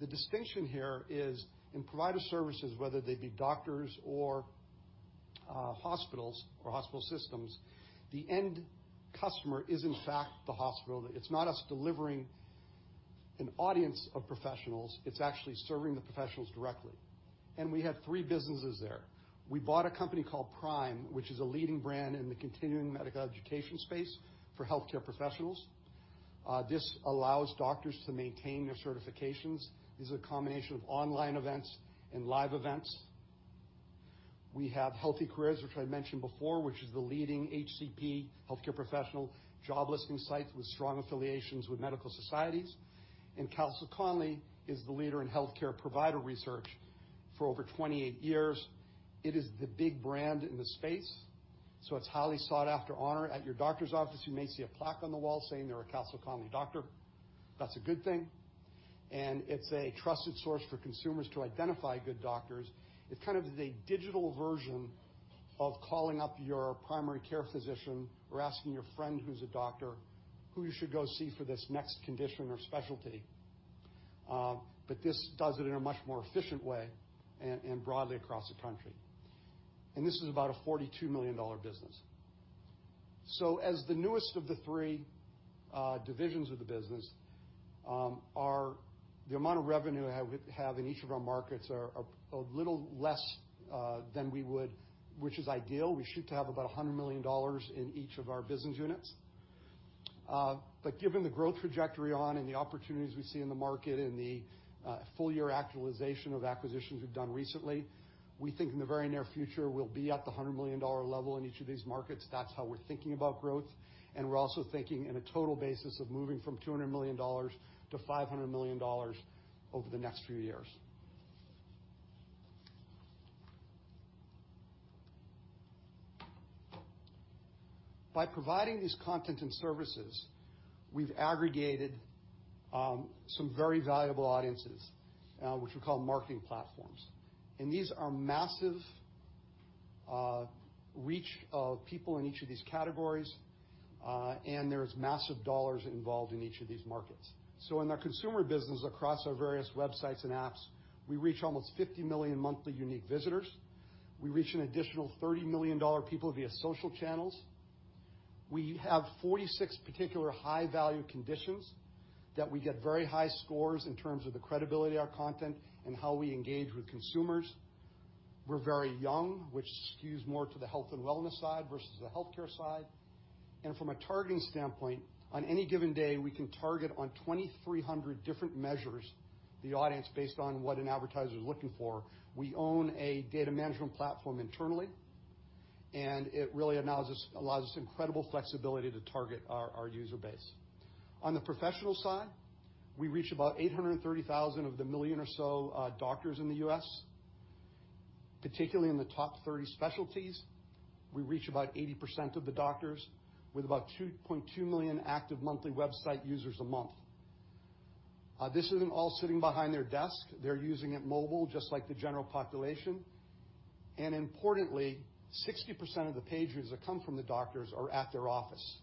The distinction here is in provider services, whether they be doctors or hospitals or hospital systems, the end customer is in fact the hospital. It's not us delivering an audience of professionals, it's actually serving the professionals directly. We have three businesses there. We bought a company called PRIME, which is a leading brand in the continuing medical education space for healthcare professionals. This allows doctors to maintain their certifications. This is a combination of online events and live events. We have Health eCareers, which I mentioned before, which is the leading HCP, healthcare professional, job listing site with strong affiliations with medical societies. Castle Connolly is the leader in healthcare provider research for over 28 years. It is the big brand in the space, so it's highly sought after honor. At your doctor's office, you may see a plaque on the wall saying they're a Castle Connolly doctor. That's a good thing. It's a trusted source for consumers to identify good doctors. It's kind of the digital version of calling up your primary care physician or asking your friend who's a doctor who you should go see for this next condition or specialty. This does it in a much more efficient way and broadly across the country. This is about a $42 million business. As the newest of the three divisions of the business, the amount of revenue we have in each of our markets are a little less than we would, which is ideal. We shoot to have about $100 million in each of our business units. Given the growth trajectory on and the opportunities we see in the market and the full-year actualization of acquisitions we've done recently, we think in the very near future, we'll be at the $100 million level in each of these markets. That's how we're thinking about growth. We're also thinking in a total basis of moving from $200 million to $500 million over the next few years. By providing these content and services, we've aggregated some very valuable audiences, which we call marketing platforms. These are massive reach of people in each of these categories. There's massive dollars involved in each of these markets. In our consumer business, across our various websites and apps, we reach almost 50 million monthly unique visitors. We reach an additional 30 million people via social channels. We have 46 particular high-value conditions that we get very high scores in terms of the credibility of our content and how we engage with consumers. We're very young, which skews more to the health and wellness side versus the healthcare side. From a targeting standpoint, on any given day, we can target on 2,300 different measures the audience based on what an advertiser is looking for. We own a data management platform internally, and it really allows us incredible flexibility to target our user base. On the professional side, we reach about 830,000 of the million or so doctors in the U.S., particularly in the top 30 specialties. We reach about 80% of the doctors with about 2.2 million active monthly website users a month. This isn't all sitting behind their desk. They're using it mobile, just like the general population. Importantly, 60% of the page views that come from the doctors are at their office.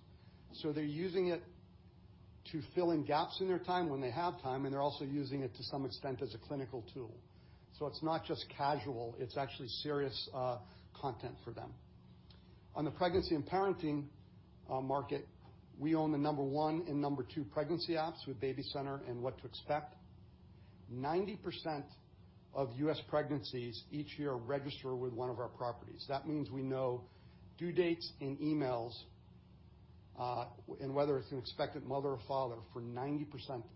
They're using it to fill in gaps in their time when they have time, and they're also using it to some extent as a clinical tool. It's not just casual, it's actually serious content for them. On the pregnancy and parenting market, we own the number one and number two pregnancy apps with BabyCenter and What to Expect. 90% of U.S. pregnancies each year register with one of our properties. That means we know due dates and emails, and whether it's an expectant mother or father for 90%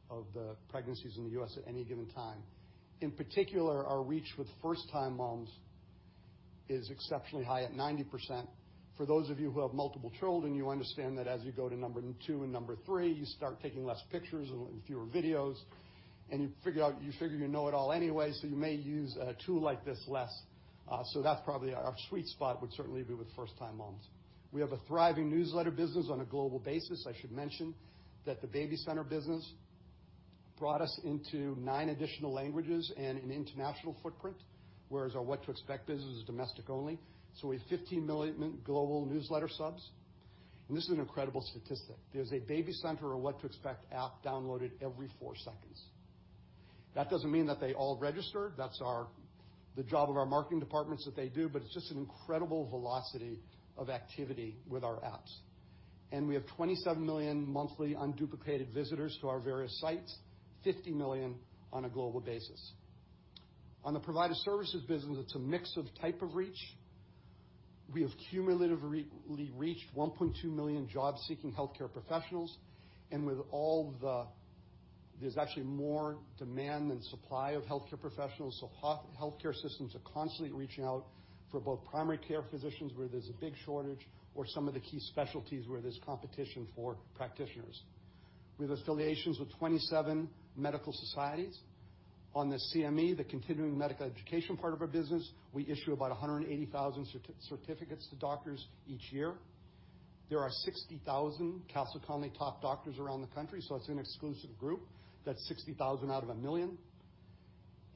of the pregnancies in the U.S. at any given time. In particular, our reach with first-time moms is exceptionally high at 90%. For those of you who have multiple children, you understand that as you go to number two and number three, you start taking less pictures and fewer videos, and you figure you know it all anyway, so you may use a tool like this less. That's probably our sweet spot would certainly be with first-time moms. We have a thriving newsletter business on a global basis. I should mention that the BabyCenter business brought us into nine additional languages and an international footprint, whereas our What to Expect business is domestic only. We have 15 million global newsletter subs. This is an incredible statistic. There's a BabyCenter or What to Expect app downloaded every four seconds. That doesn't mean that they all register. That's the job of our marketing departments that they do, but it's just an incredible velocity of activity with our apps. We have 27 million monthly unduplicated visitors to our various sites, 50 million on a global basis. On the provider services business, it's a mix of type of reach. We have cumulatively reached 1.2 million job-seeking healthcare professionals, and there's actually more demand than supply of healthcare professionals, so healthcare systems are constantly reaching out for both primary care physicians, where there's a big shortage, or some of the key specialties where there's competition for practitioners. We have affiliations with 27 medical societies. On the CME, the Continuing Medical Education part of our business, we issue about 180,000 certificates to doctors each year. There are 60,000 Castle Connolly Top Doctors around the country, so it's an exclusive group. That's 60,000 out of 1 million.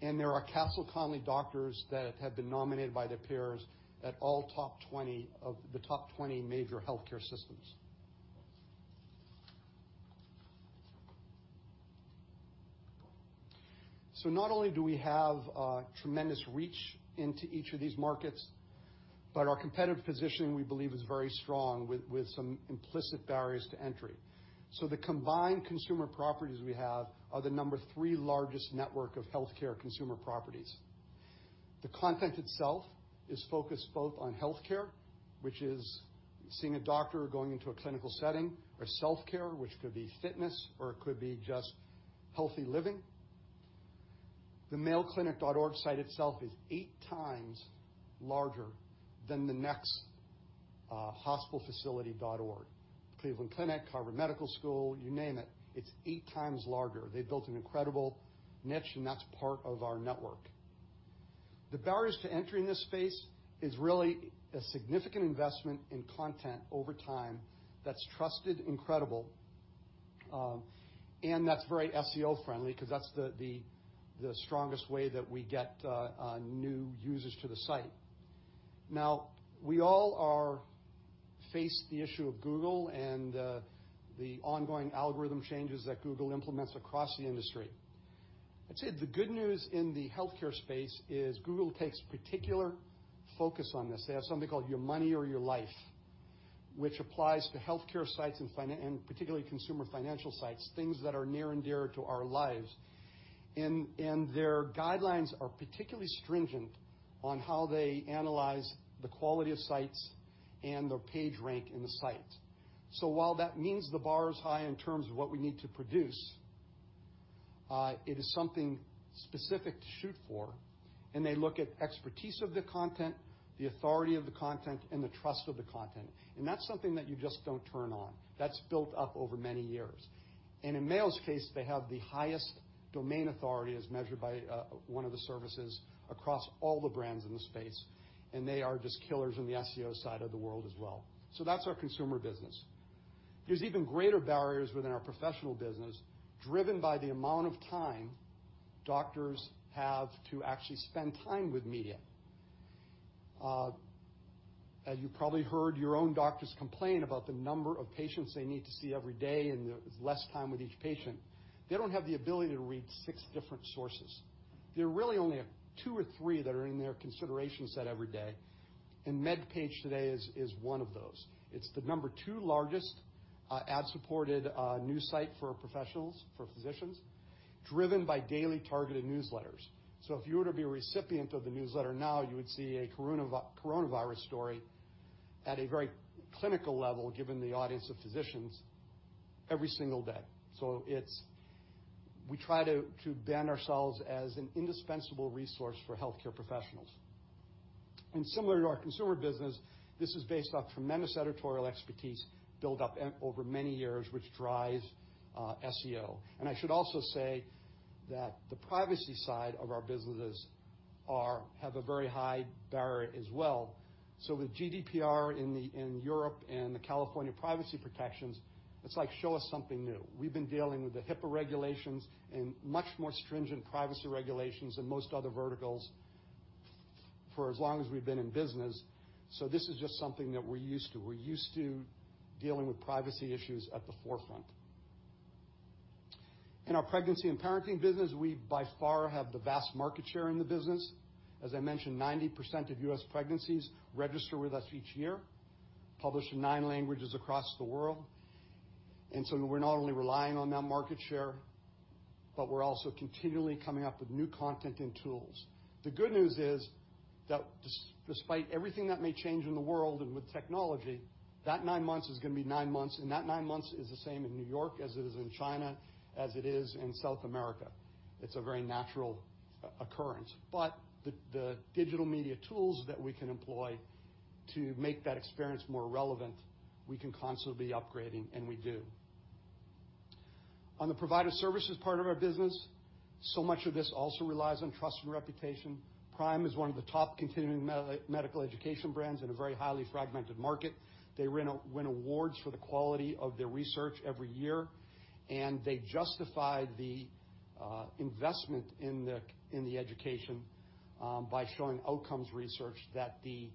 There are Castle Connolly doctors that have been nominated by their peers at all top 20 of the top 20 major healthcare systems. Not only do we have a tremendous reach into each of these markets, but our competitive positioning, we believe, is very strong with some implicit barriers to entry. The combined consumer properties we have are the number 3 largest network of healthcare consumer properties. The content itself is focused both on healthcare, which is seeing a doctor or going into a clinical setting, or self-care, which could be fitness, or it could be just healthy living. The mayoclinic.org site itself is eight times larger than the next hospital facility.org. Cleveland Clinic, Harvard Medical School, you name it. It's eight times larger. They built an incredible niche, and that's part of our network. The barriers to entry in this space is really a significant investment in content over time that's trusted and credible, and that's very SEO friendly because that's the strongest way that we get new users to the site. We all face the issue of Google and the ongoing algorithm changes that Google implements across the industry. I'd say the good news in the healthcare space is Google takes particular focus on this. They have something called "Your money or your life," which applies to healthcare sites and particularly consumer financial sites, things that are near and dear to our lives. Their guidelines are particularly stringent on how they analyze the quality of sites and their page rank in the site. While that means the bar is high in terms of what we need to produce, it is something specific to shoot for, and they look at expertise of the content, the authority of the content, and the trust of the content. That's something that you just don't turn on. That's built up over many years. In Mayo's case, they have the highest domain authority as measured by one of the services across all the brands in the space, and they are just killers in the SEO side of the world as well. That's our consumer business. There's even greater barriers within our professional business, driven by the amount of time doctors have to actually spend time with media. As you probably heard, your own doctors complain about the number of patients they need to see every day and there's less time with each patient. They don't have the ability to read six different sources. There really are only two or three that are in their consideration set every day. MedPage Today is one of those. It's the number two largest ad-supported news site for professionals, for physicians, driven by daily targeted newsletters. If you were to be a recipient of the newsletter now, you would see a coronavirus story at a very clinical level, given the audience of physicians every single day. We try to bend ourselves as an indispensable resource for healthcare professionals. Similar to our consumer business, this is based off tremendous editorial expertise built up over many years, which drives SEO. I should also say that the privacy side of our businesses have a very high barrier as well. With GDPR in Europe and the California privacy protections, it's like, show us something new. We've been dealing with the HIPAA regulations and much more stringent privacy regulations than most other verticals for as long as we've been in business. This is just something that we're used to. We're used to dealing with privacy issues at the forefront. In our pregnancy and parenting business, we by far have the vast market share in the business. As I mentioned, 90% of U.S. pregnancies register with us each year, published in nine languages across the world. We're not only relying on that market share, but we're also continually coming up with new content and tools. The good news is that despite everything that may change in the world and with technology, that nine months is going to be nine months, and that nine months is the same in New York as it is in China, as it is in South America. It's a very natural occurrence. The digital media tools that we can employ to make that experience more relevant, we can constantly be upgrading, and we do. On the provider services part of our business, so much of this also relies on trust and reputation. PRIME is one of the top continuing medical education brands in a very highly fragmented market. They win awards for the quality of their research every year, and they justify the investment in the education by showing outcomes research that the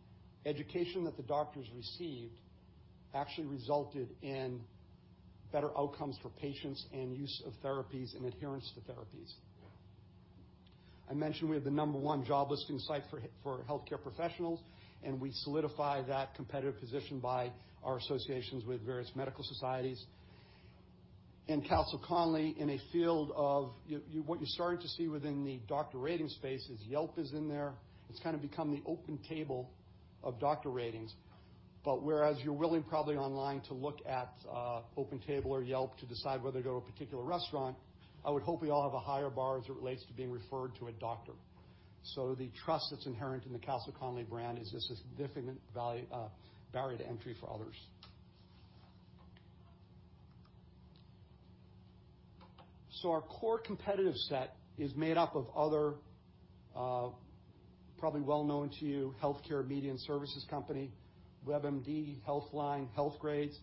education that the doctors received actually resulted in better outcomes for patients and use of therapies and adherence to therapies. I mentioned we have the number one job listing site for healthcare professionals, and we solidify that competitive position by our associations with various medical societies. Castle Connolly, what you're starting to see within the doctor rating space is Yelp is in there. It's kind of become the OpenTable of doctor ratings. Whereas you're willing probably online to look at OpenTable or Yelp to decide whether to go to a particular restaurant, I would hope we all have a higher bar as it relates to being referred to a doctor. The trust that's inherent in the Castle Connolly brand is a significant barrier to entry for others. Our core competitive set is made up of other, probably well known to you, healthcare media and services company, WebMD, Healthline, Healthgrades.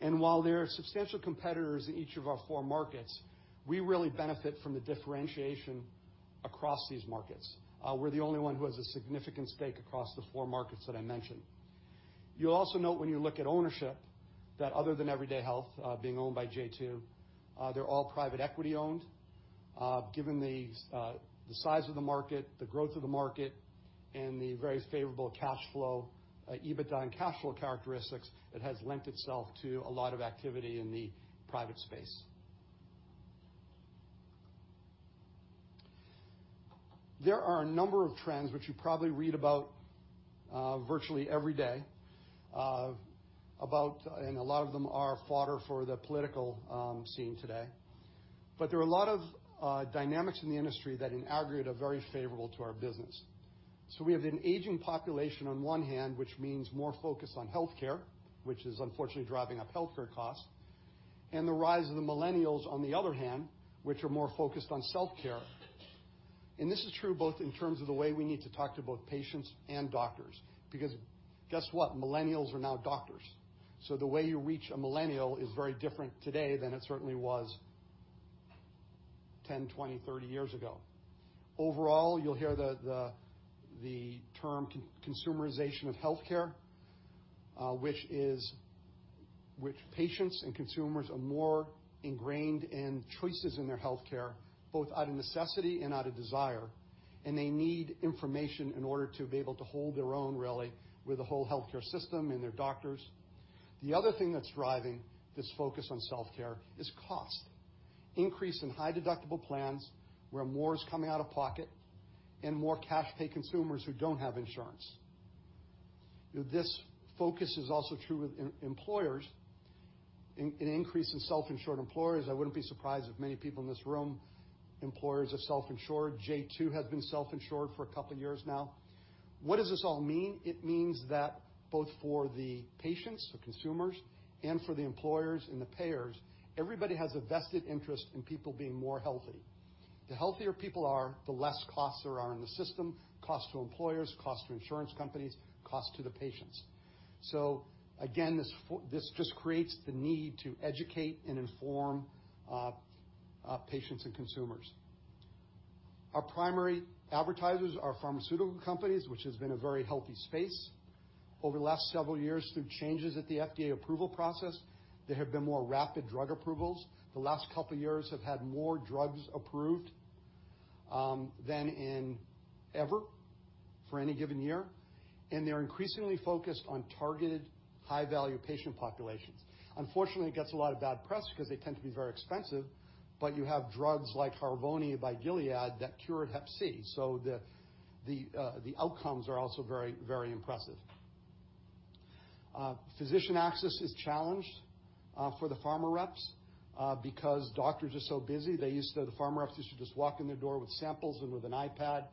While there are substantial competitors in each of our four markets, we really benefit from the differentiation across these markets. We're the only one who has a significant stake across the four markets that I mentioned. You'll also note when you look at ownership, that other than Everyday Health being owned by J2, they're all private equity owned. Given the size of the market, the growth of the market, and the very favorable cash flow, EBITDA, and cash flow characteristics, it has lent itself to a lot of activity in the private space. There are a number of trends which you probably read about virtually every day, and a lot of them are fodder for the political scene today. There are a lot of dynamics in the industry that in aggregate are very favorable to our business. We have an aging population on one hand, which means more focus on healthcare, which is unfortunately driving up healthcare costs, and the rise of the millennials on the other hand, which are more focused on self-care. This is true both in terms of the way we need to talk to both patients and doctors, because guess what? Millennials are now doctors. The way you reach a millennial is very different today than it certainly was 10, 20, 30 years ago. Overall, you'll hear the term consumerization of healthcare, which patients and consumers are more ingrained in choices in their healthcare, both out of necessity and out of desire, and they need information in order to be able to hold their own, really, with the whole healthcare system and their doctors. The other thing that's driving this focus on self-care is cost. Increase in high-deductible plans where more is coming out of pocket and more cash pay consumers who don't have insurance. This focus is also true with employers. An increase in self-insured employers. I wouldn't be surprised if many people in this room, employers have self-insured. J2 has been self-insured for a couple of years now. What does this all mean? It means that both for the patients, the consumers, and for the employers and the payers, everybody has a vested interest in people being more healthy. The healthier people are, the less costs there are in the system, cost to employers, cost to insurance companies, cost to the patients. Again, this just creates the need to educate and inform patients and consumers. Our primary advertisers are pharmaceutical companies, which has been a very healthy space. Over the last several years through changes at the FDA approval process, there have been more rapid drug approvals. The last couple years have had more drugs approved than in ever for any given year, and they're increasingly focused on targeted high-value patient populations. Unfortunately, it gets a lot of bad press because they tend to be very expensive. You have drugs like Harvoni by Gilead that cured hep C. The outcomes are also very impressive. Physician access is challenged for the pharma reps, because doctors are so busy. The pharma reps used to just walk in their door with samples and with an iPad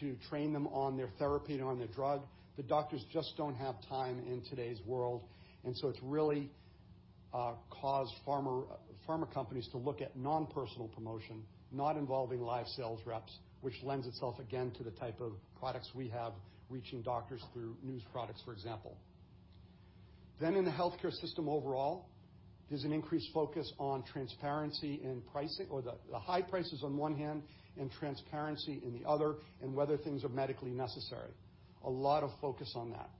to train them on their therapy and on their drug, but doctors just don't have time in today's world. It's really caused pharma companies to look at non-personal promotion, not involving live sales reps, which lends itself, again, to the type of products we have, reaching doctors through news products, for example. In the healthcare system overall, there's an increased focus on transparency and pricing or the high prices on one hand and transparency in the other, and whether things are medically necessary. A lot of focus on that.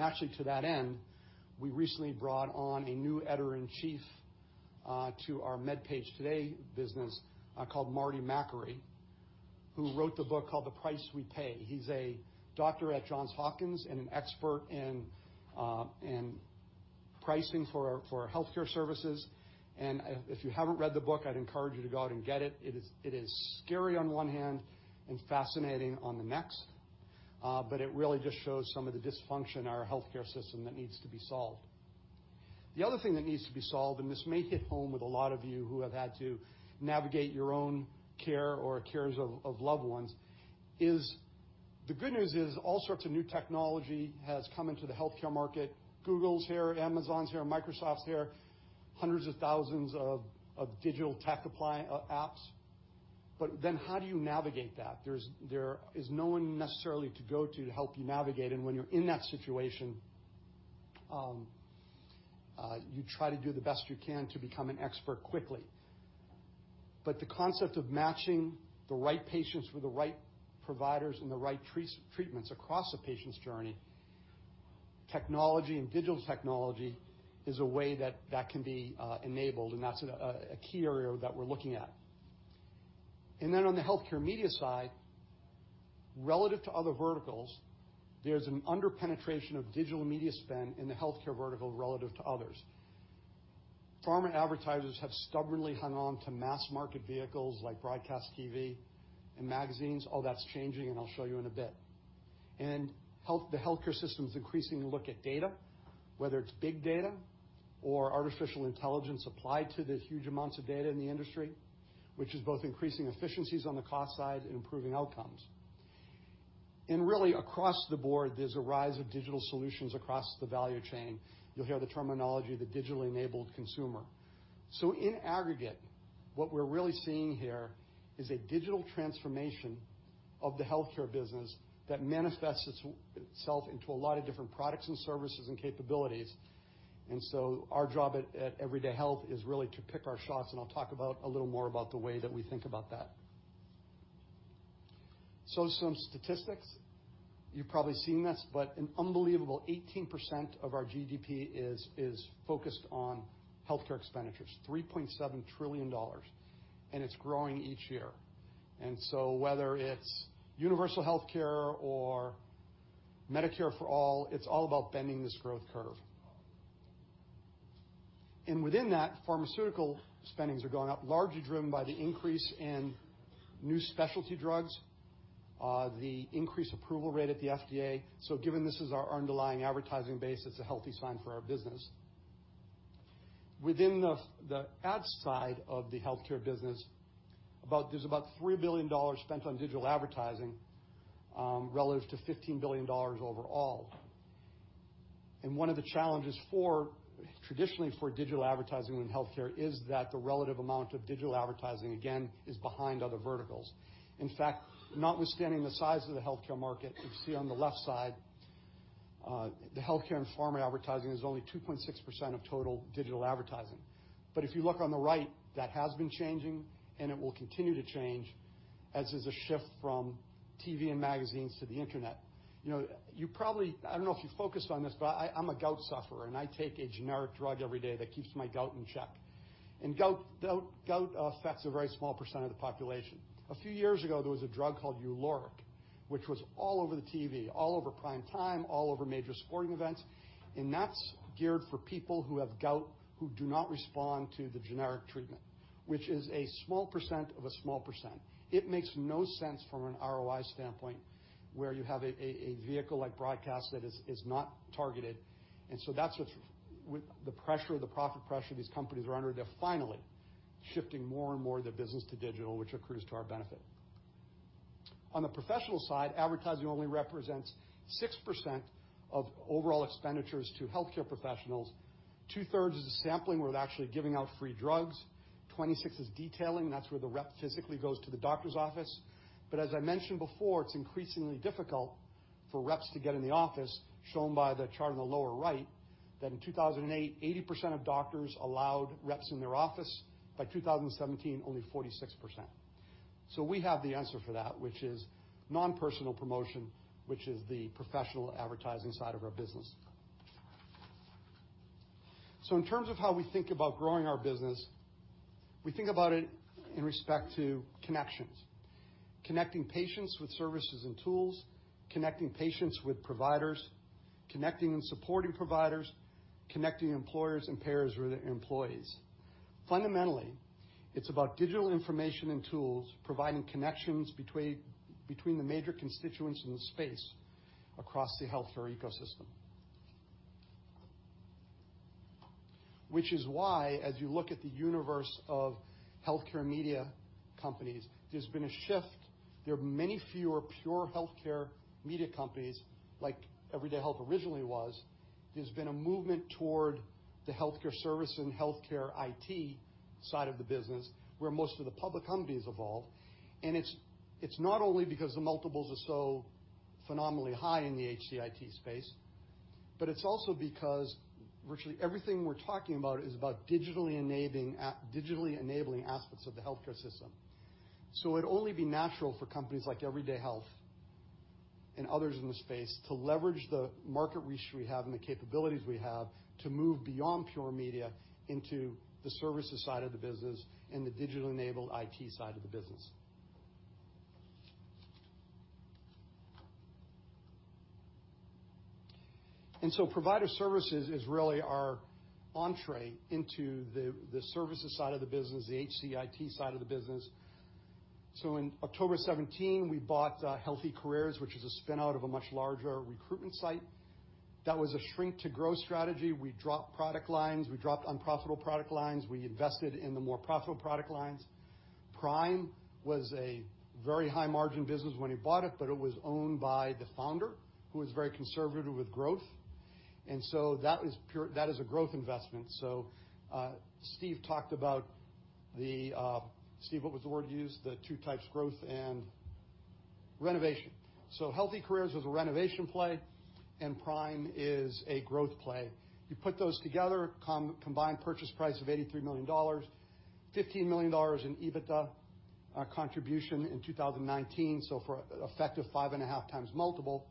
Actually, to that end, we recently brought on a new editor-in-chief to our MedPage Today business called Marty Makary, who wrote the book called "The Price We Pay." He's a doctor at Johns Hopkins and an expert in pricing for our healthcare services. If you haven't read the book, I'd encourage you to go out and get it. It is scary on one hand and fascinating on the next. It really just shows some of the dysfunction in our healthcare system that needs to be solved. The other thing that needs to be solved, and this may hit home with a lot of you who have had to navigate your own care or cares of loved ones, is the good news is all sorts of new technology has come into the healthcare market. Google's here, Amazon's here, Microsoft's here. Hundreds of thousands of digital tech apps. How do you navigate that? There is no one necessarily to go to to help you navigate, and when you're in that situation, you try to do the best you can to become an expert quickly. The concept of matching the right patients with the right providers and the right treatments across a patient's journey, technology and digital technology is a way that can be enabled, and that's a key area that we're looking at. On the healthcare media side, relative to other verticals, there's an under-penetration of digital media spend in the healthcare vertical relative to others. Pharma advertisers have stubbornly hung on to mass market vehicles like broadcast TV and magazines. All that's changing, and I'll show you in a bit. The healthcare systems increasingly look at data, whether it's big data or artificial intelligence applied to the huge amounts of data in the industry, which is both increasing efficiencies on the cost side and improving outcomes. Really across the board, there's a rise of digital solutions across the value chain. You'll hear the terminology, the digitally enabled consumer. In aggregate, what we're really seeing here is a digital transformation of the healthcare business that manifests itself into a lot of different products and services and capabilities. Our job at Everyday Health is really to pick our shots, and I'll talk about a little more about the way that we think about that. Some statistics. You've probably seen this, but an unbelievable 18% of our GDP is focused on healthcare expenditures, $3.7 trillion, and it's growing each year. Whether it's universal healthcare or Medicare for all, it's all about bending this growth curve. Within that, pharmaceutical spendings are going up, largely driven by the increase in new specialty drugs, the increased approval rate at the FDA. Given this is our underlying advertising base, it's a healthy sign for our business. Within the ads side of the healthcare business, there's about $3 billion spent on digital advertising, relative to $15 billion overall. One of the challenges traditionally for digital advertising in healthcare is that the relative amount of digital advertising, again, is behind other verticals. Notwithstanding the size of the healthcare market, you can see on the left side, the healthcare and pharma advertising is only 2.6% of total digital advertising. If you look on the right, that has been changing, and it will continue to change. As is a shift from TV and magazines to the internet. I don't know if you focused on this, but I'm a gout sufferer, and I take a generic drug every day that keeps my gout in check. Gout affects a very small percent of the population. A few years ago, there was a drug called Uloric, which was all over the TV, all over prime time, all over major sporting events, and that's geared for people who have gout who do not respond to the generic treatment, which is a small percent of a small percent. It makes no sense from an ROI standpoint, where you have a vehicle like broadcast that is not targeted. That's the profit pressure these companies are under. They're finally shifting more and more of their business to digital, which accrues to our benefit. On the professional side, advertising only represents 6% of overall expenditures to healthcare professionals. Two-thirds is a sampling where they're actually giving out free drugs. 26 is detailing. That's where the rep physically goes to the doctor's office. As I mentioned before, it's increasingly difficult for reps to get in the office, shown by the chart in the lower right. That in 2008, 80% of doctors allowed reps in their office. By 2017, only 46%. We have the answer for that, which is non-personal promotion, which is the professional advertising side of our business. In terms of how we think about growing our business, we think about it in respect to connections. Connecting patients with services and tools, connecting patients with providers, connecting and supporting providers, connecting employers and payers with their employees. Fundamentally, it's about digital information and tools providing connections between the major constituents in the space across the healthcare ecosystem. Which is why, as you look at the universe of healthcare media companies, there's been a shift. There are many fewer pure healthcare media companies like Everyday Health originally was. There's been a movement toward the healthcare service and healthcare IT side of the business, where most of the public companies evolved. It's not only because the multiples are so phenomenally high in the HCIT space, but it's also because virtually everything we're talking about is about digitally enabling aspects of the healthcare system. It'd only be natural for companies like Everyday Health and others in the space to leverage the market reach we have and the capabilities we have to move beyond pure media into the services side of the business and the digital-enabled IT side of the business. Provider services is really our entree into the services side of the business, the HCIT side of the business. In October 2017, we bought Health eCareers, which is a spinout of a much larger recruitment site. That was a shrink-to-grow strategy. We dropped product lines. We dropped unprofitable product lines. We invested in the more profitable product lines. PRIME Education was a very high-margin business when we bought it, but it was owned by the founder, who was very conservative with growth. That is a growth investment. Steve talked about the Steve, what was the word you used? The two types, growth and renovation. Health eCareers was a renovation play and PRIME Education is a growth play. You put those together, combined purchase price of $83 million, $15 million in EBITDA contribution in 2019. For effective 5.5x multiple.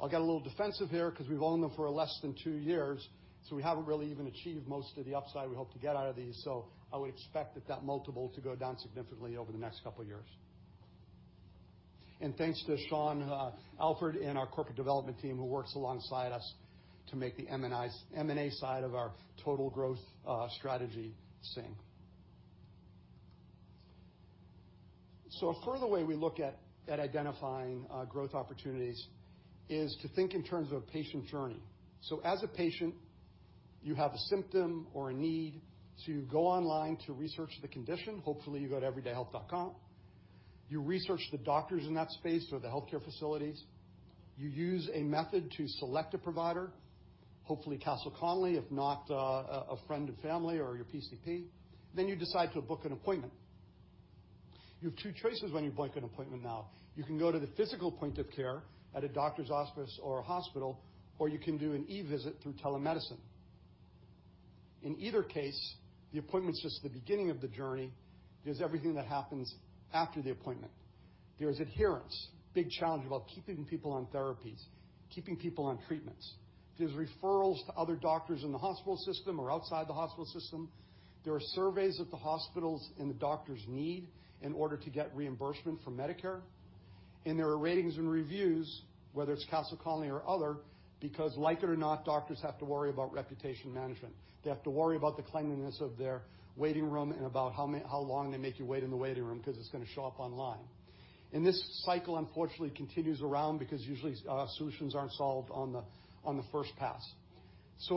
I'll get a little defensive here because we've owned them for less than two years, so we haven't really even achieved most of the upside we hope to get out of these. I would expect that multiple to go down significantly over the next couple of years. Thanks to Sean Alford and our corporate development team who works alongside us to make the M&A side of our total growth strategy sing. A further way we look at identifying growth opportunities is to think in terms of a patient journey. As a patient, you have a symptom or a need, so you go online to research the condition. Hopefully, you go to everydayhealth.com. You research the doctors in that space or the healthcare facilities. You use a method to select a provider, hopefully Castle Connolly, if not a friend and family or your PCP. You decide to book an appointment. You have two choices when you book an appointment now. You can go to the physical point of care at a doctor's office or a hospital, or you can do an e-visit through telemedicine. In either case, the appointment's just the beginning of the journey. There's everything that happens after the appointment. There's adherence, big challenge about keeping people on therapies, keeping people on treatments. There's referrals to other doctors in the hospital system or outside the hospital system. There are surveys that the hospitals and the doctors need in order to get reimbursement from Medicare. There are ratings and reviews, whether it's Castle Connolly or other, because like it or not, doctors have to worry about reputation management. They have to worry about the cleanliness of their waiting room and about how long they make you wait in the waiting room because it's going to show up online. This cycle, unfortunately, continues around because usually solutions aren't solved on the first pass.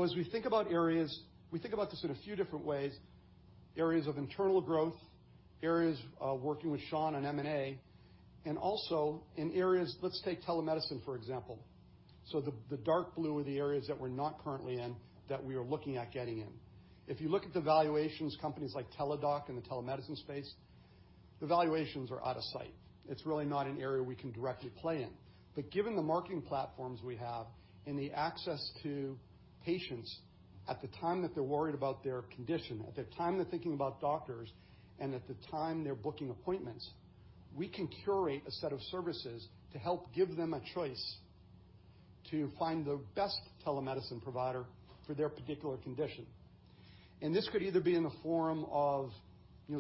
As we think about areas, we think about this in a few different ways, areas of internal growth, areas working with Sean on M&A, and also in areas Let's take telemedicine, for example. The dark blue are the areas that we're not currently in, that we are looking at getting in. If you look at the valuations, companies like Teladoc in the telemedicine space, the valuations are out of sight. It's really not an area we can directly play in. Given the marketing platforms we have and the access to patients at the time that they're worried about their condition, at the time they're thinking about doctors, and at the time they're booking appointments, we can curate a set of services to help give them a choice to find the best telemedicine provider for their particular condition. This could either be in the form of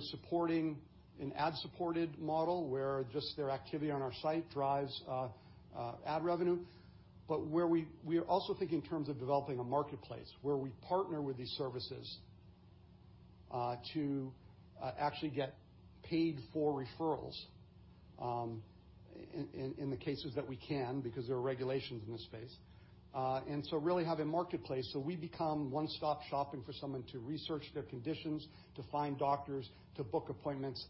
supporting an ad-supported model, where just their activity on our site drives ad revenue. We are also thinking in terms of developing a marketplace, where we partner with these services, to actually get paid for referrals in the cases that we can, because there are regulations in this space. Really have a marketplace. We become one-stop shopping for someone to research their conditions, to find doctors, to book appointments,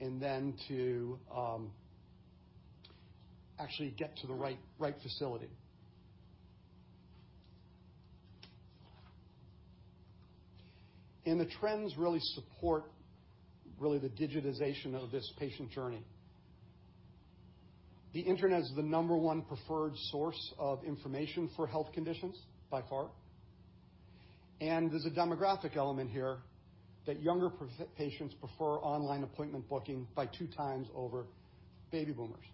and then to actually get to the right facility. The trends really support the digitization of this patient journey. The Internet is the number one preferred source of information for health conditions by far. There's a demographic element here that younger patients prefer online appointment booking by two times over baby boomers.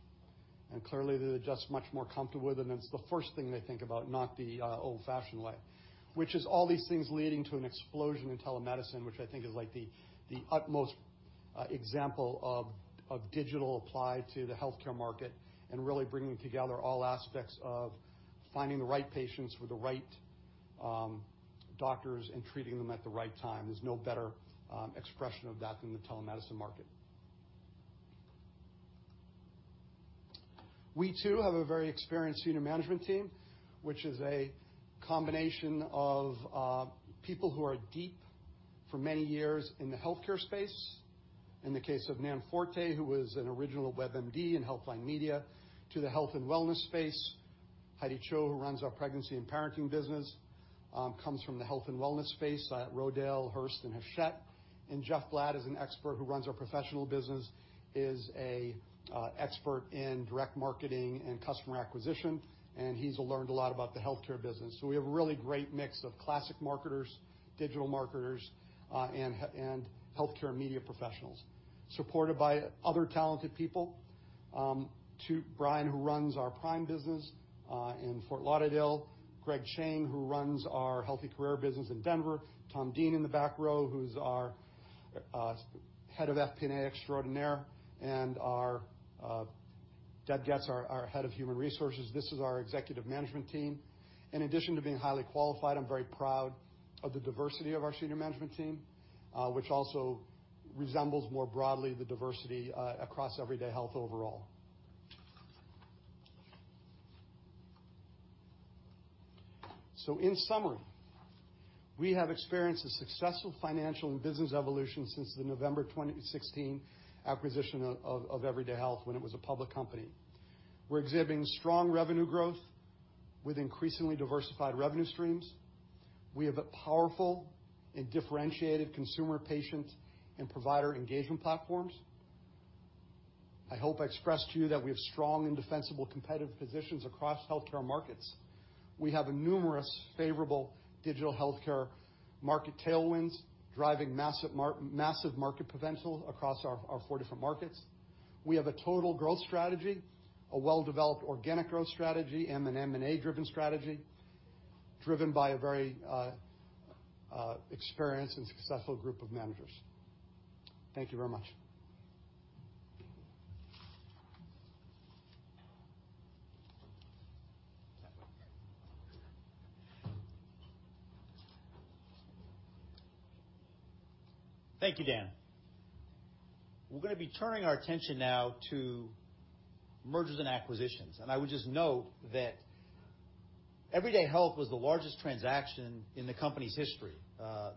Clearly, they're just much more comfortable with it, and it's the first thing they think about, not the old-fashioned way, which is all these things leading to an explosion in telemedicine, which I think is the utmost example of digital applied to the healthcare market and really bringing together all aspects of finding the right patients with the right doctors and treating them at the right time. There's no better expression of that than the telemedicine market. We too have a very experienced senior management team, which is a combination of people who are deep for many years in the healthcare space. In the case of Nan Forte, who was an original WebMD in Healthline Media, to the health and wellness space. Heidi Choe, who runs our pregnancy and parenting business, comes from the health and wellness space at Rodale, Hearst, and Hachette. Jeff Blatt is a expert who runs our professional business, is a expert in direct marketing and customer acquisition, and he's learned a lot about the healthcare business. We have a really great mix of classic marketers, digital marketers, and healthcare media professionals, supported by other talented people. To Brian, who runs our Prime business, in Fort Lauderdale. Greg Chang, who runs our Health eCareers business in Denver. Tom Dean in the back row, who's our head of FP&A extraordinaire. Deb Goetz, our head of human resources. This is our executive management team. In addition to being highly qualified, I'm very proud of the diversity of our senior management team, which also resembles more broadly the diversity across Everyday Health overall. In summary, we have experienced a successful financial and business evolution since the November 2016 acquisition of Everyday Health when it was a public company. We're exhibiting strong revenue growth with increasingly diversified revenue streams. We have a powerful and differentiated consumer, patient, and provider engagement platforms. I hope I expressed to you that we have strong and defensible competitive positions across healthcare markets. We have numerous favorable digital healthcare market tailwinds driving massive market potential across our four different markets. We have a total growth strategy, a well-developed organic growth strategy, and an M&A-driven strategy, driven by a very experienced and successful group of managers. Thank you very much. Thank you, Dan. We're going to be turning our attention now to mergers and acquisitions. I would just note that Everyday Health was the largest transaction in the company's history.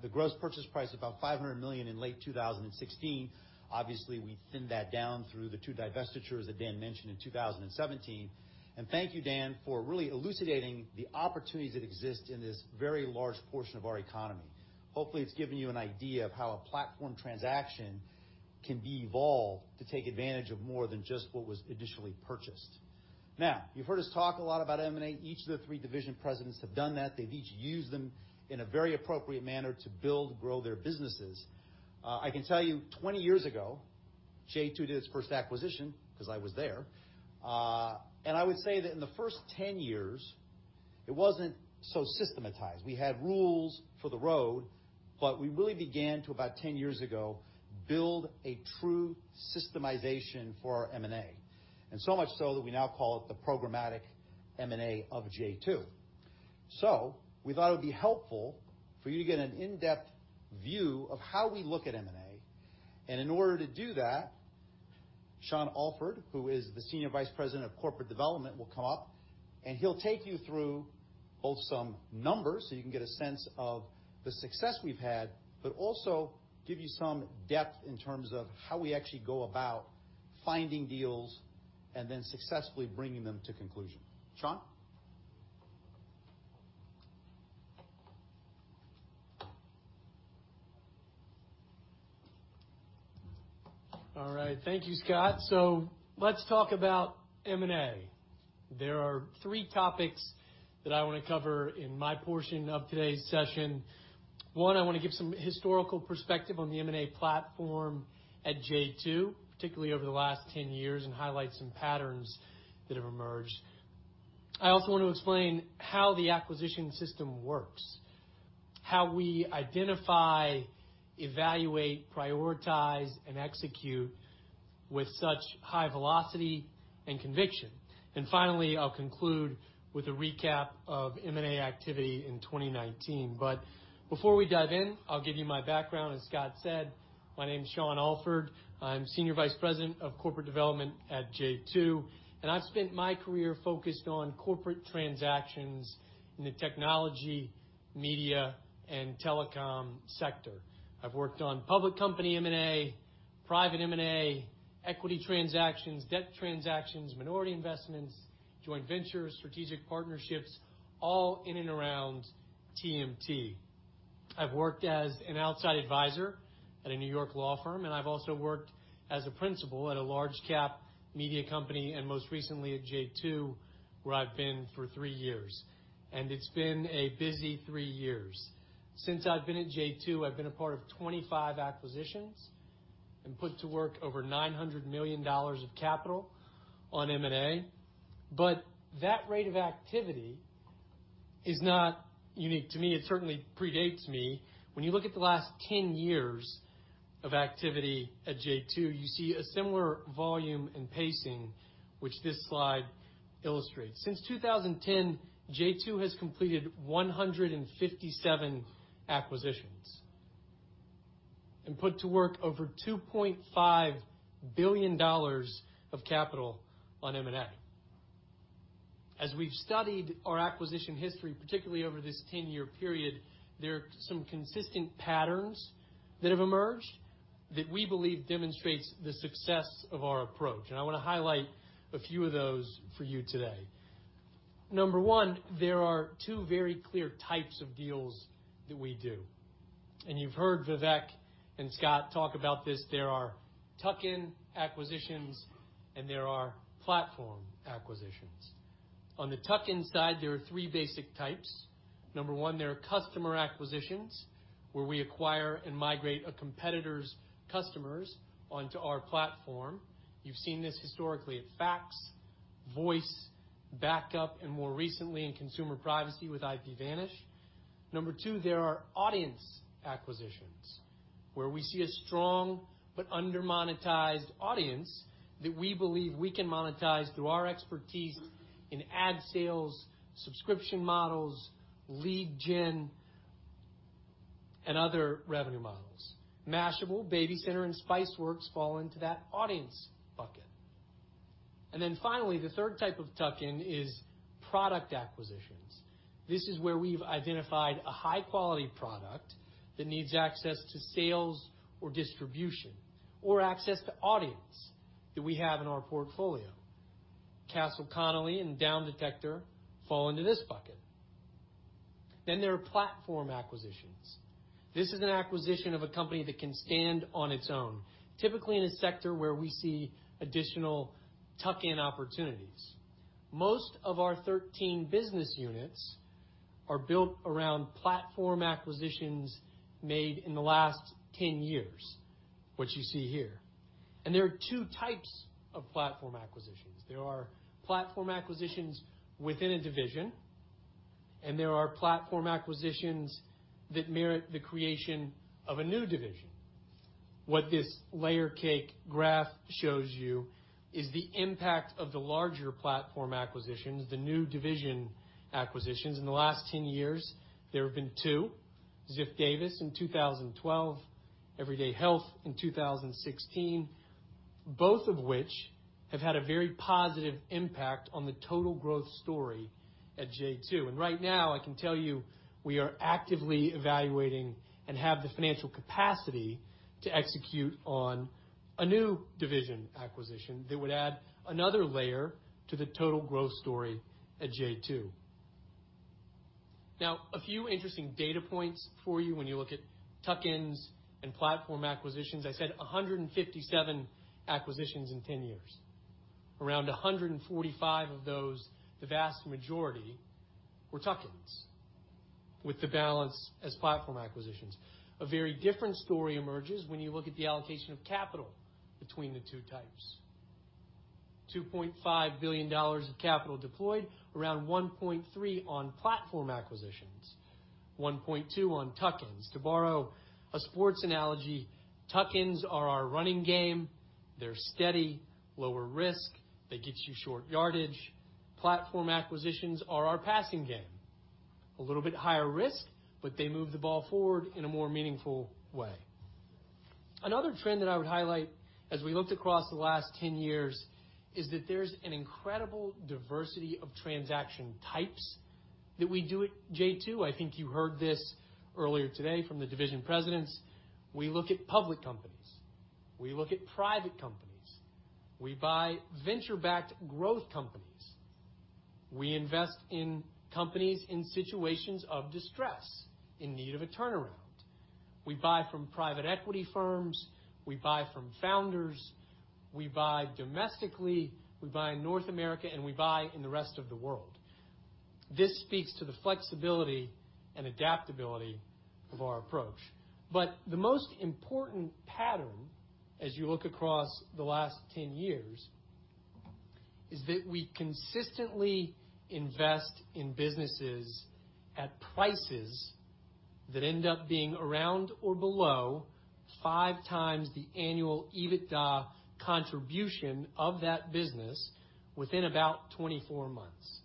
The gross purchase price was about $500 million in late 2016. Obviously, we thinned that down through the two divestitures that Dan mentioned in 2017. Thank you, Dan, for really elucidating the opportunities that exist in this very large portion of our economy. Hopefully, it's given you an idea of how a platform transaction can be evolved to take advantage of more than just what was initially purchased. Now, you've heard us talk a lot about M&A. Each of the three division presidents have done that. They've each used them in a very appropriate manner to build and grow their businesses. I can tell you 20 years ago, J2 did its first acquisition, because I was there. I would say that in the first 10 years, it wasn't so systematized. We had rules for the road, but we really began to, about 10 years ago, build a true systemization for our M&A. So much so that we now call it the programmatic M&A of J2. We thought it would be helpful for you to get an in-depth view of how we look at M&A. In order to do that, Sean Alford, who is the Senior Vice President of Corporate Development, will come up, and he'll take you through both some numbers, so you can get a sense of the success we've had, but also give you some depth in terms of how we actually go about finding deals and then successfully bringing them to conclusion. Sean? Thank you, Scott. Let's talk about M&A. There are three topics that I want to cover in my portion of today's session. One, I want to give some historical perspective on the M&A platform at J2, particularly over the last 10 years, and highlight some patterns that have emerged. I also want to explain how the acquisition system works, how we identify, evaluate, prioritize, and execute with such high velocity and conviction. Finally, I'll conclude with a recap of M&A activity in 2019. Before we dive in, I'll give you my background. As Scott said, my name is Sean Alford. I'm Senior Vice President of Corporate Development at J2, and I've spent my career focused on corporate transactions in the technology, media, and telecom sector. I've worked on public company M&A, private M&A, equity transactions, debt transactions, minority investments, joint ventures, strategic partnerships, all in and around TMT. I've worked as an outside advisor at a New York law firm, and I've also worked as a principal at a large cap media company, and most recently at J2, where I've been for three years. It's been a busy three years. Since I've been at J2, I've been a part of 25 acquisitions and put to work over $900 million of capital on M&A. That rate of activity is not unique to me. It certainly predates me. When you look at the last 10 years of activity at J2, you see a similar volume and pacing, which this slide illustrates. Since 2010, J2 has completed 157 acquisitions and put to work over $2.5 billion of capital on M&A. As we've studied our acquisition history, particularly over this 10-year period, there are some consistent patterns that have emerged that we believe demonstrates the success of our approach, and I want to highlight a few of those for you today. Number one, there are two very clear types of deals that we do, and you've heard Vivek and Scott talk about this. There are tuck-in acquisitions and there are platform acquisitions. On the tuck-in side, there are three basic types. Number one, there are customer acquisitions, where we acquire and migrate a competitor's customers onto our platform. You've seen this historically at fax, voice, backup, and more recently in consumer privacy with IPVanish. Number two, there are audience acquisitions, where we see a strong but under-monetized audience that we believe we can monetize through our expertise in ad sales, subscription models, lead gen, and other revenue models. Mashable, BabyCenter, and Spiceworks fall into that audience bucket. Then finally, the third type of tuck-in is product acquisitions. This is where we've identified a high-quality product that needs access to sales or distribution, or access to audience that we have in our portfolio. Castle Connolly and DownDetector fall into this bucket. There are platform acquisitions. This is an acquisition of a company that can stand on its own, typically in a sector where we see additional tuck-in opportunities. Most of our 13 business units are built around platform acquisitions made in the last 10 years, which you see here. There are 2 types of platform acquisitions. There are platform acquisitions within a division, and there are platform acquisitions that merit the creation of a new division. What this layer cake graph shows you is the impact of the larger platform acquisitions, the new division acquisitions. In the last 10 years, there have been two, Ziff Davis in 2012, Everyday Health in 2016, both of which have had a very positive impact on the total growth story at J2. Right now, I can tell you, we are actively evaluating and have the financial capacity to execute on a new division acquisition that would add another layer to the total growth story at J2. A few interesting data points for you when you look at tuck-ins and platform acquisitions. I said 157 acquisitions in 10 years. Around 145 of those, the vast majority, were tuck-ins, with the balance as platform acquisitions. A very different story emerges when you look at the allocation of capital between the two types. $2.5 billion of capital deployed, around $1.3 billion on platform acquisitions, $1.2 billion on tuck-ins. To borrow a sports analogy, tuck-ins are our running game. They're steady, lower risk. They get you short yardage. Platform acquisitions are our passing game. A little bit higher risk, but they move the ball forward in a more meaningful way. Another trend that I would highlight as we looked across the last 10 years is that there's an incredible diversity of transaction types that we do at J2. I think you heard this earlier today from the division presidents. We look at public companies. We look at private companies. We buy venture-backed growth companies. We invest in companies in situations of distress, in need of a turnaround. We buy from private equity firms, we buy from founders, we buy domestically, we buy in North America, and we buy in the rest of the world. This speaks to the flexibility and adaptability of our approach. The most important pattern as you look across the last 10 years is that we consistently invest in businesses at prices that end up being around or below 5x the annual EBITDA contribution of that business within about 24 months.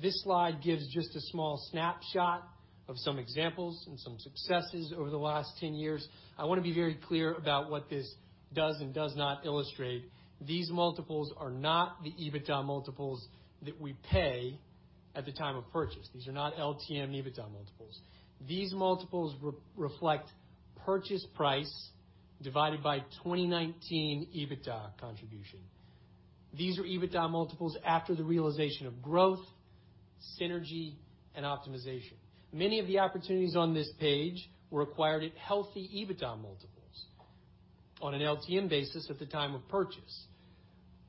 This slide gives just a small snapshot of some examples and some successes over the last 10 years. I want to be very clear about what this does and does not illustrate. These multiples are not the EBITDA multiples that we pay at the time of purchase. These are not LTM EBITDA multiples. These multiples reflect purchase price divided by 2019 EBITDA contribution. These are EBITDA multiples after the realization of growth, synergy, and optimization. Many of the opportunities on this page were acquired at healthy EBITDA multiples on an LTM basis at the time of purchase.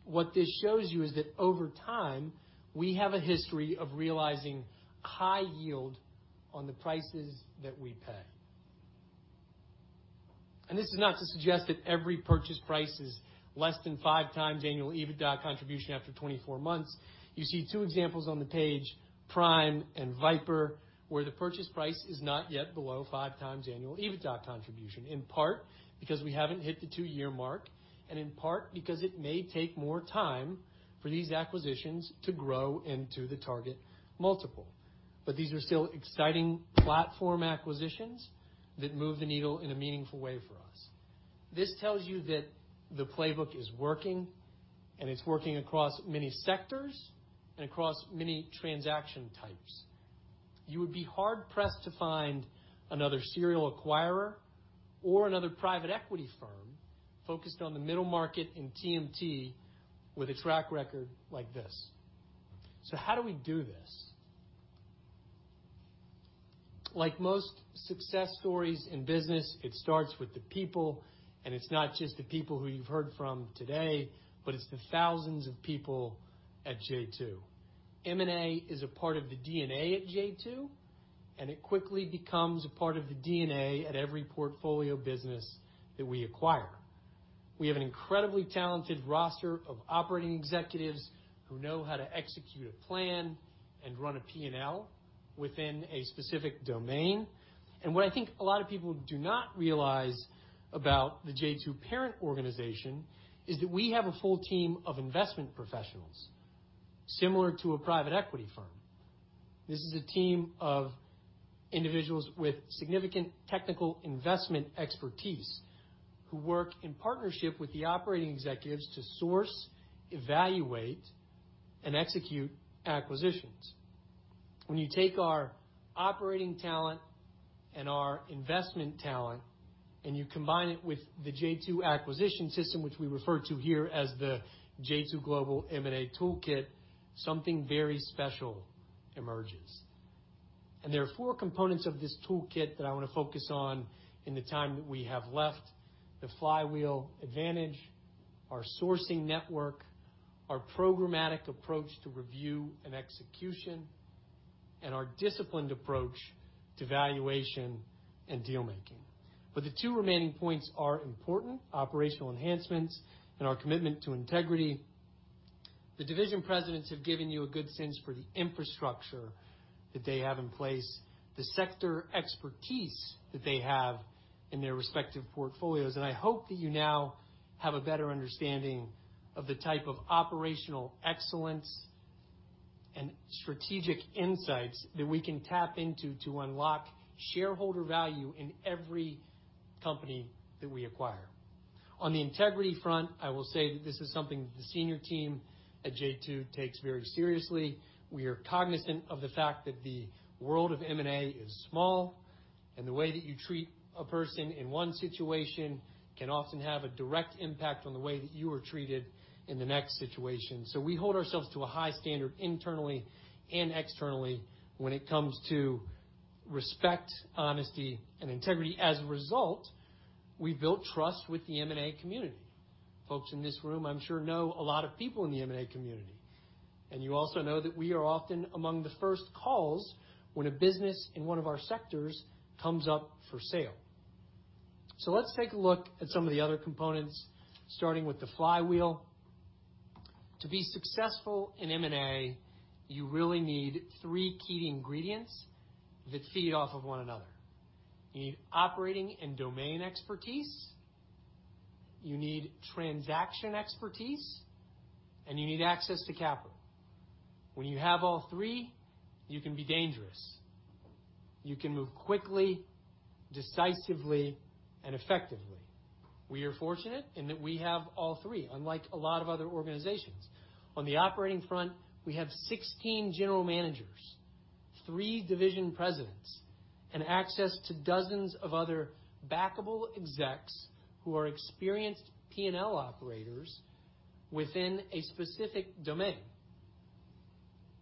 What this shows you is that over time, we have a history of realizing high yield on the prices that we pay. This is not to suggest that every purchase price is less than five times annual EBITDA contribution after 24 months. You see two examples on the page, PRIME and VIPRE, where the purchase price is not yet below five times annual EBITDA contribution, in part because we haven't hit the two-year mark, and in part because it may take more time for these acquisitions to grow into the target multiple. These are still exciting platform acquisitions that move the needle in a meaningful way for us. This tells you that the playbook is working, and it's working across many sectors and across many transaction types. You would be hard-pressed to find another serial acquirer or another private equity firm focused on the middle market in TMT with a track record like this. How do we do this? Like most success stories in business, it starts with the people, and it's not just the people who you've heard from today, but it's the thousands of people at J2. M&A is a part of the DNA at J2, and it quickly becomes a part of the DNA at every portfolio business that we acquire. We have an incredibly talented roster of operating executives who know how to execute a plan and run a P&L within a specific domain. What I think a lot of people do not realize about the J2 parent organization is that we have a full team of investment professionals, similar to a private equity firm. This is a team of individuals with significant technical investment expertise who work in partnership with the operating executives to source, evaluate, and execute acquisitions. When you take our operating talent and our investment talent, and you combine it with the J2 acquisition system, which we refer to here as the J2 Global M&A Toolkit, something very special emerges. There are four components of this toolkit that I want to focus on in the time that we have left: the flywheel advantage, our sourcing network, our programmatic approach to review and execution, and our disciplined approach to valuation and deal-making. The two remaining points are important: operational enhancements and our commitment to integrity. The division presidents have given you a good sense for the infrastructure that they have in place, the sector expertise that they have in their respective portfolios, and I hope that you now have a better understanding of the type of operational excellence and strategic insights that we can tap into to unlock shareholder value in every company that we acquire. On the integrity front, I will say that this is something that the senior team at J2 takes very seriously. We are cognizant of the fact that the world of M&A is small, and the way that you treat a person in one situation can often have a direct impact on the way that you are treated in the next situation. We hold ourselves to a high standard internally and externally when it comes to respect, honesty, and integrity. As a result, we've built trust with the M&A community. Folks in this room, I'm sure know a lot of people in the M&A community, and you also know that we are often among the first calls when a business in one of our sectors comes up for sale. Let's take a look at some of the other components, starting with the flywheel. To be successful in M&A, you really need three key ingredients that feed off of one another. You need operating and domain expertise, you need transaction expertise, and you need access to capital. When you have all three, you can be dangerous. You can move quickly, decisively, and effectively. We are fortunate in that we have all three, unlike a lot of other organizations. On the operating front, we have 16 general managers, three division presidents and access to dozens of other backable execs who are experienced P&L operators within a specific domain.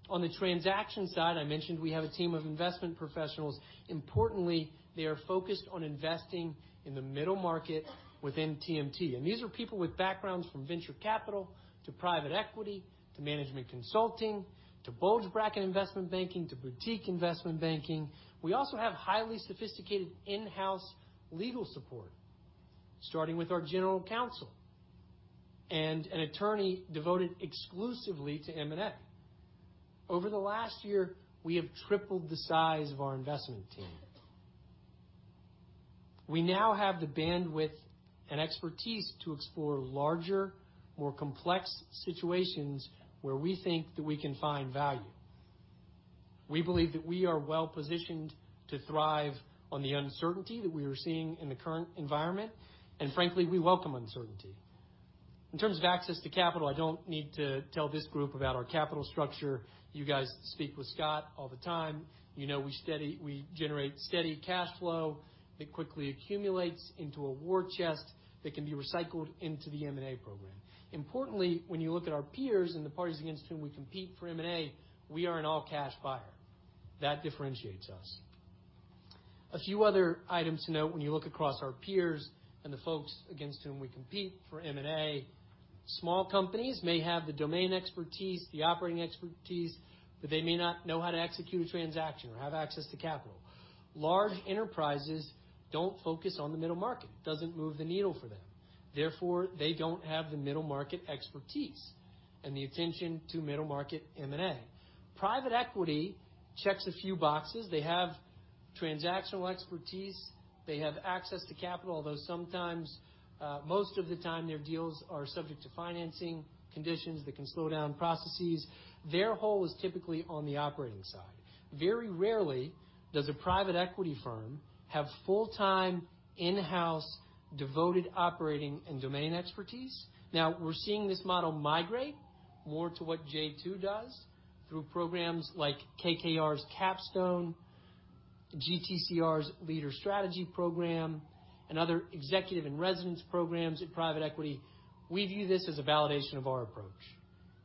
On the transaction side, I mentioned we have a team of investment professionals. Importantly, they are focused on investing in the middle market within TMT. These are people with backgrounds from venture capital to private equity, to management consulting, to bulge bracket investment banking, to boutique investment banking. We also have highly sophisticated in-house legal support, starting with our general counsel and an attorney devoted exclusively to M&A. Over the last year, we have tripled the size of our investment team. We now have the bandwidth and expertise to explore larger, more complex situations where we think that we can find value. We believe that we are well-positioned to thrive on the uncertainty that we are seeing in the current environment, and frankly, we welcome uncertainty. In terms of access to capital, I don't need to tell this group about our capital structure. You guys speak with Scott all the time. You know we generate steady cash flow that quickly accumulates into a war chest that can be recycled into the M&A program. Importantly, when you look at our peers and the parties against whom we compete for M&A, we are an all-cash buyer. That differentiates us. A few other items to note when you look across our peers and the folks against whom we compete for M&A. Small companies may have the domain expertise, the operating expertise, but they may not know how to execute a transaction or have access to capital. Large enterprises don't focus on the middle market. It doesn't move the needle for them. They don't have the middle market expertise and the attention to middle market M&A. Private equity checks a few boxes. They have transactional expertise. They have access to capital, although sometimes, most of the time, their deals are subject to financing conditions that can slow down processes. Their hole is typically on the operating side. Very rarely does a private equity firm have full-time, in-house devoted operating and domain expertise. We're seeing this model migrate more to what J2 global does through programs like KKR Capstone, GTCR's Leader Strategy Program, and other executive in residence programs at private equity. We view this as a validation of our approach.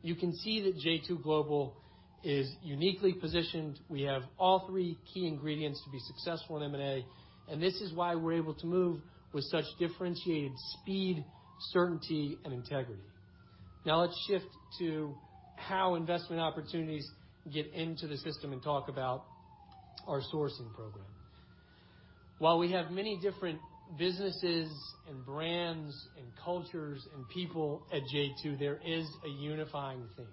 You can see that J2 Global is uniquely positioned. We have all three key ingredients to be successful in M&A, and this is why we're able to move with such differentiated speed, certainty, and integrity. Let's shift to how investment opportunities get into the system and talk about our sourcing program. While we have many different businesses and brands and cultures and people at J2, there is a unifying theme.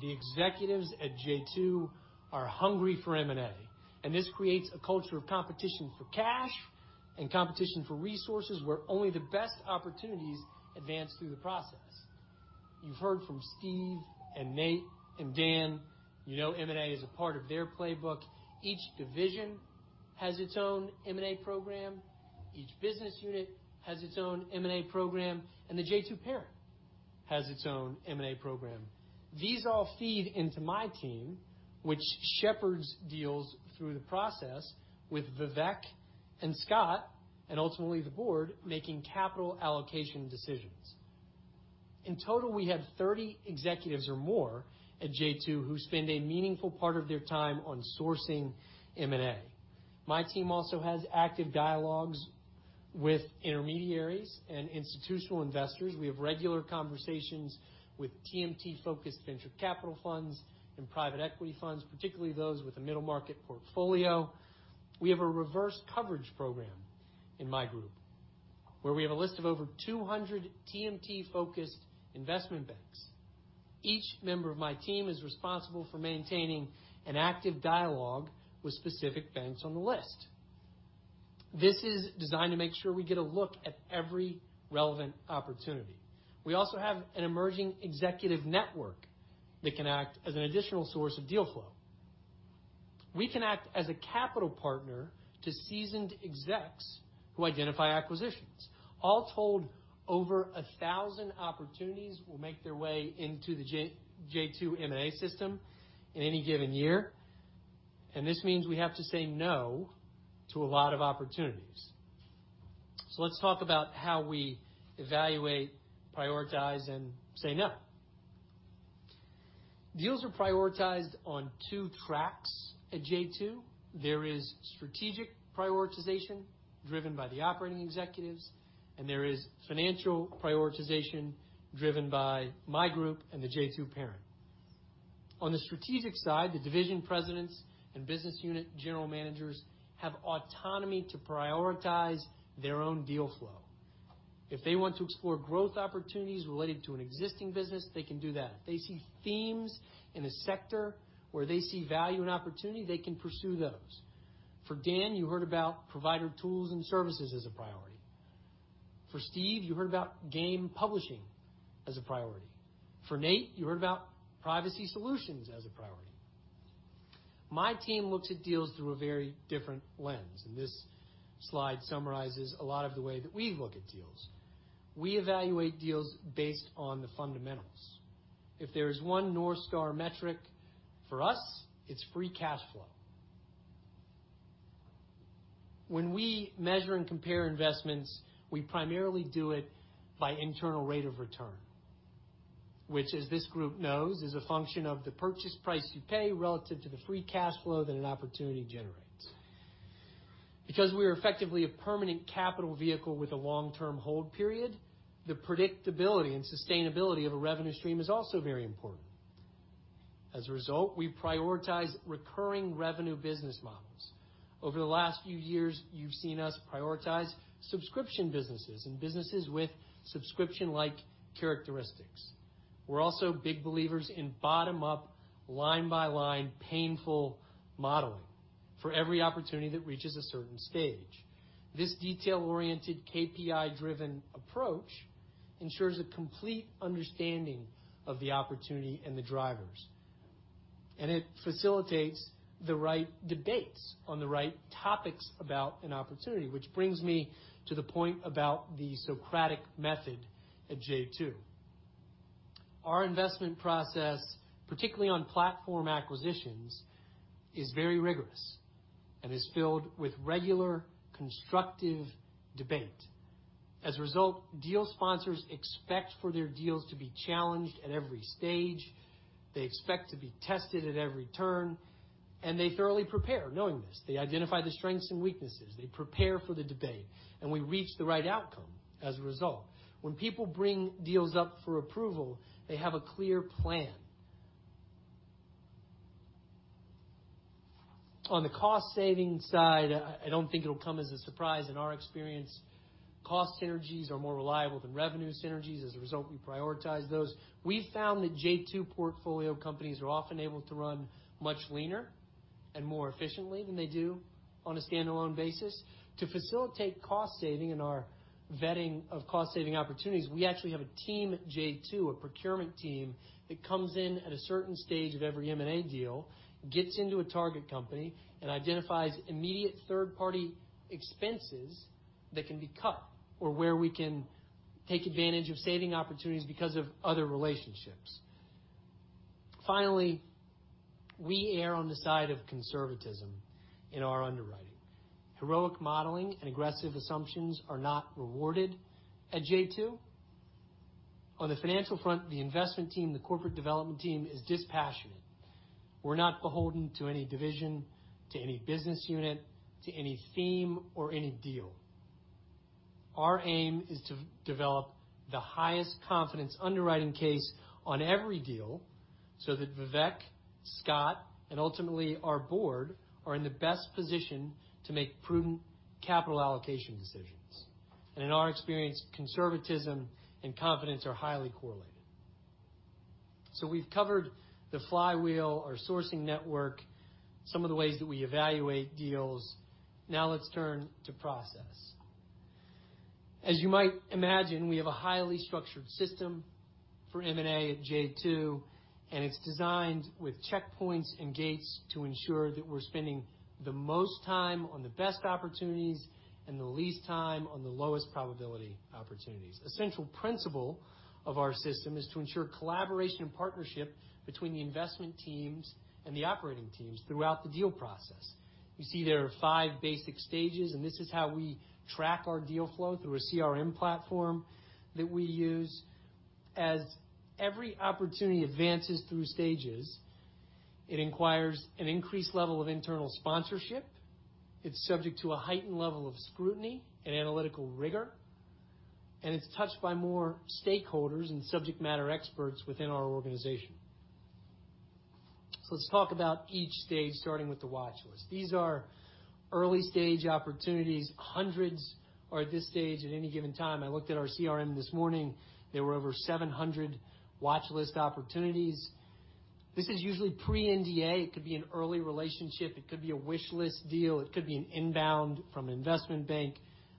The executives at J2 are hungry for M&A, and this creates a culture of competition for cash and competition for resources where only the best opportunities advance through the process. You've heard from Steve and Nate and Dan. You know M&A is a part of their playbook. Each division has its own M&A program. Each business unit has its own M&A program, and the J2 parent has its own M&A program. These all feed into my team, which shepherds deals through the process with Vivek and Scott and ultimately the board making capital allocation decisions. In total, we have 30 executives or more at J2 who spend a meaningful part of their time on sourcing M&A. My team also has active dialogues with intermediaries and institutional investors. We have regular conversations with TMT-focused venture capital funds and private equity funds, particularly those with a middle market portfolio. We have a reverse coverage program in my group where we have a list of over 200 TMT-focused investment banks. Each member of my team is responsible for maintaining an active dialogue with specific banks on the list. This is designed to make sure we get a look at every relevant opportunity. We also have an emerging executive network that can act as an additional source of deal flow. We can act as a capital partner to seasoned execs who identify acquisitions. All told, over 1,000 opportunities will make their way into the J2 M&A system in any given year. This means we have to say no to a lot of opportunities. Let's talk about how we evaluate, prioritize, and say no. Deals are prioritized on two tracks at J2. There is strategic prioritization driven by the operating executives. There is financial prioritization driven by my group and the J2 parent. On the strategic side, the division presidents and business unit general managers have autonomy to prioritize their own deal flow. If they want to explore growth opportunities related to an existing business, they can do that. If they see themes in a sector where they see value and opportunity, they can pursue those. For Dan, you heard about provider tools and services as a priority. For Steve, you heard about game publishing as a priority. For Nate, you heard about privacy solutions as a priority. My team looks at deals through a very different lens, and this slide summarizes a lot of the way that we look at deals. We evaluate deals based on the fundamentals. If there is one North Star metric for us, it's free cash flow. When we measure and compare investments, we primarily do it by internal rate of return, which as this group knows, is a function of the purchase price you pay relative to the free cash flow that an opportunity generates. Because we are effectively a permanent capital vehicle with a long-term hold period, the predictability and sustainability of a revenue stream is also very important. As a result, we prioritize recurring revenue business models. Over the last few years, you've seen us prioritize subscription businesses and businesses with subscription-like characteristics. We're also big believers in bottom-up, line-by-line, painful modeling for every opportunity that reaches a certain stage. This detail-oriented, KPI-driven approach ensures a complete understanding of the opportunity and the drivers. It facilitates the right debates on the right topics about an opportunity, which brings me to the point about the Socratic method at J2. Our investment process, particularly on platform acquisitions, is very rigorous and is filled with regular constructive debate. As a result, deal sponsors expect for their deals to be challenged at every stage, they expect to be tested at every turn, and they thoroughly prepare knowing this. They identify the strengths and weaknesses. They prepare for the debate, and we reach the right outcome as a result. When people bring deals up for approval, they have a clear plan. On the cost-saving side, I don't think it'll come as a surprise in our experience, cost synergies are more reliable than revenue synergies. We prioritize those. We've found that J2 portfolio companies are often able to run much leaner and more efficiently than they do on a standalone basis. To facilitate cost saving in our vetting of cost-saving opportunities, we actually have a team at J2, a procurement team, that comes in at a certain stage of every M&A deal, gets into a target company, and identifies immediate third-party expenses that can be cut or where we can take advantage of saving opportunities because of other relationships. We err on the side of conservatism in our underwriting. Heroic modeling and aggressive assumptions are not rewarded at J2. The investment team, the corporate development team is dispassionate. We're not beholden to any division, to any business unit, to any theme or any deal. Our aim is to develop the highest confidence underwriting case on every deal so that Vivek, Scott, and ultimately our board are in the best position to make prudent capital allocation decisions. In our experience, conservatism and confidence are highly correlated. We've covered the flywheel, our sourcing network, some of the ways that we evaluate deals. Now let's turn to process. As you might imagine, we have a highly structured system for M&A at J2, and it's designed with checkpoints and gates to ensure that we're spending the most time on the best opportunities and the least time on the lowest probability opportunities. Essential principle of our system is to ensure collaboration and partnership between the investment teams and the operating teams throughout the deal process. You see there are five basic stages, this is how we track our deal flow through a CRM platform that we use. As every opportunity advances through stages, it requires an increased level of internal sponsorship. It's subject to a heightened level of scrutiny and analytical rigor, it's touched by more stakeholders and subject matter experts within our organization. Let's talk about each stage starting with the watchlist. These are early-stage opportunities. Hundreds are at this stage at any given time. I looked at our CRM this morning. There were over 700 watchlist opportunities. This is usually pre-NDA. It could be an early relationship. It could be a wishlist deal. It could be an inbound from an investment bank.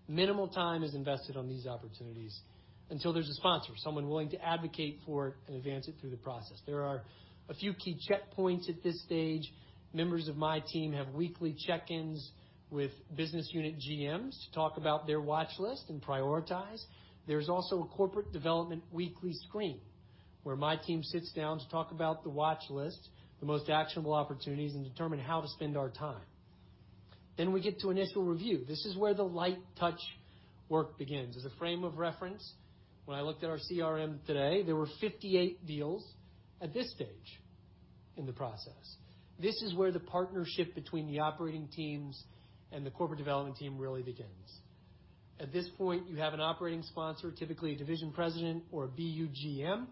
Minimal time is invested on these opportunities until there's a sponsor, someone willing to advocate for it and advance it through the process. There are a few key checkpoints at this stage. Members of my team have weekly check-ins with business unit GMs to talk about their watchlist and prioritize. There is also a corporate development weekly screen, where my team sits down to talk about the watchlist, the most actionable opportunities, and determine how to spend our time. We get to initial review. This is where the light touch work begins. As a frame of reference, when I looked at our CRM today, there were 58 deals at this stage in the process. This is where the partnership between the operating teams and the corporate development team really begins. At this point, you have an operating sponsor, typically a division president or a BUGM.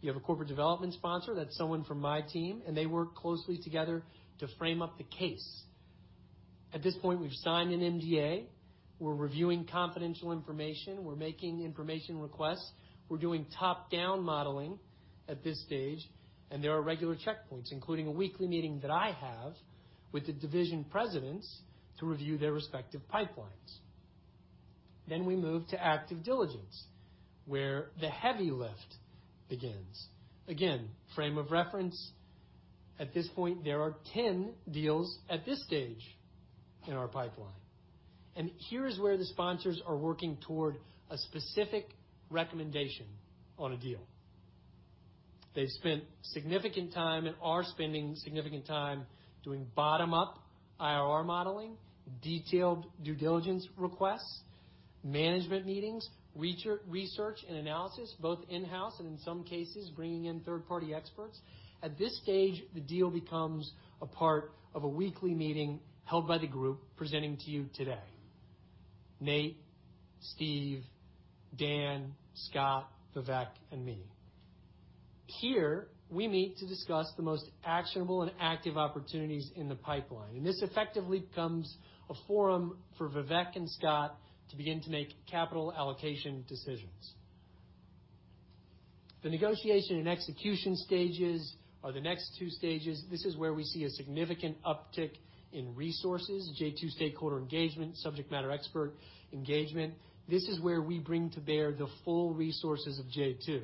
You have a corporate development sponsor. That is someone from my team, and they work closely together to frame up the case. At this point, we have signed an NDA. We're reviewing confidential information. We're making information requests. We're doing top-down modeling at this stage. There are regular checkpoints, including a weekly meeting that I have with the division Presidents to review their respective pipelines. We move to active diligence, where the heavy lift begins. Again, frame of reference. At this point, there are 10 deals at this stage in our pipeline. Here is where the sponsors are working toward a specific recommendation on a deal. They've spent significant time and are spending significant time doing bottom-up IRR modeling, detailed due diligence requests, management meetings, research and analysis, both in-house and in some cases, bringing in third-party experts. At this stage, the deal becomes a part of a weekly meeting held by the group presenting to you today: Nate, Steve, Dan, Scott, Vivek, and me. Here, we meet to discuss the most actionable and active opportunities in the pipeline, this effectively becomes a forum for Vivek and Scott to begin to make capital allocation decisions. The negotiation and execution stages are the next two stages. This is where we see a significant uptick in resources, J2 stakeholder engagement, subject matter expert engagement. This is where we bring to bear the full resources of J2.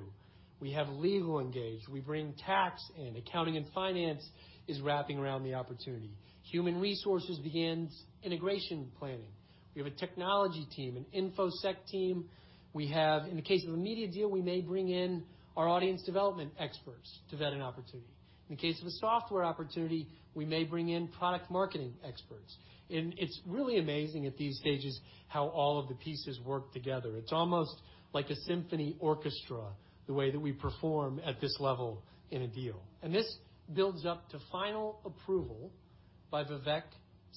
We have legal engaged. We bring tax in. Accounting and finance is wrapping around the opportunity. Human resources begins integration planning. We have a technology team, an InfoSec team. We have, in the case of a media deal, we may bring in our audience development experts to vet an opportunity. In the case of a software opportunity, we may bring in product marketing experts. It's really amazing at these stages how all of the pieces work together. It's almost like a symphony orchestra, the way that we perform at this level in a deal. This builds up to final approval by Vivek,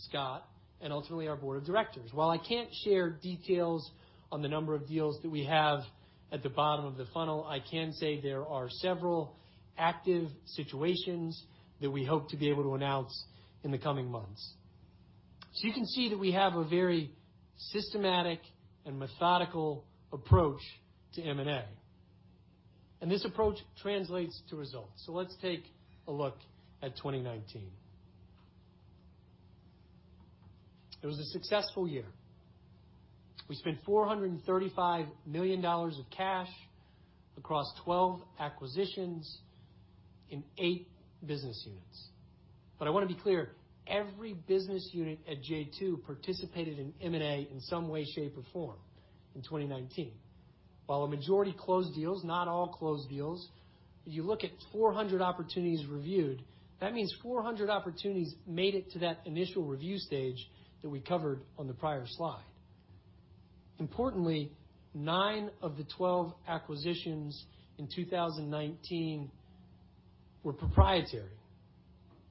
Scott, and ultimately our board of directors. While I can't share details on the number of deals that we have at the bottom of the funnel, I can say there are several active situations that we hope to be able to announce in the coming months. You can see that we have a very systematic and methodical approach to M&A, and this approach translates to results. Let's take a look at 2019. It was a successful year. We spent $435 million of cash across 12 acquisitions in eight business units. I want to be clear, every business unit at J2 participated in M&A in some way, shape, or form in 2019. While a majority closed deals, not all closed deals. If you look at 400 opportunities reviewed, that means 400 opportunities made it to that initial review stage that we covered on the prior slide. Importantly, nine of the 12 acquisitions in 2019 were proprietary,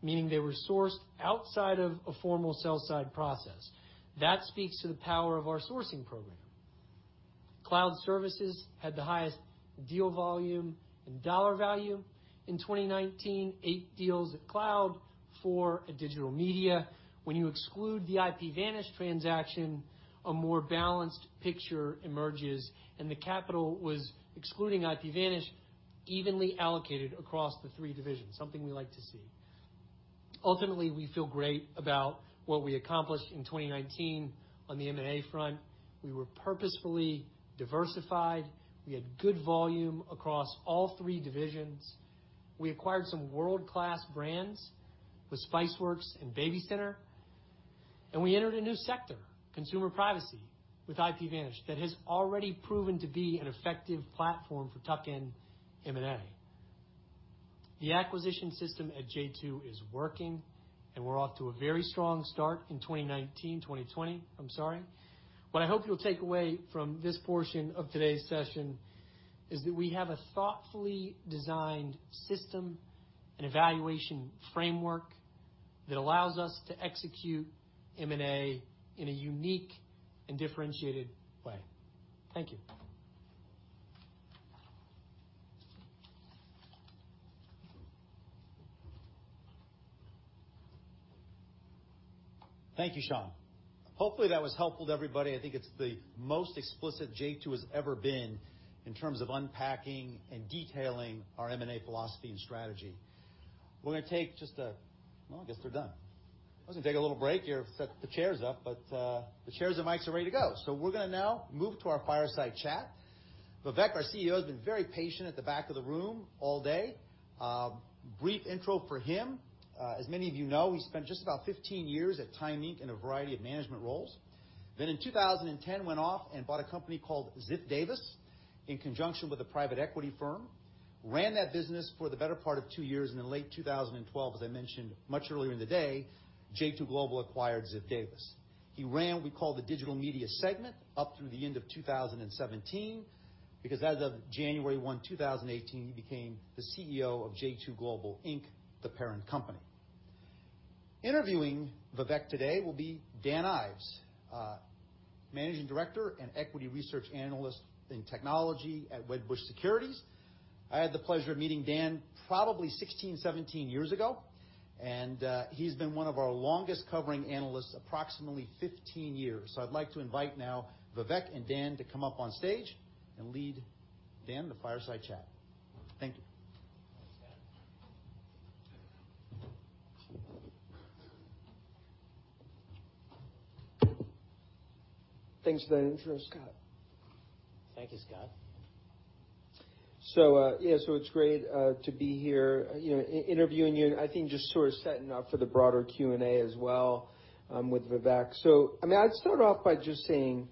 meaning they were sourced outside of a formal sell-side process. That speaks to the power of our sourcing program. Cloud Services had the highest deal volume and dollar value. In 2019, eight deals at Cloud, four at Digital Media. When you exclude the IPVanish transaction, a more balanced picture emerges, and the capital was, excluding IPVanish, evenly allocated across the three divisions, something we like to see. Ultimately, we feel great about what we accomplished in 2019 on the M&A front. We were purposefully diversified. We had good volume across all three divisions. We acquired some world-class brands with Spiceworks and BabyCenter, and we entered a new sector, consumer privacy, with IPVanish, that has already proven to be an effective platform for tuck-in M&A. The acquisition system at J2 is working, and we're off to a very strong start in 2019, 2020, I'm sorry. What I hope you'll take away from this portion of today's session is that we have a thoughtfully designed system and evaluation framework that allows us to execute M&A in a unique and differentiated way. Thank you. Thank you, Sean. Hopefully, that was helpful to everybody. I think it's the most explicit J2 has ever been in terms of unpacking and detailing our M&A philosophy and strategy. Well, I guess they're done. I was going to take a little break here, set the chairs up. The chairs and mics are ready to go. We're going to now move to our fireside chat. Vivek, our CEO, has been very patient at the back of the room all day. Brief intro for him. As many of you know, he spent just about 15 years at Time Inc. in a variety of management roles. In 2010, went off and bought a company called Ziff Davis in conjunction with a private equity firm, ran that business for the better part of two years. In the late 2012, as I mentioned much earlier in the day, J2 Global acquired Ziff Davis. He ran what we call the Digital Media segment up through the end of 2017, because as of January 1, 2018, he became the CEO of J2 Global Inc, the parent company. Interviewing Vivek today will be Dan Ives, Managing Director and Equity Research Analyst in Technology at Wedbush Securities. I had the pleasure of meeting Dan probably 16, 17 years ago, and he's been one of our longest covering analysts approximately 15 years. I'd like to invite now Vivek and Dan to come up on stage and lead Dan in the fireside chat. Thank you. Thanks for that intro, Scott. Thank you, Scott. It's great to be here interviewing you. I think just sort of setting up for the broader Q&A as well with Vivek. I'd start off by just saying,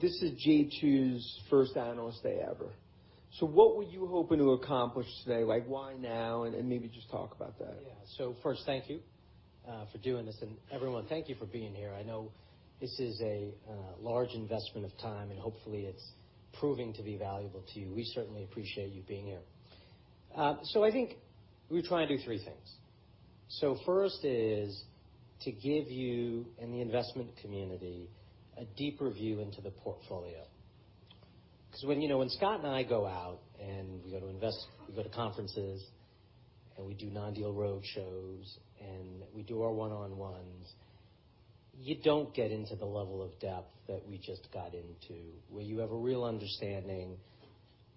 this is J2's first Analyst Day ever. What were you hoping to accomplish today? Why now? Maybe just talk about that. First, thank you for doing this. Everyone, thank you for being here. I know this is a large investment of time, and hopefully it's proving to be valuable to you. We certainly appreciate you being here. I think we try and do three things. First is to give you and the investment community a deeper view into the portfolio. Because when Scott and I go out and we go to invest, we go to conferences, and we do non-deal roadshows, and we do our one-on-ones, you don't get into the level of depth that we just got into, where you have a real understanding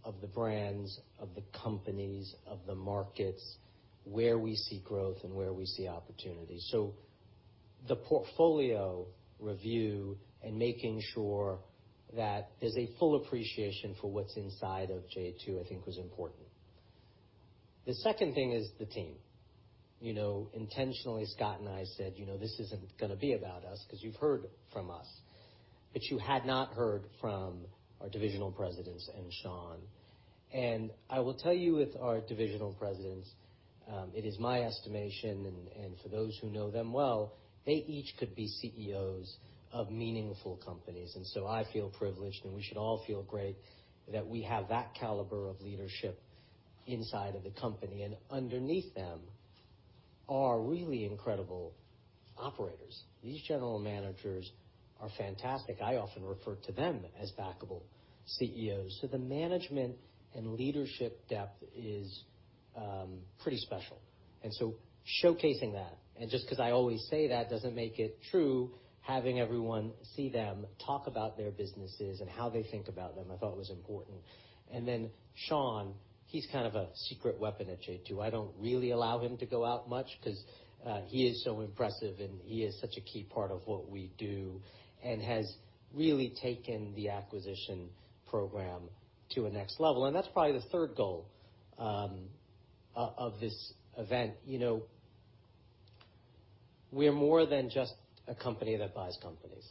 of the brands, of the companies, of the markets, where we see growth and where we see opportunities. The portfolio review and making sure that there's a full appreciation for what's inside of J2, I think was important. The second thing is the team. Intentionally, Scott and I said, "This isn't going to be about us," because you've heard from us, but you had not heard from our divisional presidents and Sean. I will tell you, with our divisional presidents, it is my estimation, and for those who know them well, they each could be CEOs of meaningful companies. I feel privileged, and we should all feel great that we have that caliber of leadership inside of the company. Underneath them are really incredible operators. These general managers are fantastic. I often refer to them as backable CEOs. The management and leadership depth is pretty special. Showcasing that, and just because I always say that doesn't make it true, having everyone see them talk about their businesses and how they think about them, I thought was important. Sean, he's kind of a secret weapon at J2. I don't really allow him to go out much because he is so impressive, and he is such a key part of what we do and has really taken the acquisition program to a next level. That's probably the third goal of this event. We're more than just a company that buys companies.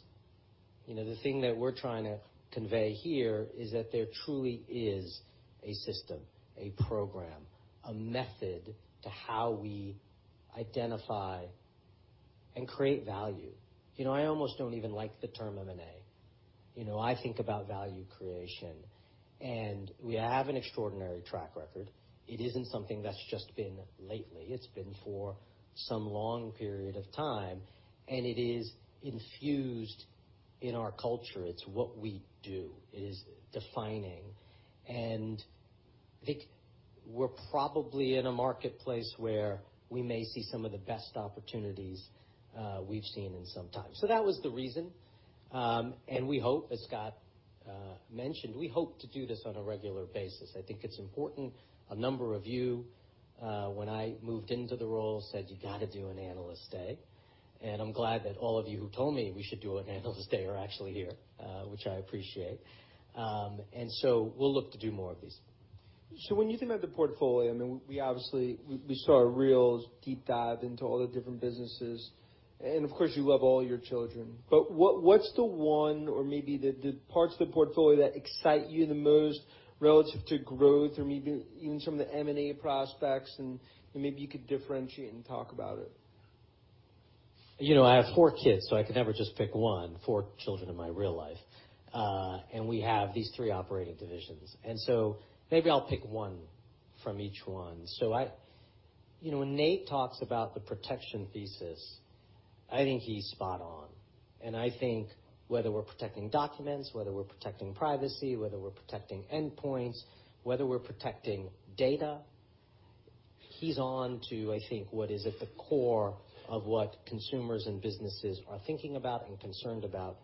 The thing that we're trying to convey here is that there truly is a system, a program, a method to how we identify and create value. I almost don't even like the term M&A. I think about value creation, and we have an extraordinary track record. It isn't something that's just been lately. It's been for some long period of time, and it is infused in our culture. It's what we do. It is defining. I think we're probably in a marketplace where we may see some of the best opportunities we've seen in some time. That was the reason. We hope, as Scott mentioned, we hope to do this on a regular basis. I think it's important. A number of you, when I moved into the role, said, "You got to do an Analyst Day." I'm glad that all of you who told me we should do an Analyst Day are actually here, which I appreciate. We'll look to do more of these. When you think about the portfolio, we saw a real deep dive into all the different businesses, and of course, you love all your children. What's the one or maybe the parts of the portfolio that excite you the most relative to growth or maybe even some of the M&A prospects, and maybe you could differentiate and talk about it? I have four kids, so I could never just pick one. Four children in my real life. We have these three operating divisions. Maybe I'll pick one from each one. When Nate talks about the protection thesis, I think he's spot on. I think whether we're protecting documents, whether we're protecting privacy, whether we're protecting endpoints, whether we're protecting data, he's on to, I think, what is at the core of what consumers and businesses are thinking about and concerned about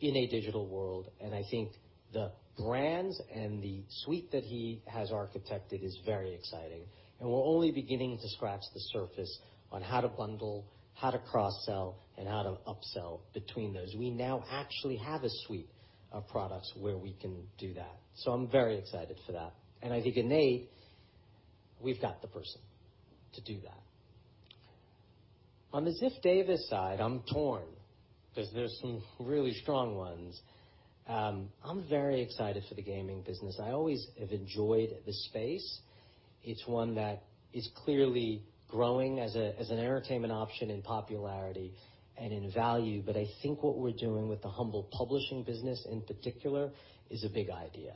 in a digital world. I think the brands and the suite that he has architected is very exciting, and we're only beginning to scratch the surface on how to bundle, how to cross-sell, and how to upsell between those. We now actually have a suite of products where we can do that. I'm very excited for that. I think in Nate, we've got the person to do that. On the Ziff Davis side, I'm torn because there's some really strong ones. I'm very excited for the gaming business. I always have enjoyed the space. It's one that is clearly growing as an entertainment option in popularity and in value. I think what we're doing with the Humble publishing business, in particular, is a big idea.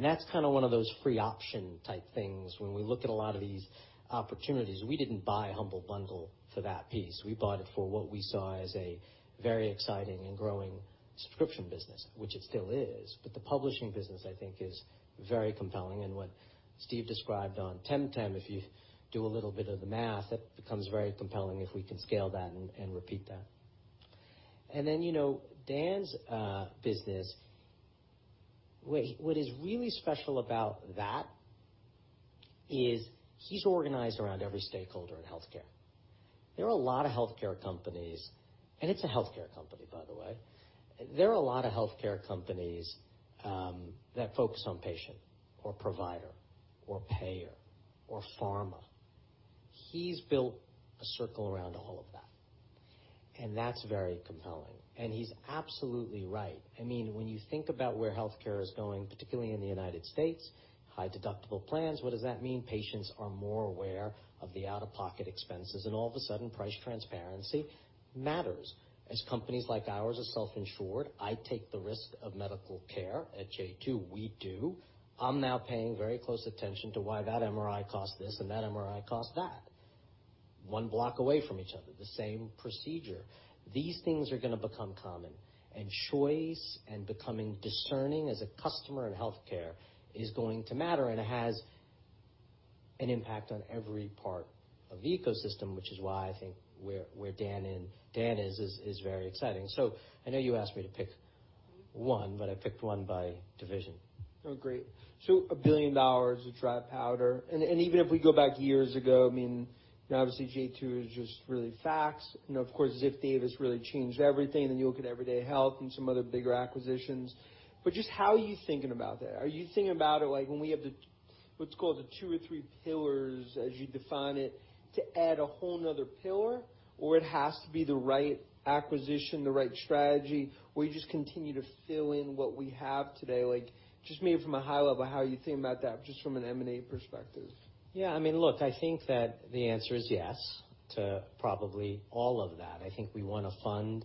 That's one of those free option type things. When we look at a lot of these opportunities, we didn't buy Humble Bundle for that piece. We bought it for what we saw as a very exciting and growing subscription business, which it still is. The publishing business, I think, is very compelling. What Steve described on Temtem, if you do a little bit of the math, that becomes very compelling if we can scale that and repeat that. Then Dan's business. What is really special about that is he's organized around every stakeholder in healthcare. There are a lot of healthcare companies, and it's a healthcare company, by the way. There are a lot of healthcare companies that focus on patient or provider or payer or pharma. He's built a circle around all of that, and that's very compelling. He's absolutely right. When you think about where healthcare is going, particularly in the U.S., high-deductible plans, what does that mean? Patients are more aware of the out-of-pocket expenses, and all of a sudden, price transparency matters. As companies like ours are self-insured, I take the risk of medical care. At J2, we do. I'm now paying very close attention to why that MRI costs this and that MRI costs that one block away from each other, the same procedure. These things are going to become common, and choice and becoming discerning as a customer in healthcare is going to matter, and it has an impact on every part of the ecosystem, which is why I think where Dan is very exciting. I know you asked me to pick one, but I picked one by division. Great. A billion dollars of dry powder. Even if we go back years ago, obviously J2 was just really faxes. Of course, Ziff Davis really changed everything. You look at Everyday Health and some other bigger acquisitions. Just how are you thinking about that? Are you thinking about it like when we have what's called the two or three pillars, as you define it, to add a whole other pillar, or it has to be the right acquisition, the right strategy, or you just continue to fill in what we have today? Just maybe from a high level, how you think about that, just from an M&A perspective. Yeah. Look, I think that the answer is yes to probably all of that. I think we want to fund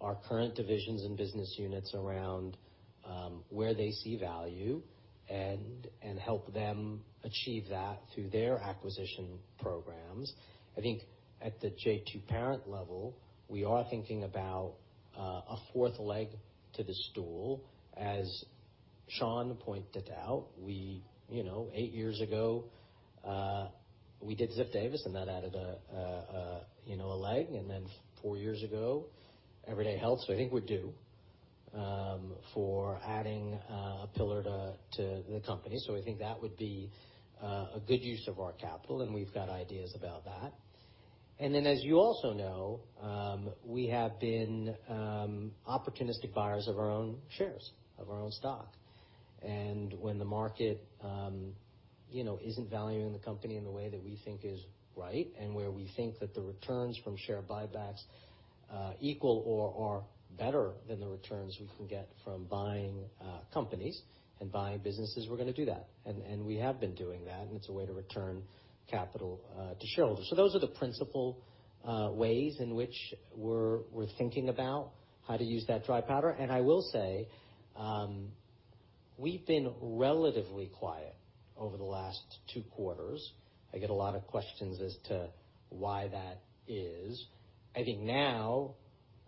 our current divisions and business units around where they see value and help them achieve that through their acquisition programs. I think at the J2 parent level, we are thinking about a fourth leg to the stool. As Sean pointed out, eight years ago, we did Ziff Davis, that added a leg, four years ago, Everyday Health. I think we're due for adding a pillar to the company. I think that would be a good use of our capital, we've got ideas about that. As you also know, we have been opportunistic buyers of our own shares, of our own stock. When the market isn't valuing the company in the way that we think is right, and where we think that the returns from share buybacks equal or are better than the returns we can get from buying companies and buying businesses, we're going to do that. We have been doing that, and it's a way to return capital to shareholders. Those are the principal ways in which we're thinking about how to use that dry powder. I will say, we've been relatively quiet over the last two quarters. I get a lot of questions as to why that is. I think now,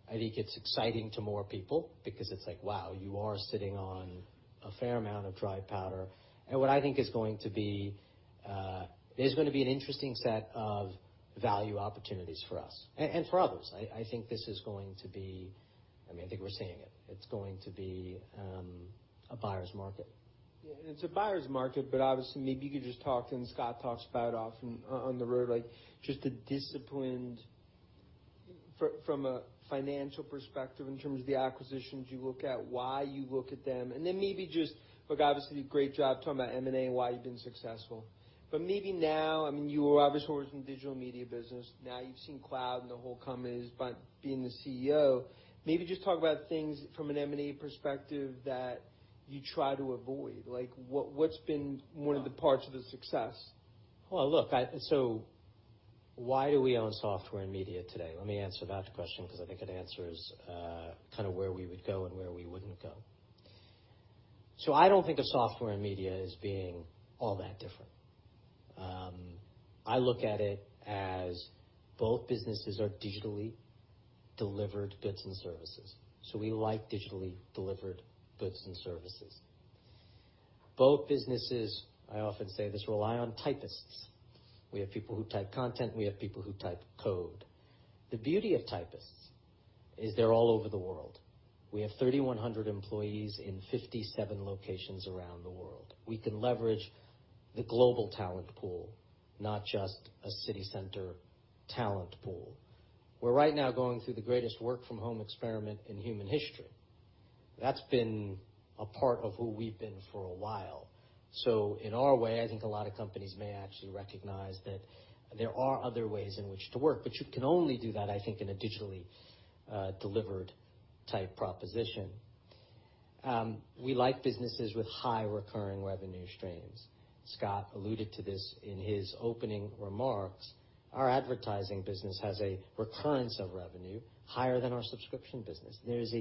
I think it's exciting to more people because it's like, wow, you are sitting on a fair amount of dry powder. What I think is going to be an interesting set of value opportunities for us and for others. I think we're seeing it. It's going to be a buyer's market. Yeah. It's a buyer's market. Obviously, maybe you could just talk, and Scott talks about it often on the road, just a disciplined, from a financial perspective, in terms of the acquisitions you look at, why you look at them, and then maybe just, obviously, a great job talking about M&A and why you've been successful. Maybe now, you obviously worked in the digital media business. Now you've seen cloud and the whole companies by being the CEO. Maybe just talk about things from an M&A perspective that you try to avoid. What's been one of the parts of the success? Why do we own software and media today? Let me answer that question because I think it answers where we would go and where we wouldn't go. I don't think of software and media as being all that different. I look at it as both businesses are digitally delivered goods and services. We like digitally delivered goods and services. Both businesses, I often say this, rely on typists. We have people who type content, we have people who type code. The beauty of typists is they're all over the world. We have 3,100 employees in 57 locations around the world. We can leverage the global talent pool, not just a city center talent pool. We're right now going through the greatest work-from-home experiment in human history. That's been a part of who we've been for a while. In our way, I think a lot of companies may actually recognize that there are other ways in which to work, but you can only do that, I think, in a digitally delivered-type proposition. We like businesses with high recurring revenue streams. Scott alluded to this in his opening remarks. Our advertising business has a recurrence of revenue higher than our subscription business. There is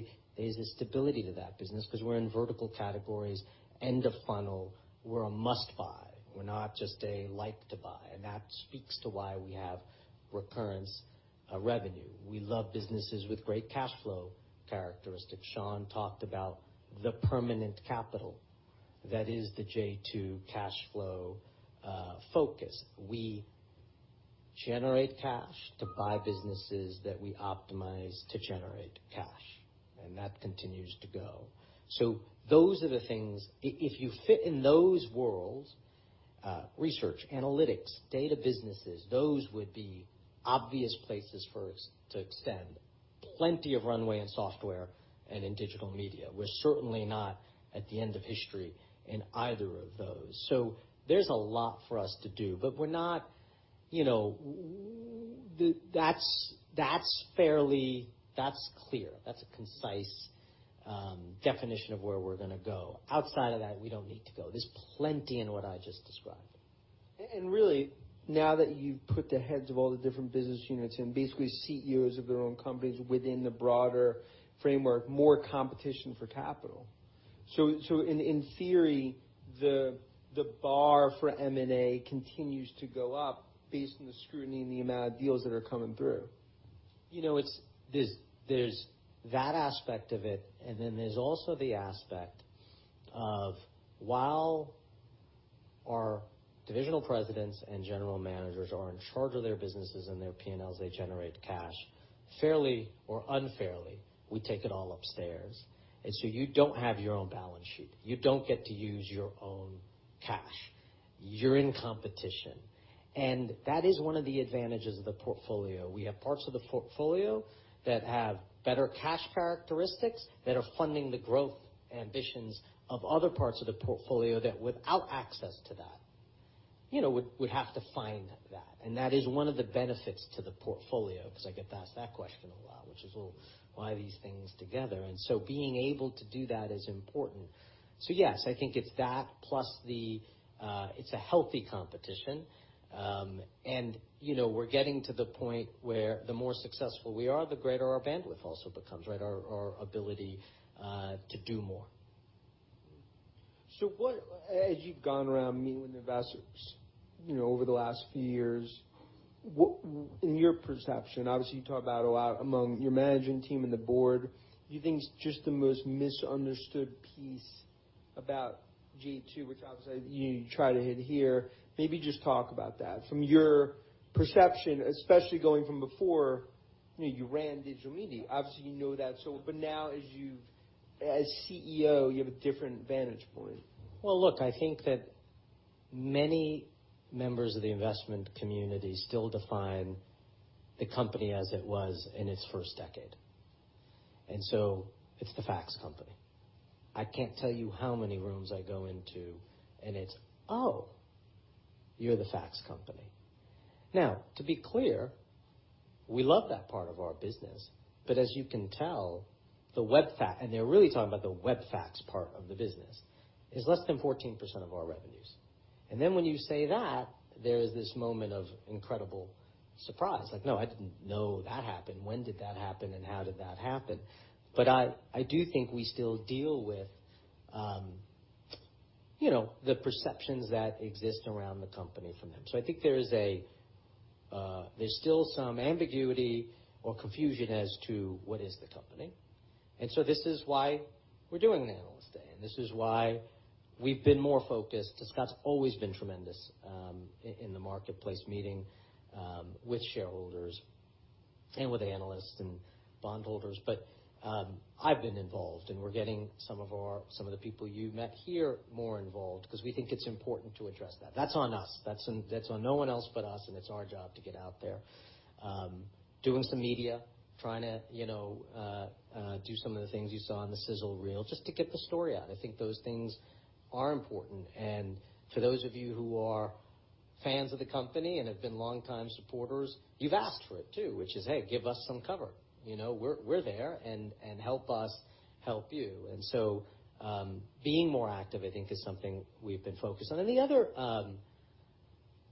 a stability to that business because we're in vertical categories, end of funnel. We're a must-buy. We're not just a like-to-buy. That speaks to why we have recurrence revenue. We love businesses with great cash flow characteristics. Sean talked about the permanent capital. That is the J2 cash flow focus. We generate cash to buy businesses that we optimize to generate cash, and that continues to go. Those are the things. If you fit in those worlds, research, analytics, data businesses, those would be obvious places for us to extend. Plenty of runway in software and in digital media. We're certainly not at the end of history in either of those. There's a lot for us to do. That's clear. That's a concise definition of where we're going to go. Outside of that, we don't need to go. There's plenty in what I just described. Really, now that you've put the heads of all the different business units and basically CEOs of their own companies within the broader framework, more competition for capital. In theory, the bar for M&A continues to go up based on the scrutiny and the amount of deals that are coming through. There's that aspect of it, there's also the aspect of while our divisional presidents and general managers are in charge of their businesses and their P&Ls, they generate cash. Fairly or unfairly, we take it all upstairs. You don't have your own balance sheet. You don't get to use your own cash. You're in competition. That is one of the advantages of the portfolio. We have parts of the portfolio that have better cash characteristics that are funding the growth ambitions of other parts of the portfolio that without access to that would have to find that. That is one of the benefits to the portfolio because I get asked that question a lot, which is, well, why are these things together? Being able to do that is important. Yes, I think it's that plus it's a healthy competition. We're getting to the point where the more successful we are, the greater our bandwidth also becomes, right? Our ability to do more. As you've gone around meeting with investors over the last few years, in your perception, obviously, you talk about a lot among your management team and the board, do you think it's just the most misunderstood piece about J2, which obviously you try to hit here? Maybe just talk about that. From your perception, especially going from before you ran Digital Media, obviously, you know that, but now as CEO, you have a different vantage point. Well, look, I think that many members of the investment community still define the company as it was in its first decade. It's the fax company. I can't tell you how many rooms I go into and it's, "Oh, you're the fax company." Now, to be clear, we love that part of our business. As you can tell, the web fax, and they're really talking about the web fax part of the business, is less than 14% of our revenues. When you say that, there's this moment of incredible surprise. Like, "No, I didn't know that happened. When did that happen, and how did that happen?" I do think we still deal with the perceptions that exist around the company from them. I think there's still some ambiguity or confusion as to what is the company. This is why we're doing an analyst day, and this is why we've been more focused. Scott's always been tremendous in the marketplace, meeting with shareholders and with analysts and bondholders. I've been involved, and we're getting some of the people you met here more involved because we think it's important to address that. That's on us. That's on no one else but us, and it's our job to get out there. Doing some media, trying to do some of the things you saw in the sizzle reel, just to get the story out. I think those things are important. For those of you who are fans of the company and have been longtime supporters, you've asked for it too, which is, "Hey, give us some cover. We're there, and help us help you." Being more active, I think, is something we've been focused on. The other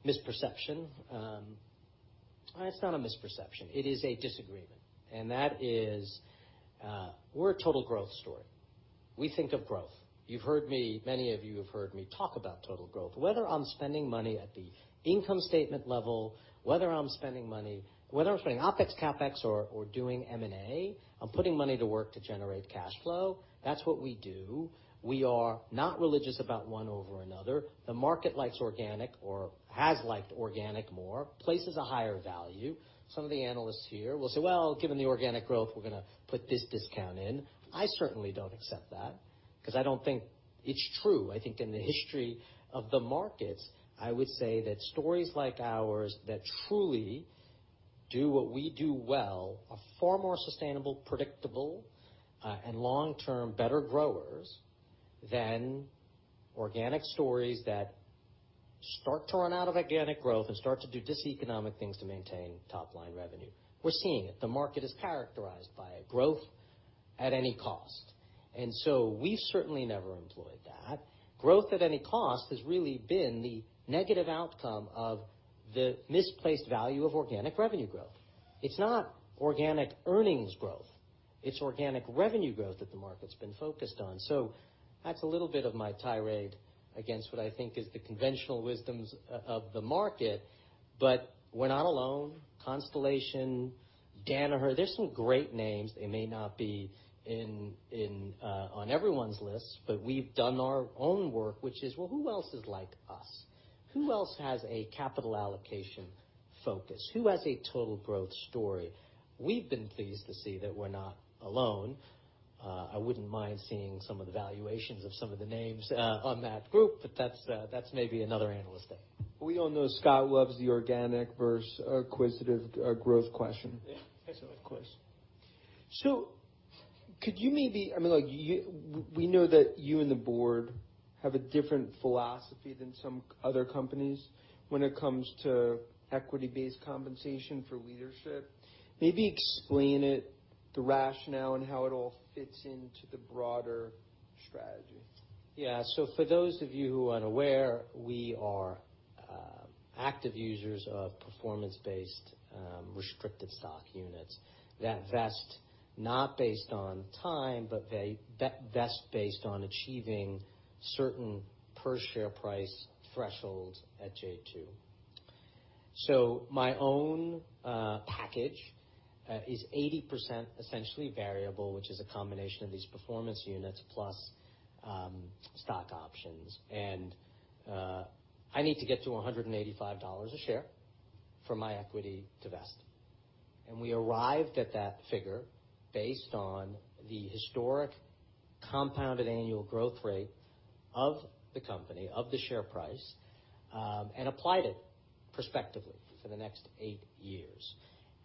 misperception. It's not a misperception. It is a disagreement, and that is we're a total growth story. We think of growth. Many of you have heard me talk about total growth. Whether I'm spending money at the income statement level, whether I'm spending OpEx, CapEx or doing M&A, I'm putting money to work to generate cash flow. That's what we do. We are not religious about one over another. The market likes organic or has liked organic more, places a higher value. Some of the analysts here will say, "Well, given the organic growth, we're going to put this discount in." I certainly don't accept that because I don't think it's true. I think in the history of the markets, I would say that stories like ours that truly do what we do well are far more sustainable, predictable, and long-term better growers than organic stories that start to run out of organic growth and start to do diseconomic things to maintain top-line revenue. We're seeing it. The market is characterized by growth at any cost. We've certainly never employed that. Growth at any cost has really been the negative outcome of the misplaced value of organic revenue growth. It's not organic earnings growth. It's organic revenue growth that the market's been focused on. That's a little bit of my tirade against what I think is the conventional wisdoms of the market. We're not alone. Constellation, Danaher, there's some great names. They may not be on everyone's list. We've done our own work, which is, well, who else is like us? Who else has a capital allocation focus? Who has a total growth story? We've been pleased to see that we're not alone. I wouldn't mind seeing some of the valuations of some of the names on that group. That's maybe another analyst day. We all know Scott loves the organic versus acquisitive growth question. Yeah. Absolutely. Of course. We know that you and the board have a different philosophy than some other companies when it comes to equity-based compensation for leadership. Maybe explain it, the rationale, and how it all fits into the broader strategy? For those of you who aren't aware, we are active users of performance-based restricted stock units that vest not based on time, but vest based on achieving certain per-share price thresholds at J2. My own package is 80% essentially variable, which is a combination of these performance units plus stock options. I need to get to $185 a share for my equity to vest. We arrived at that figure based on the historic compounded annual growth rate of the company, of the share price, and applied it perspectively for the next eight years.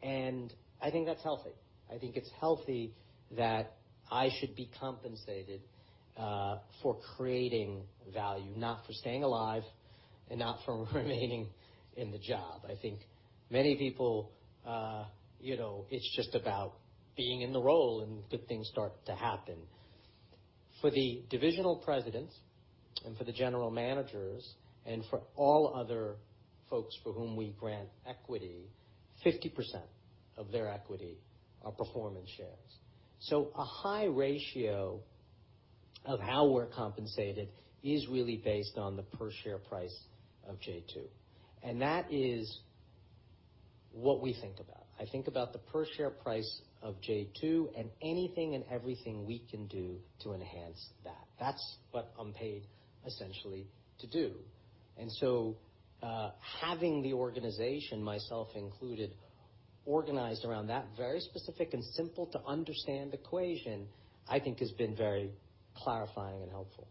I think that's healthy. I think it's healthy that I should be compensated for creating value, not for staying alive and not for remaining in the job. I think many people, it's just about being in the role, and good things start to happen. For the divisional presidents and for the general managers and for all other folks for whom we grant equity, 50% of their equity are performance shares. A high ratio of how we're compensated is really based on the per-share price of J2. That is what we think about. I think about the per-share price of J2 and anything and everything we can do to enhance that. That's what I'm paid, essentially, to do. Having the organization, myself included, organized around that very specific and simple to understand equation, I think has been very clarifying and helpful.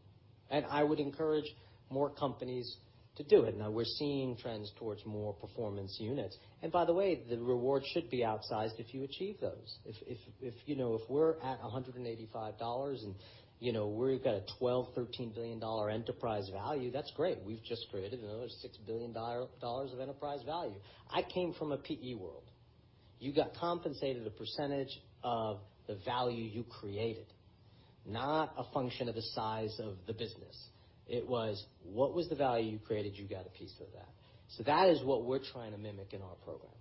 I would encourage more companies to do it. Now, we're seeing trends towards more performance units. By the way, the reward should be outsized if you achieve those. If we're at $185 and we've got a $12 billion-$13 billion enterprise value, that's great. We've just created another $6 billion of enterprise value. I came from a PE world. You got compensated a percentage of the value you created, not a function of the size of the business. It was, what was the value you created, you got a piece of that. That is what we're trying to mimic in our program.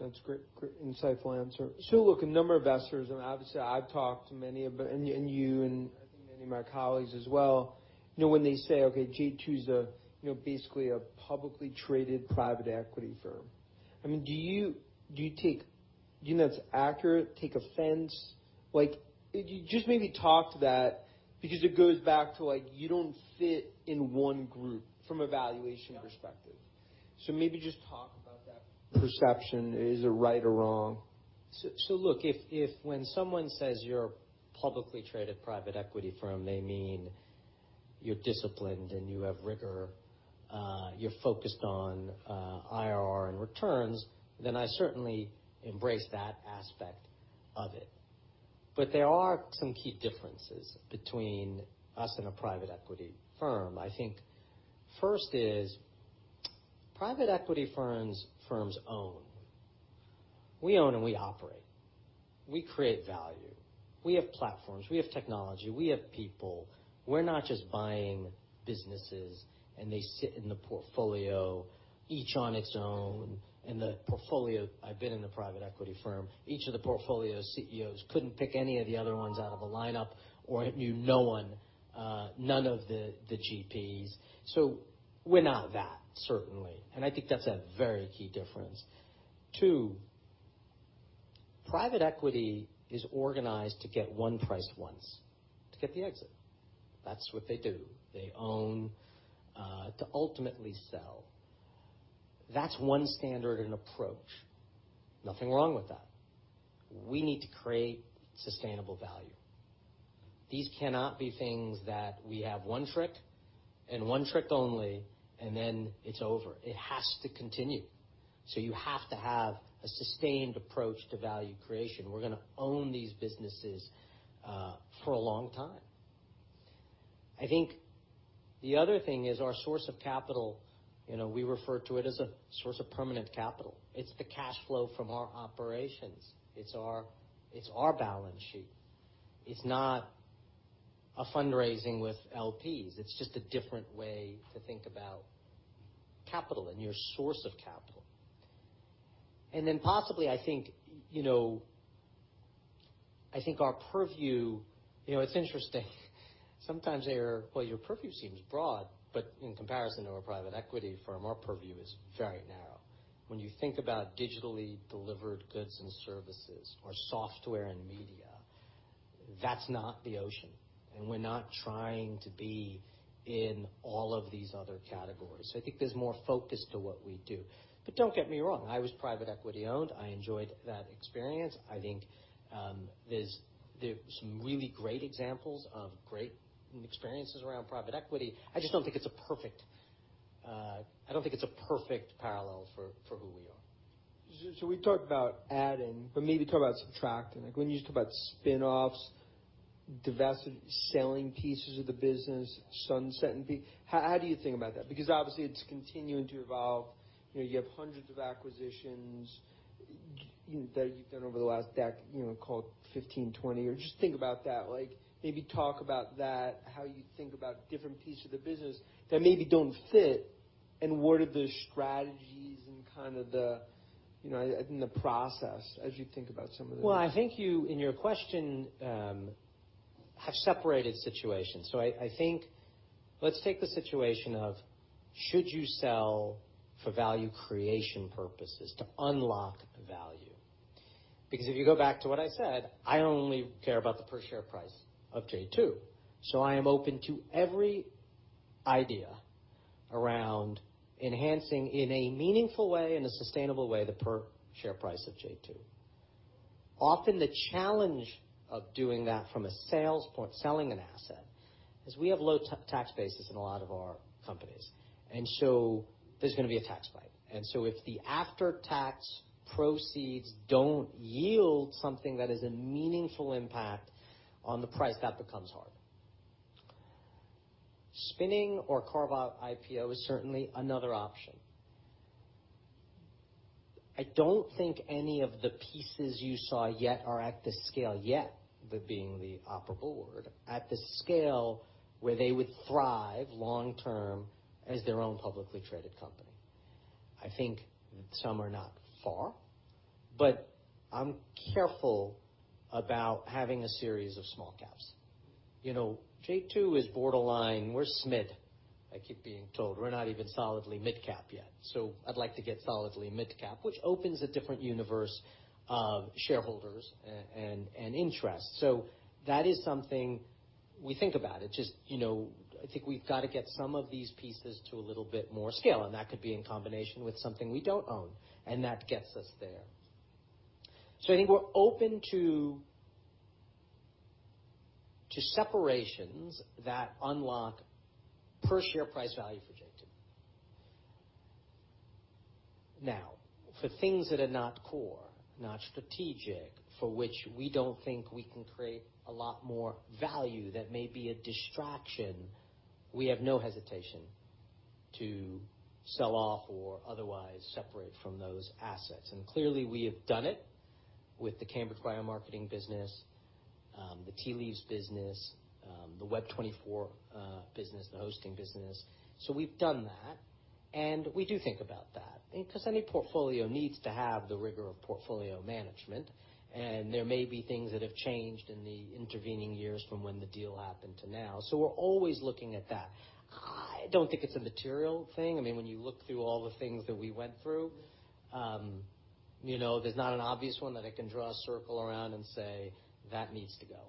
That's great. Insightful answer. Look, a number of investors, and obviously I've talked to many of them, and you and I think many of my colleagues as well, when they say, okay, J2's basically a publicly traded private equity firm. Do you think that's accurate, take offense? Just maybe talk to that, because it goes back to you don't fit in one group from a valuation perspective. Maybe just talk about that perception. Is it right or wrong? Look, if when someone says you're a publicly traded private equity firm, they mean you're disciplined and you have rigor, you're focused on IRR and returns, then I certainly embrace that aspect of it. There are some key differences between us and a private equity firm. I think first is private equity firms own. We own and we operate. We create value. We have platforms. We have technology. We have people. We're not just buying businesses, and they sit in the portfolio, each on its own, and the portfolio, I've been in a private equity firm, each of the portfolio CEOs couldn't pick any of the other ones out of a lineup or knew no one, none of the GPs. We're not that, certainly. I think that's a very key difference. Two, private equity is organized to get one price once, to get the exit. That's what they do. They own to ultimately sell. That's one standard and approach. Nothing wrong with that. We need to create sustainable value. These cannot be things that we have one trick, and one trick only, and then it's over. It has to continue. You have to have a sustained approach to value creation. We're going to own these businesses for a long time. I think the other thing is our source of capital, we refer to it as a source of permanent capital. It's the cash flow from our operations. It's our balance sheet. It's not a fundraising with LPs. It's just a different way to think about capital and your source of capital. Possibly, I think our purview. It's interesting. Sometimes they hear, "Well, your purview seems broad," but in comparison to a private equity firm, our purview is very narrow. When you think about digitally delivered goods and services or software and media. That's not the ocean, and we're not trying to be in all of these other categories. I think there's more focus to what we do. Don't get me wrong, I was private equity-owned. I enjoyed that experience. I think there's some really great examples of great experiences around private equity. I just don't think it's a perfect parallel for who we are. We talked about adding. Maybe talk about subtracting. When you talk about spinoffs, divesting, selling pieces of the business, sunsetting, how do you think about that? Obviously, it's continuing to evolve. You have hundreds of acquisitions that you've done over the last call it 15, 20 years. Think about that. Talk about that, how you think about different pieces of the business that maybe don't fit, and what are the strategies and kind of in the process as you think about some of those. I think you, in your question, have separated situations. I think, let's take the situation of should you sell for value creation purposes to unlock value? Because if you go back to what I said, I only care about the per share price of J2. I am open to every idea around enhancing, in a meaningful way, in a sustainable way, the per share price of J2. Often, the challenge of doing that from a sales point, selling an asset, is we have low tax bases in a lot of our companies. There's going to be a tax bite. If the after-tax proceeds don't yield something that is a meaningful impact on the price, that becomes hard. Spinning or carve-out IPO is certainly another option. I don't think any of the pieces you saw yet are at the scale yet, with being the Opera board, at the scale where they would thrive long-term as their own publicly traded company. I think some are not far, but I'm careful about having a series of small caps. J2 is borderline. We're SMID, I keep being told. We're not even solidly midcap yet. I'd like to get solidly midcap, which opens a different universe of shareholders and interest. That is something we think about. I think we've got to get some of these pieces to a little bit more scale, and that could be in combination with something we don't own, and that gets us there. I think we're open to separations that unlock per share price value for J2. For things that are not core, not strategic, for which we don't think we can create a lot more value, that may be a distraction, we have no hesitation to sell off or otherwise separate from those assets. Clearly, we have done it with the Cambridge BioMarketing business, the Tea Leaves business, the Web24 business, the hosting business. We've done that, and we do think about that because any portfolio needs to have the rigor of portfolio management, and there may be things that have changed in the intervening years from when the deal happened to now. We're always looking at that. I don't think it's a material thing. When you look through all the things that we went through, there's not an obvious one that I can draw a circle around and say, "That needs to go.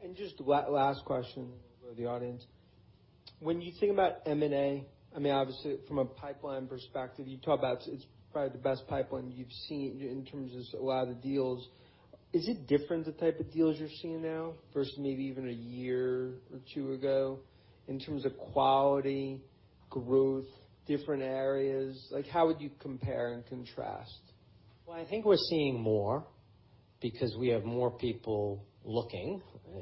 Okay. Just last question for the audience. When you think about M&A, obviously from a pipeline perspective, you talk about it's probably the best pipeline you've seen in terms of a lot of the deals. Is it different, the type of deals you're seeing now versus maybe even a year or two ago, in terms of quality, growth, different areas? How would you compare and contrast? Well, I think we're seeing more because we have more people looking.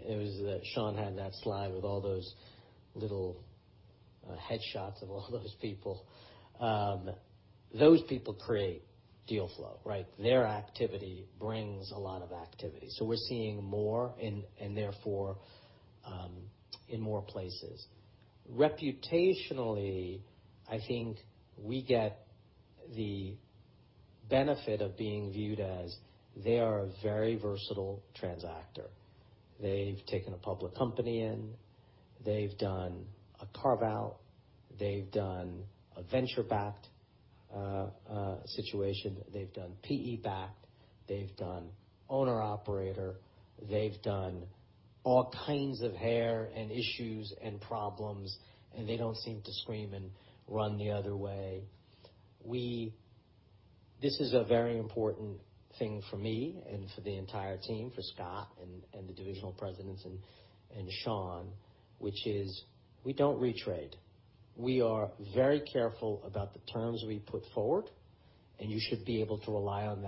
It was that Sean had that slide with all those little headshots of all those people. Those people create deal flow, right? Their activity brings a lot of activity. We're seeing more, and therefore, in more places. Reputationally, I think we get the benefit of being viewed as they are a very versatile transactor. They've taken a public company in, they've done a carve-out, they've done a venture-backed situation, they've done PE-backed, they've done owner/operator, they've done all kinds of hair and issues and problems, and they don't seem to scream and run the other way. This is a very important thing for me and for the entire team, for Scott and the divisional presidents and Sean, which is we don't retrade. We are very careful about the terms we put forward, and you should be able to rely on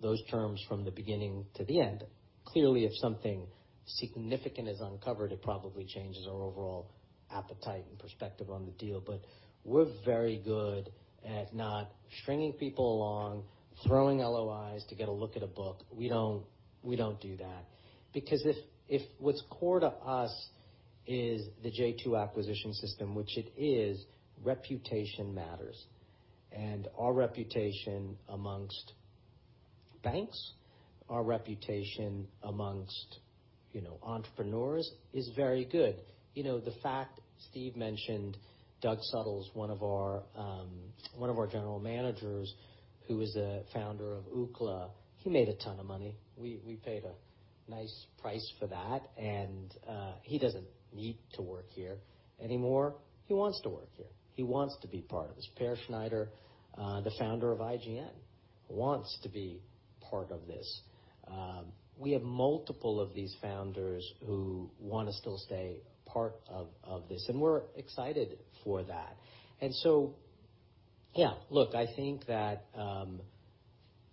those terms from the beginning to the end. Clearly, if something significant is uncovered, it probably changes our overall appetite and perspective on the deal. We're very good at not stringing people along, throwing LOIs to get a look at a book. We don't do that. If what's core to us is the J2 acquisition system, which it is, reputation matters. Our reputation amongst banks, our reputation amongst entrepreneurs is very good. The fact Steve mentioned Doug Suttles, one of our general managers, who is the founder of Ookla. He made a ton of money. We paid a nice price for that, and he doesn't need to work here anymore. He wants to work here. He wants to be part of this. Peer Schneider, the founder of IGN, wants to be part of this. We have multiple of these founders who want to still stay part of this, and we are excited for that. Yeah. Look, I think that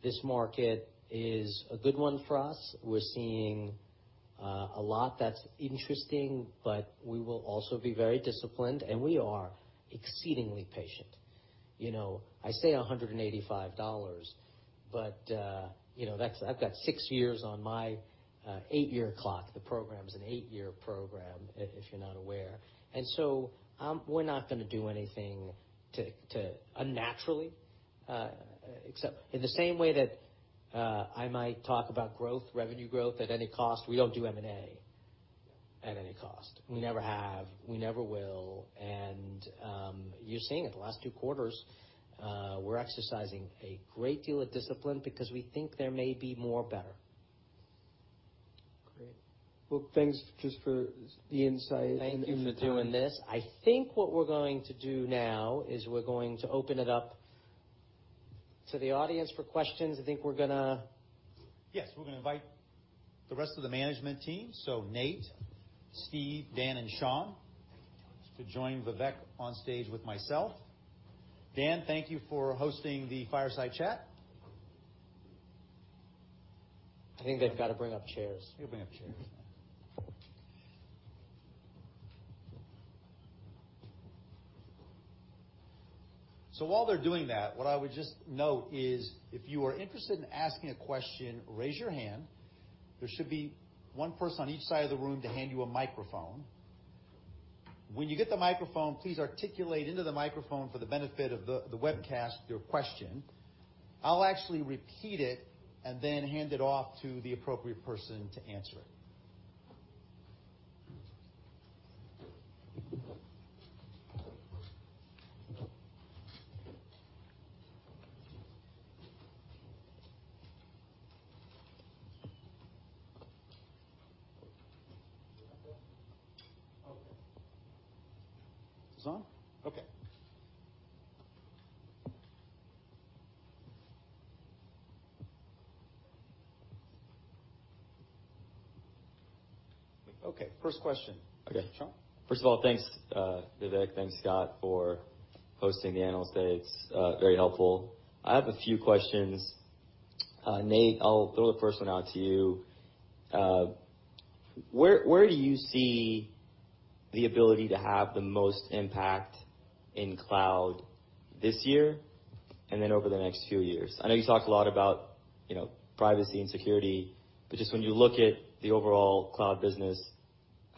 this market is a good one for us. We are seeing a lot that is interesting, but we will also be very disciplined, and we are exceedingly patient. I say $185, but I've got six years on my eight-year clock. The program's an eight-year program, if you are not aware. We are not going to do anything unnaturally. In the same way that I might talk about growth, revenue growth at any cost, we don't do M&A at any cost. We never have, we never will, and you are seeing it the last two quarters. We are exercising a great deal of discipline because we think there may be more better. Great. Well, thanks just for the insight and the time. Thank you for doing this. I think what we're going to do now is we're going to open it up to the audience for questions. Yes, we're going to invite the rest of the management team, so Nate, Steve, Dan, and Sean to join Vivek on stage with myself. Dan, thank you for hosting the fireside chat. I think they've got to bring up chairs. They'll bring up chairs. While they're doing that, what I would just note is if you are interested in asking a question, raise your hand. There should be one person on each side of the room to hand you a microphone. When you get the microphone, please articulate into the microphone for the benefit of the webcast your question. I'll actually repeat it and then hand it off to the appropriate person to answer it. Is this on? Okay. Okay, first question. Okay. Sean? First of all, thanks, Vivek, thanks, Scott, for hosting the analyst day. It's very helpful. I have a few questions. Nate, I'll throw the first one out to you. Where do you see the ability to have the most impact in cloud this year and then over the next few years? I know you talked a lot about privacy and security, just when you look at the overall cloud business,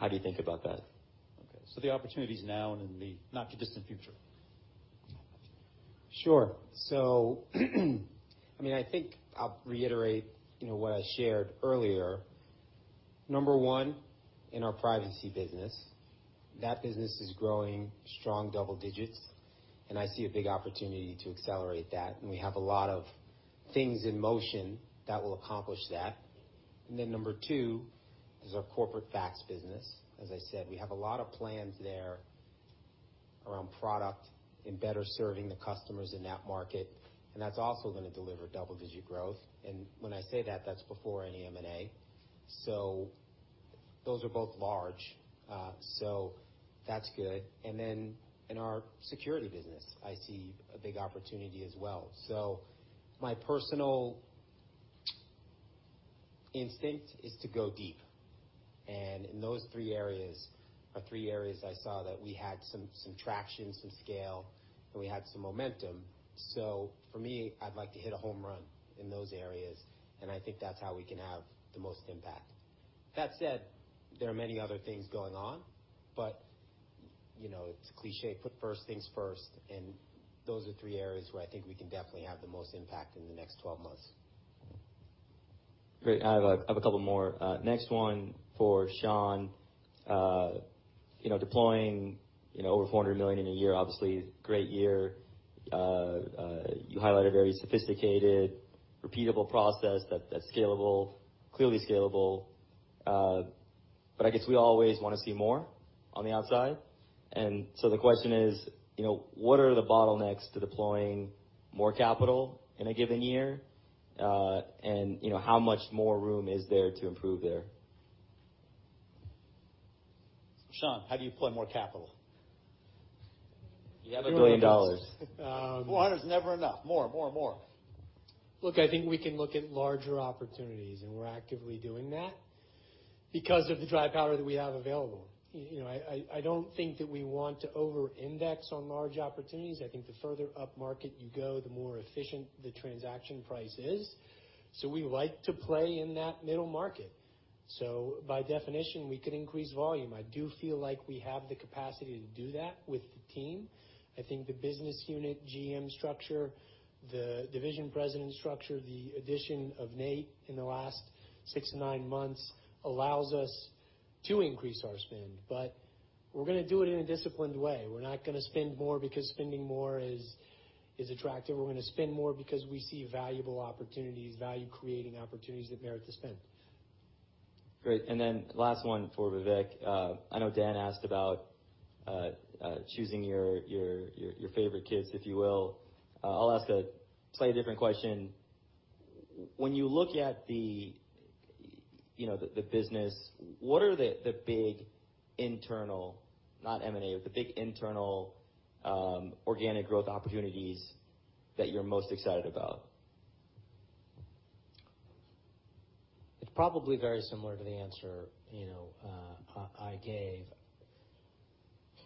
how do you think about that? Okay. The opportunities now and in the not too distant future. Sure. I think I'll reiterate what I shared earlier. Number one, in our privacy business, that business is growing strong double digits, and I see a big opportunity to accelerate that, and we have a lot of things in motion that will accomplish that. Number two is our corporate fax business. As I said, we have a lot of plans there around product and better serving the customers in that market, and that's also going to deliver double-digit growth. When I say that's before any M&A. Those are both large. That's good. In our security business, I see a big opportunity as well. My personal instinct is to go deep. In those three areas are three areas I saw that we had some traction, some scale, and we had some momentum. For me, I'd like to hit a home run in those areas, and I think that's how we can have the most impact. That said, there are many other things going on, but it's cliché, put first things first, and those are three areas where I think we can definitely have the most impact in the next 12 months. Great. I have a couple more. Next one for Sean. Deploying over $400 million in a year, obviously great year. You highlighted a very sophisticated, repeatable process that's scalable, clearly scalable. I guess we always want to see more on the outside. The question is, what are the bottlenecks to deploying more capital in a given year? How much more room is there to improve there? Sean, how do you deploy more capital? The other billion dollars. 400 is never enough. More. Look, I think we can look at larger opportunities, and we're actively doing that because of the dry powder that we have available. I don't think that we want to over-index on large opportunities. I think the further upmarket you go, the more efficient the transaction price is. We like to play in that middle market. By definition, we could increase volume. I do feel like we have the capacity to do that with the team. I think the business unit GM structure, the division president structure, the addition of Nate in the last six to nine months allows us to increase our spend, but we're going to do it in a disciplined way. We're not going to spend more because spending more is attractive. We're going to spend more because we see valuable opportunities, value-creating opportunities that merit the spend. Great. Last one for Vivek. I know Dan asked about choosing your favorite kids, if you will. I'll ask a slightly different question. When you look at the business, what are the big internal, not M&A, but the big internal organic growth opportunities that you're most excited about? It's probably very similar to the answer I gave.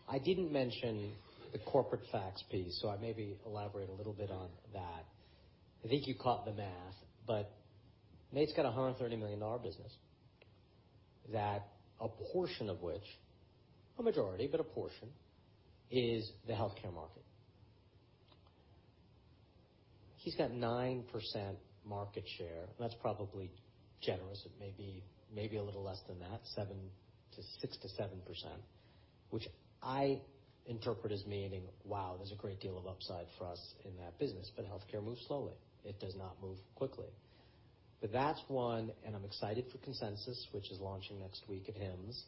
I didn't mention the corporate facts piece, so I maybe elaborate a little bit on that. I think you caught the math, but Nate's got a $130 million business, that a portion of which, a majority, but a portion, is the healthcare market. He's got 9% market share. That's probably generous. It may be a little less than that, 6%-7%, which I interpret as meaning, wow, there's a great deal of upside for us in that business, but healthcare moves slowly. It does not move quickly. That's one, and I'm excited for Consensus, which is launching next week at HIMSS,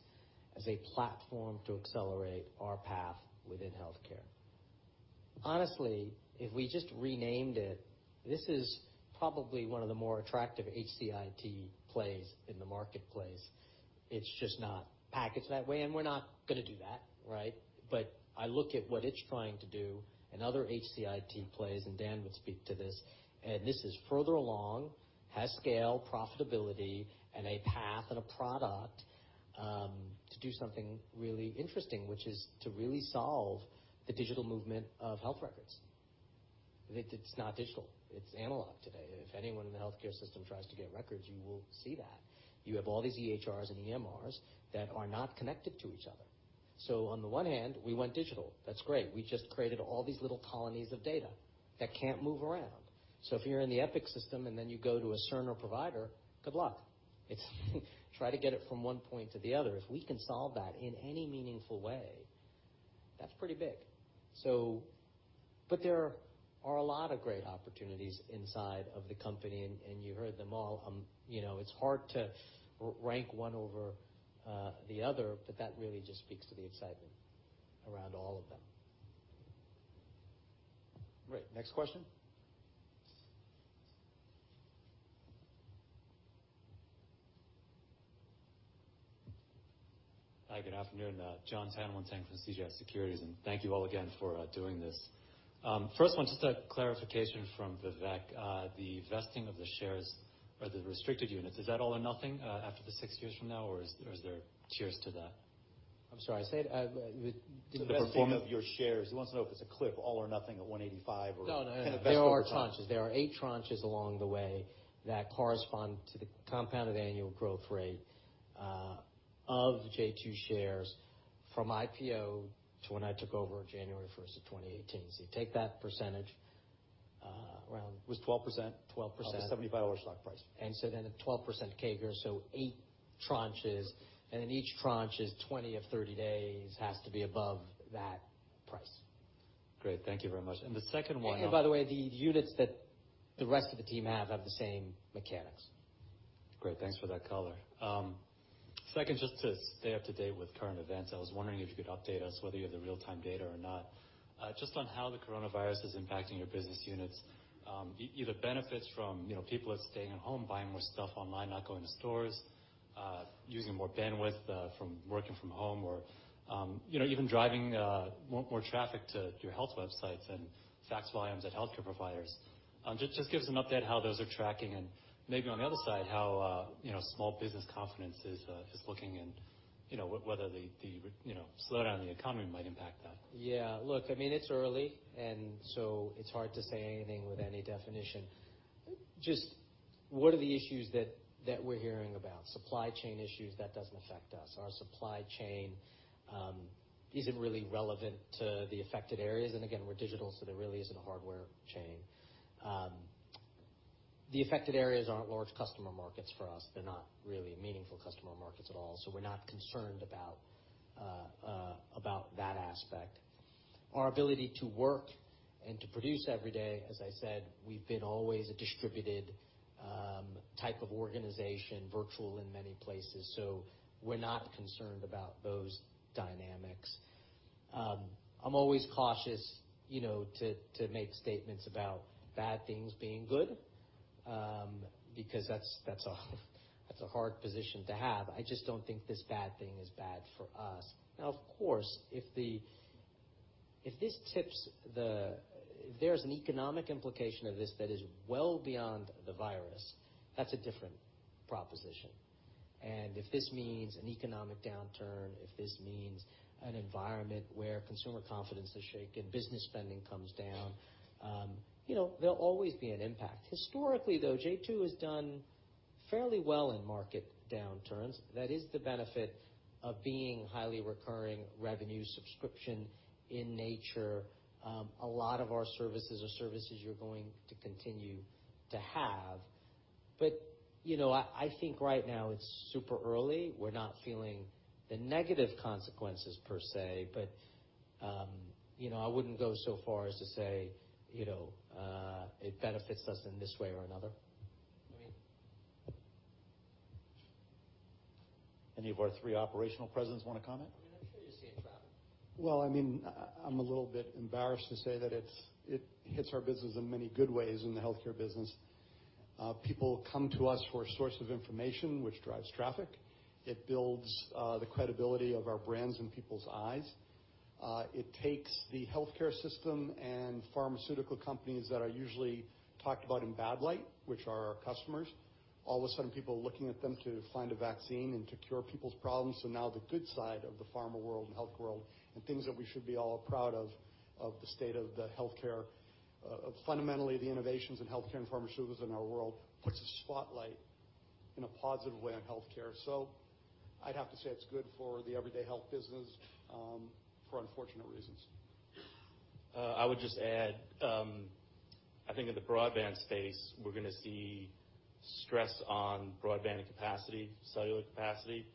as a platform to accelerate our path within healthcare. Honestly, if we just renamed it, this is probably one of the more attractive HCIT plays in the marketplace. It's just not packaged that way, and we're not going to do that. I look at what it's trying to do and other HCIT plays, and Dan would speak to this, and this is further along, has scale, profitability, and a path and a product to do something really interesting, which is to really solve the digital movement of health records. It's not digital. It's analog today. If anyone in the healthcare system tries to get records, you will see that. You have all these EHRs and EMRs that are not connected to each other. On the one hand, we went digital. That's great. We just created all these little colonies of data that can't move around. If you're in the Epic system and then you go to a Cerner provider, good luck. It's try to get it from one point to the other. If we can solve that in any meaningful way, that's pretty big. There are a lot of great opportunities inside of the company, and you heard them all. It's hard to rank one over the other, but that really just speaks to the excitement around all of them. Great. Next question? Hi, good afternoon. Jon Tanwanteng from CJS Securities, and thank you all again for doing this. First one, just a clarification from Vivek. The vesting of the shares or the restricted units, is that all or nothing after the six years from now, or is there tiers to that? I'm sorry, say it again. The performing- The vesting of your shares. He wants to know if it's a cliff, all or nothing at 185. No. There are tranches. There are eight tranches along the way that correspond to the compounded annual growth rate of the J2 shares from IPO to when I took over on January 1st, 2018. You take that percentage. It was 12%. 12%. Of the $75 stock price. A 12% CAGR, so eight tranches, and in each tranche is 20 of 30 days has to be above that price. Great. Thank you very much. And the second one- By the way, the units that the rest of the team have the same mechanics. Great. Thanks for that color. Second, just to stay up to date with current events, I was wondering if you could update us whether you have the real-time data or not, just on how the Coronavirus is impacting your business units. Either benefits from people that staying at home, buying more stuff online, not going to stores, using more bandwidth from working from home or even driving more traffic to your health websites and fax volumes at healthcare providers. Just give us an update how those are tracking and maybe on the other side, how small business confidence is looking and whether the slowdown in the economy might impact that. Yeah. Look, it's early. It's hard to say anything with any definition. Just what are the issues that we're hearing about? Supply chain issues, that doesn't affect us. Our supply chain isn't really relevant to the affected areas. Again, we're digital, so there really isn't a hardware chain. The affected areas aren't large customer markets for us. They're not really meaningful customer markets at all. We're not concerned about that aspect. Our ability to work and to produce every day, as I said, we've been always a distributed type of organization, virtual in many places. We're not concerned about those dynamics. I'm always cautious to make statements about bad things being good, because that's a hard position to have. I just don't think this bad thing is bad for us. Of course, if there's an economic implication of this that is well beyond the virus, that's a different proposition. If this means an economic downturn, if this means an environment where consumer confidence is shaken, business spending comes down, there'll always be an impact. Historically, though, J2 has done fairly well in market downturns. That is the benefit of being highly recurring revenue subscription in nature. A lot of our services are services you're going to continue to have. I think right now it's super early. We're not feeling the negative consequences per se, I wouldn't go so far as to say it benefits us in this way or another. Any of our three operational presidents want to comment? I'm sure you're seeing traffic. Well, I'm a little bit embarrassed to say that it hits our business in many good ways in the healthcare business. People come to us for a source of information, which drives traffic. It builds the credibility of our brands in people's eyes. It takes the healthcare system and pharmaceutical companies that are usually talked about in bad light, which are our customers. All of a sudden, people are looking at them to find a vaccine and to cure people's problems. Now the good side of the pharma world and health world, and things that we should be all proud of the state of the healthcare, of fundamentally the innovations in healthcare and pharmaceuticals in our world, puts a spotlight in a positive way on healthcare. I'd have to say it's good for the Everyday Health business, for unfortunate reasons. I would just add, I think in the broadband space, we're going to see stress on broadband capacity, cellular capacity,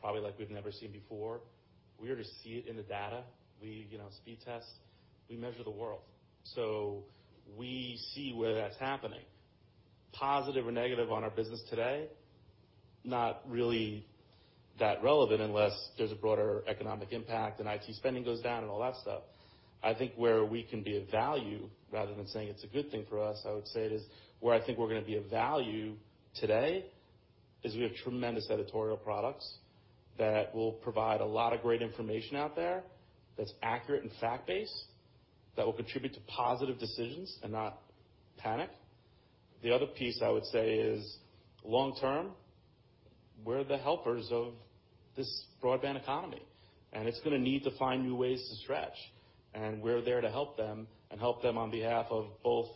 probably like we've never seen before. We already see it in the data, the Speedtest. We measure the world. We see where that's happening. Positive or negative on our business today, not really that relevant unless there's a broader economic impact and IT spending goes down and all that stuff. I think where we can be of value, rather than saying it's a good thing for us, I would say it is where I think we're going to be of value today, is we have tremendous editorial products that will provide a lot of great information out there that's accurate and fact-based, that will contribute to positive decisions and not panic. The other piece I would say is long-term, we're the helpers of this broadband economy, and it's going to need to find new ways to stretch, and we're there to help them and help them on behalf of both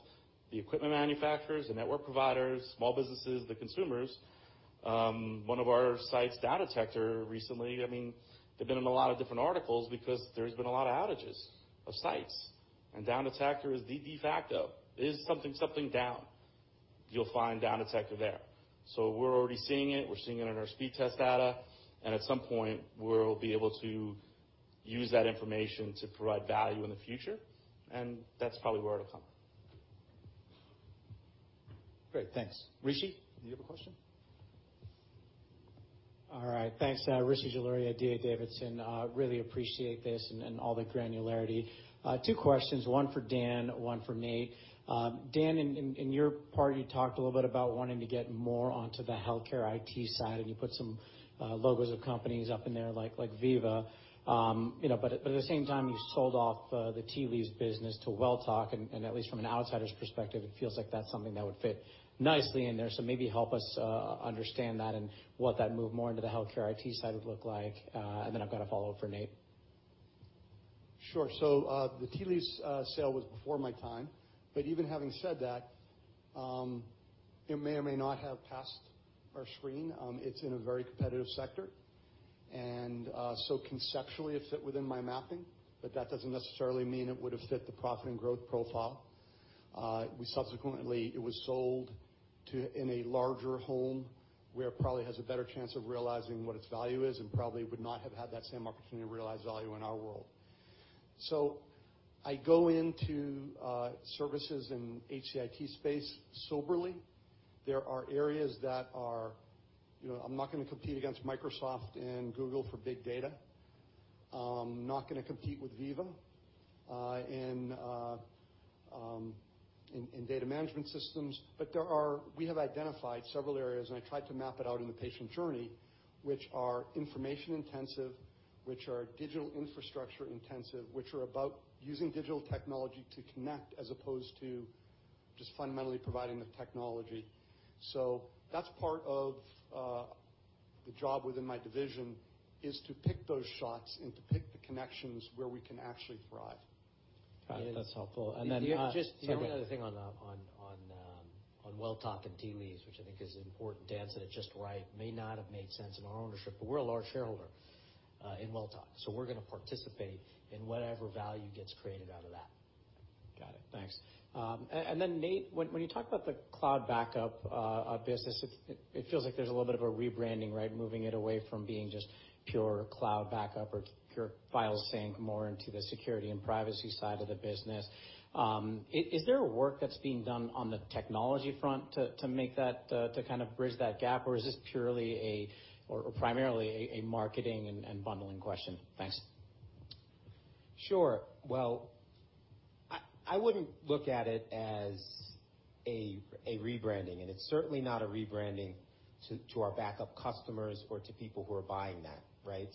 the equipment manufacturers, the network providers, small businesses, the consumers. One of our sites, Down Detector, recently, they've been in a lot of different articles because there's been a lot of outages of sites. Down Detector is the de facto. Is something down? You'll find Down Detector there. We're already seeing it. We're seeing it in our speed test data. At some point, we'll be able to use that information to provide value in the future, and that's probably where it'll come. Great, thanks. Rishi, do you have a question? All right, thanks. Rishi Jaluria, D.A. Davidson. Really appreciate this and all the granularity. Two questions, one for Dan, one for Nate. Dan, in your part, you talked a little bit about wanting to get more onto the healthcare IT side. You put some logos of companies up in there like Veeva. At the same time, you sold off the Tea Leaves business to Welltok, and at least from an outsider's perspective, it feels like that's something that would fit nicely in there. Maybe help us understand that and what that move more into the healthcare IT side would look like. I've got a follow-up for Nate. The Tea Leaves sale was before my time. Even having said that, it may or may not have passed our screen. It's in a very competitive sector. Conceptually, it fit within my mapping, but that doesn't necessarily mean it would have fit the profit and growth profile. Subsequently, it was sold in a larger home, where it probably has a better chance of realizing what its value is and probably would not have had that same opportunity to realize value in our world. I go into services in HCIT space soberly. There are areas I'm not going to compete against Microsoft and Google for big data. I'm not going to compete with Veeva in data management systems. We have identified several areas, and I tried to map it out in the patient journey, which are information-intensive, which are digital infrastructure-intensive, which are about using digital technology to connect as opposed to just fundamentally providing the technology. That's part of the job within my division, is to pick those shots and to pick the connections where we can actually thrive. Got it. That's helpful. Then, Just one other thing on Welltok and Tea Leaves, which I think is important. Dan said it just right. May not have made sense in our ownership, but we're a large shareholder in Welltok, so we're going to participate in whatever value gets created out of that. Got it. Thanks. Nate, when you talk about the cloud backup business, it feels like there's a little bit of a rebranding, right? Moving it away from being just pure cloud backup or pure file sync more into the security and privacy side of the business. Is there a work that's being done on the technology front to kind of bridge that gap? Is this purely or primarily a marketing and bundling question? Thanks. Sure. Well, I wouldn't look at it as a rebranding, and it's certainly not a rebranding to our backup customers or to people who are buying that, right?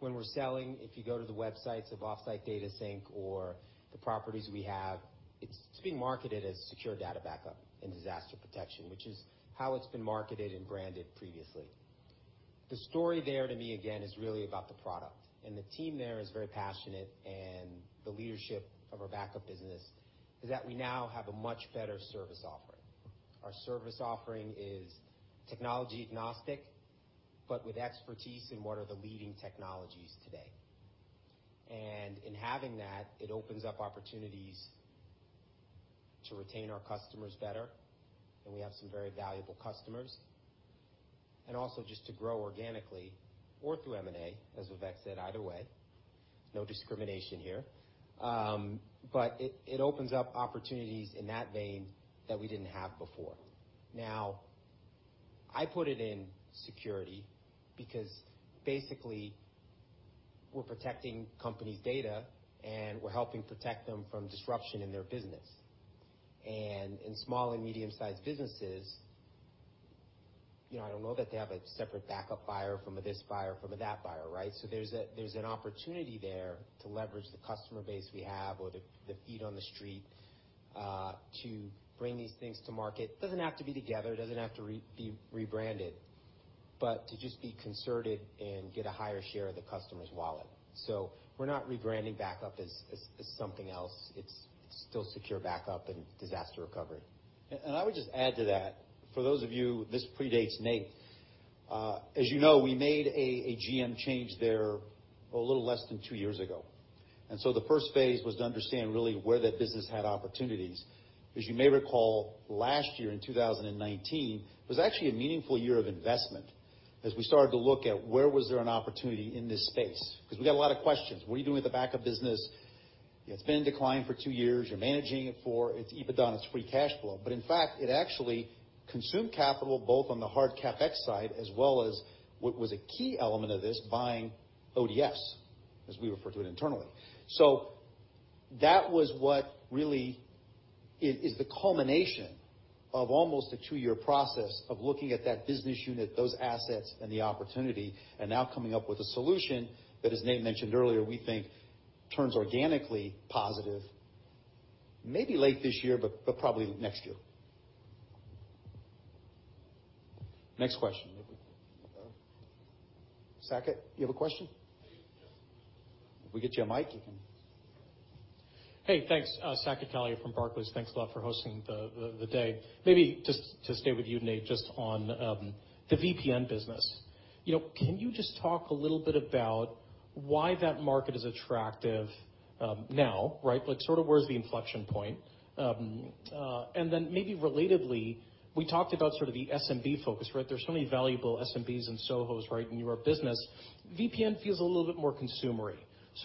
When we're selling, if you go to the websites of OffsiteDataSync or the properties we have, it's being marketed as secure data backup and disaster protection, which is how it's been marketed and branded previously. The story there to me, again, is really about the product. The team there is very passionate, and the leadership of our backup business is that we now have a much better service offering. Our service offering is technology agnostic, but with expertise in what are the leading technologies today. In having that, it opens up opportunities. To retain our customers better, we have some very valuable customers. Also just to grow organically or through M&A, as Vivek said, either way, no discrimination here. It opens up opportunities in that vein that we didn't have before. Now, I put it in security because basically we're protecting companies' data and we're helping protect them from disruption in their business. In small and medium-sized businesses, I don't know that they have a separate backup buyer from a this buyer, from a that buyer, right? There's an opportunity there to leverage the customer base we have or the feet on the street, to bring these things to market. Doesn't have to be together, doesn't have to be rebranded, but to just be concerted and get a higher share of the customer's wallet. We're not rebranding backup as something else. It's still secure backup and disaster recovery. I would just add to that, for those of you, this predates Nate. As you know, we made a GM change there a little less than two years ago. The first phase was to understand really where that business had opportunities. As you may recall, last year in 2019, was actually a meaningful year of investment as we started to look at where was there an opportunity in this space. Because we got a lot of questions. What are you doing with the backup business? It's been declined for two years. You're managing it for its EBITDA and its free cash flow. In fact, it actually consumed capital both on the hard CapEx side as well as what was a key element of this, buying ODS, as we refer to it internally. That was what really is the culmination of almost a two-year process of looking at that business unit, those assets and the opportunity, and now coming up with a solution that, as Nate mentioned earlier, we think turns organically positive maybe late this year, but probably next year. Next question. Saket, you have a question? Yes. If we get you a mic, you can. Hey, thanks. Saket Kalia from Barclays. Thanks a lot for hosting the day. Maybe just to stay with you, Nate, just on the VPN business. Can you just talk a little bit about why that market is attractive now, right? Like, sort of where's the inflection point? Maybe relatedly, we talked about sort of the SMB focus, right? There's so many valuable SMBs and SOHOs right in your business. VPN feels a little bit more consumery.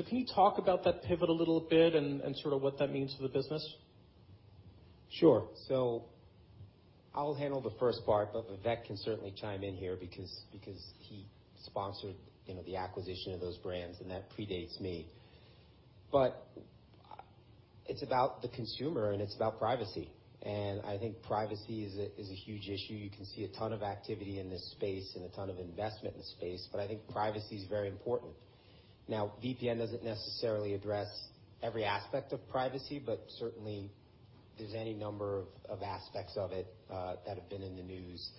Can you talk about that pivot a little bit and sort of what that means for the business? Sure. I'll handle the first part, but Vivek can certainly chime in here because he sponsored the acquisition of those brands and that predates me. It's about the consumer and it's about privacy. I think privacy is a huge issue. You can see a ton of activity in this space and a ton of investment in the space, but I think privacy is very important. Now, VPN doesn't necessarily address every aspect of privacy, but certainly there's any number of aspects of it that have been in the news,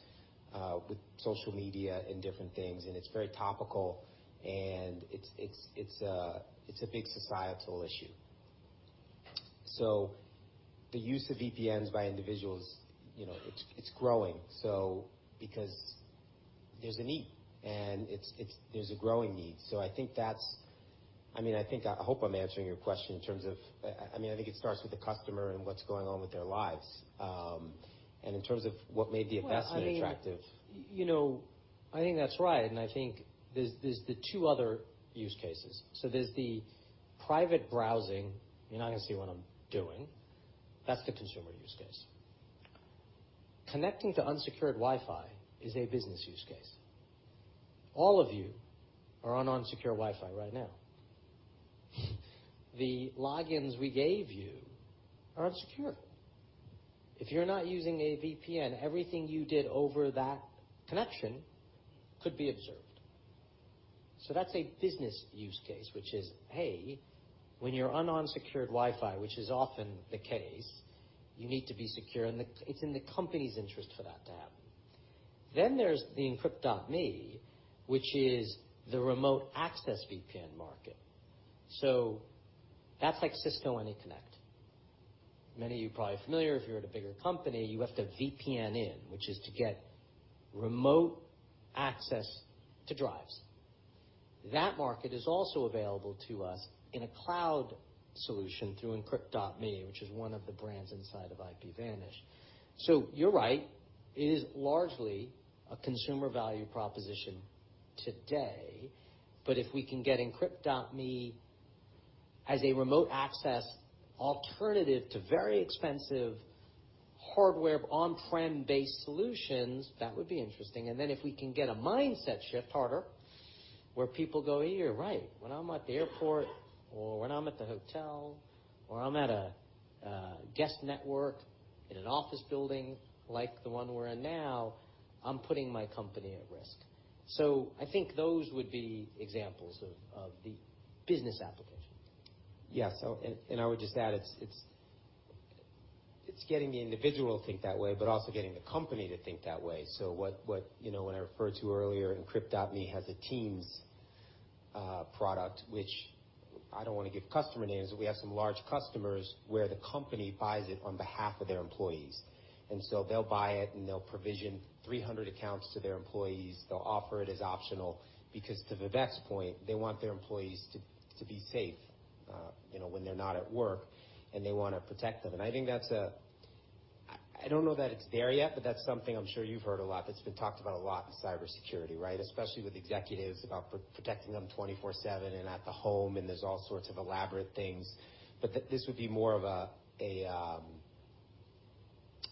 with social media and different things, and it's very topical and it's a big societal issue. The use of VPNs by individuals, it's growing, because there's a need. There's a growing need. I hope I'm answering your question in terms of I think it starts with the customer and what's going on with their lives. In terms of what made the investment attractive- I think that's right. I think there's the two other use cases. There's the private browsing. You're not going to see what I'm doing. That's the consumer use case. Connecting to unsecured Wi-Fi is a business use case. All of you are on unsecured Wi-Fi right now. The logins we gave you are unsecure. If you're not using a VPN, everything you did over that connection could be observed. That's a business use case, which is, hey, when you're on unsecured Wi-Fi, which is often the case, you need to be secure, and it's in the company's interest for that to happen. There's the Encrypt.me, which is the remote access VPN market. That's like Cisco AnyConnect. Many of you are probably familiar, if you're at a bigger company, you have to VPN in, which is to get remote access to drives. That market is also available to us in a cloud solution through Encrypt.me, which is one of the brands inside of IPVanish. You're right, it is largely a consumer value proposition today. If we can get Encrypt.me as a remote access alternative to very expensive hardware on-prem based solutions, that would be interesting. If we can get a mindset shift harder where people go, "You're right. When I'm at the airport or when I'm at the hotel or I'm at a guest network in an office building like the one we're in now, I'm putting my company at risk." I think those would be examples of the business application. Yeah. I would just add, it's getting the individual to think that way, but also getting the company to think that way. What I referred to earlier, Encrypt.me has a Teams product, which I don't want to give customer names, but we have some large customers where the company buys it on behalf of their employees. They'll buy it and they'll provision 300 accounts to their employees. They'll offer it as optional because to Vivek's point, they want their employees to be safe when they're not at work and they want to protect them. I don't know that it's there yet, but that's something I'm sure you've heard a lot, that's been talked about a lot in cybersecurity, right? Especially with executives about protecting them 24/7 and at the home, and there's all sorts of elaborate things. This would be more of a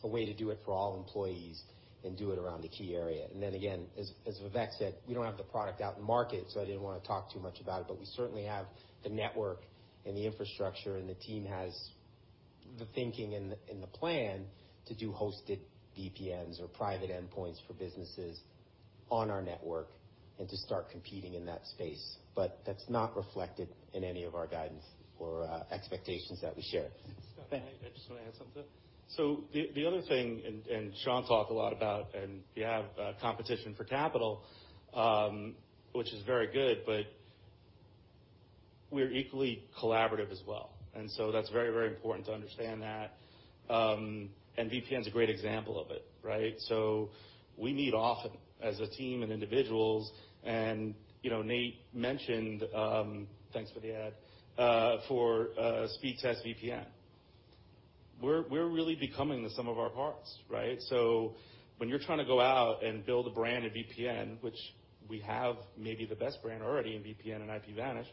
way to do it for all employees and do it around a key area. Again, as Vivek said, we don't have the product out in the market, so I didn't want to talk too much about it, but we certainly have the network and the infrastructure, and the team has the thinking and the plan to do hosted VPNs or private endpoints for businesses on our network and to start competing in that space. That's not reflected in any of our guidance or expectations that we share. Scott, I just want to add something. The other thing, and Sean talked a lot about, and you have competition for capital, which is very good, but we're equally collaborative as well. That's very important to understand that, and VPN's a great example of it, right? We meet often as a team and individuals and Nate mentioned, thanks for the add, for Speedtest VPN. We're really becoming the sum of our parts, right? When you're trying to go out and build a brand in VPN, which we have maybe the best brand already in VPN and IPVanish.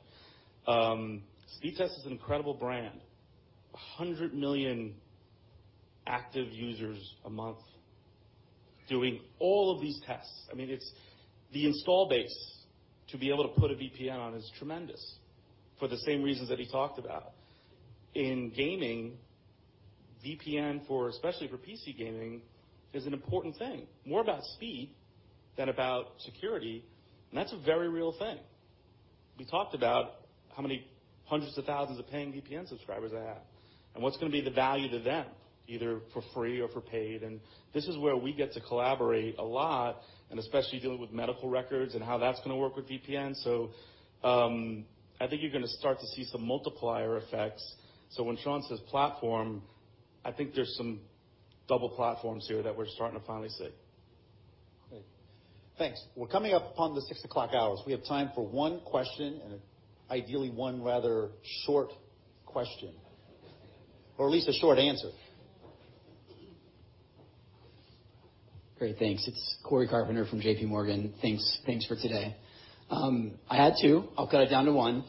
Speedtest is an incredible brand. 100 million active users a month doing all of these tests. I mean, the install base to be able to put a VPN on is tremendous for the same reasons that he talked about. In gaming, VPN, especially for PC gaming, is an important thing. More about speed than about security, that's a very real thing. We talked about how many hundreds of thousands of paying VPN subscribers I have, and what's going to be the value to them, either for free or for paid. This is where we get to collaborate a lot, and especially dealing with medical records and how that's going to work with VPN. I think you're going to start to see some multiplier effects. When Sean says platform, I think there's some double platforms here that we're starting to finally see. Great. Thanks. We're coming up on the 6:00 hour, so we have time for one question and ideally one rather short question, or at least a short answer. Great. Thanks. It's Cory Carpenter from JPMorgan. Thanks for today. I had two. I'll cut it down to one.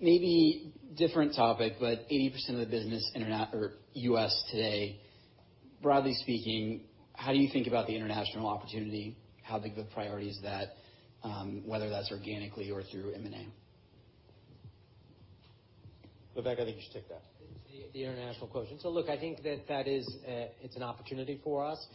Maybe different topic, 80% of the business U.S. today, broadly speaking, how do you think about the international opportunity? How big of a priority is that, whether that's organically or through M&A? Vivek, I think you should take that. The international quotient. Look, I think that it's an opportunity for us.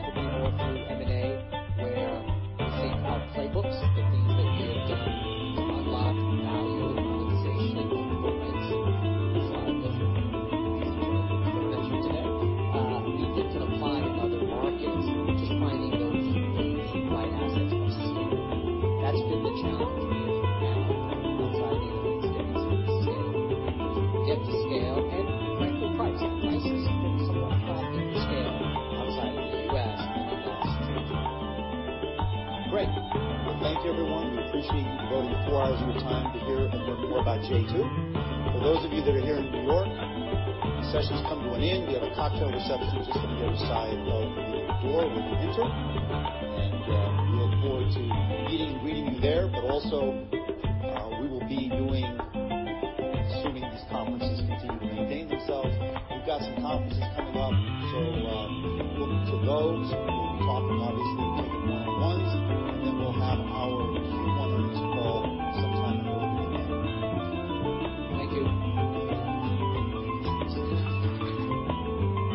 thank you everyone. We appreciate you devoting four hours of your time to hear and learn more about J2. For those of you that are here in New York, the session's come to an end. We have a cocktail reception just on the other side of the door where you entered, and we look forward to meeting and greeting you there. Also, we will be doing, assuming these conferences continue to maintain themselves, we've got some conferences coming up, so look for those. We'll be talking obviously at 9:00 once, and then we'll have our Q1 earnings call sometime in early May. Thank you. Thank you. Thank you.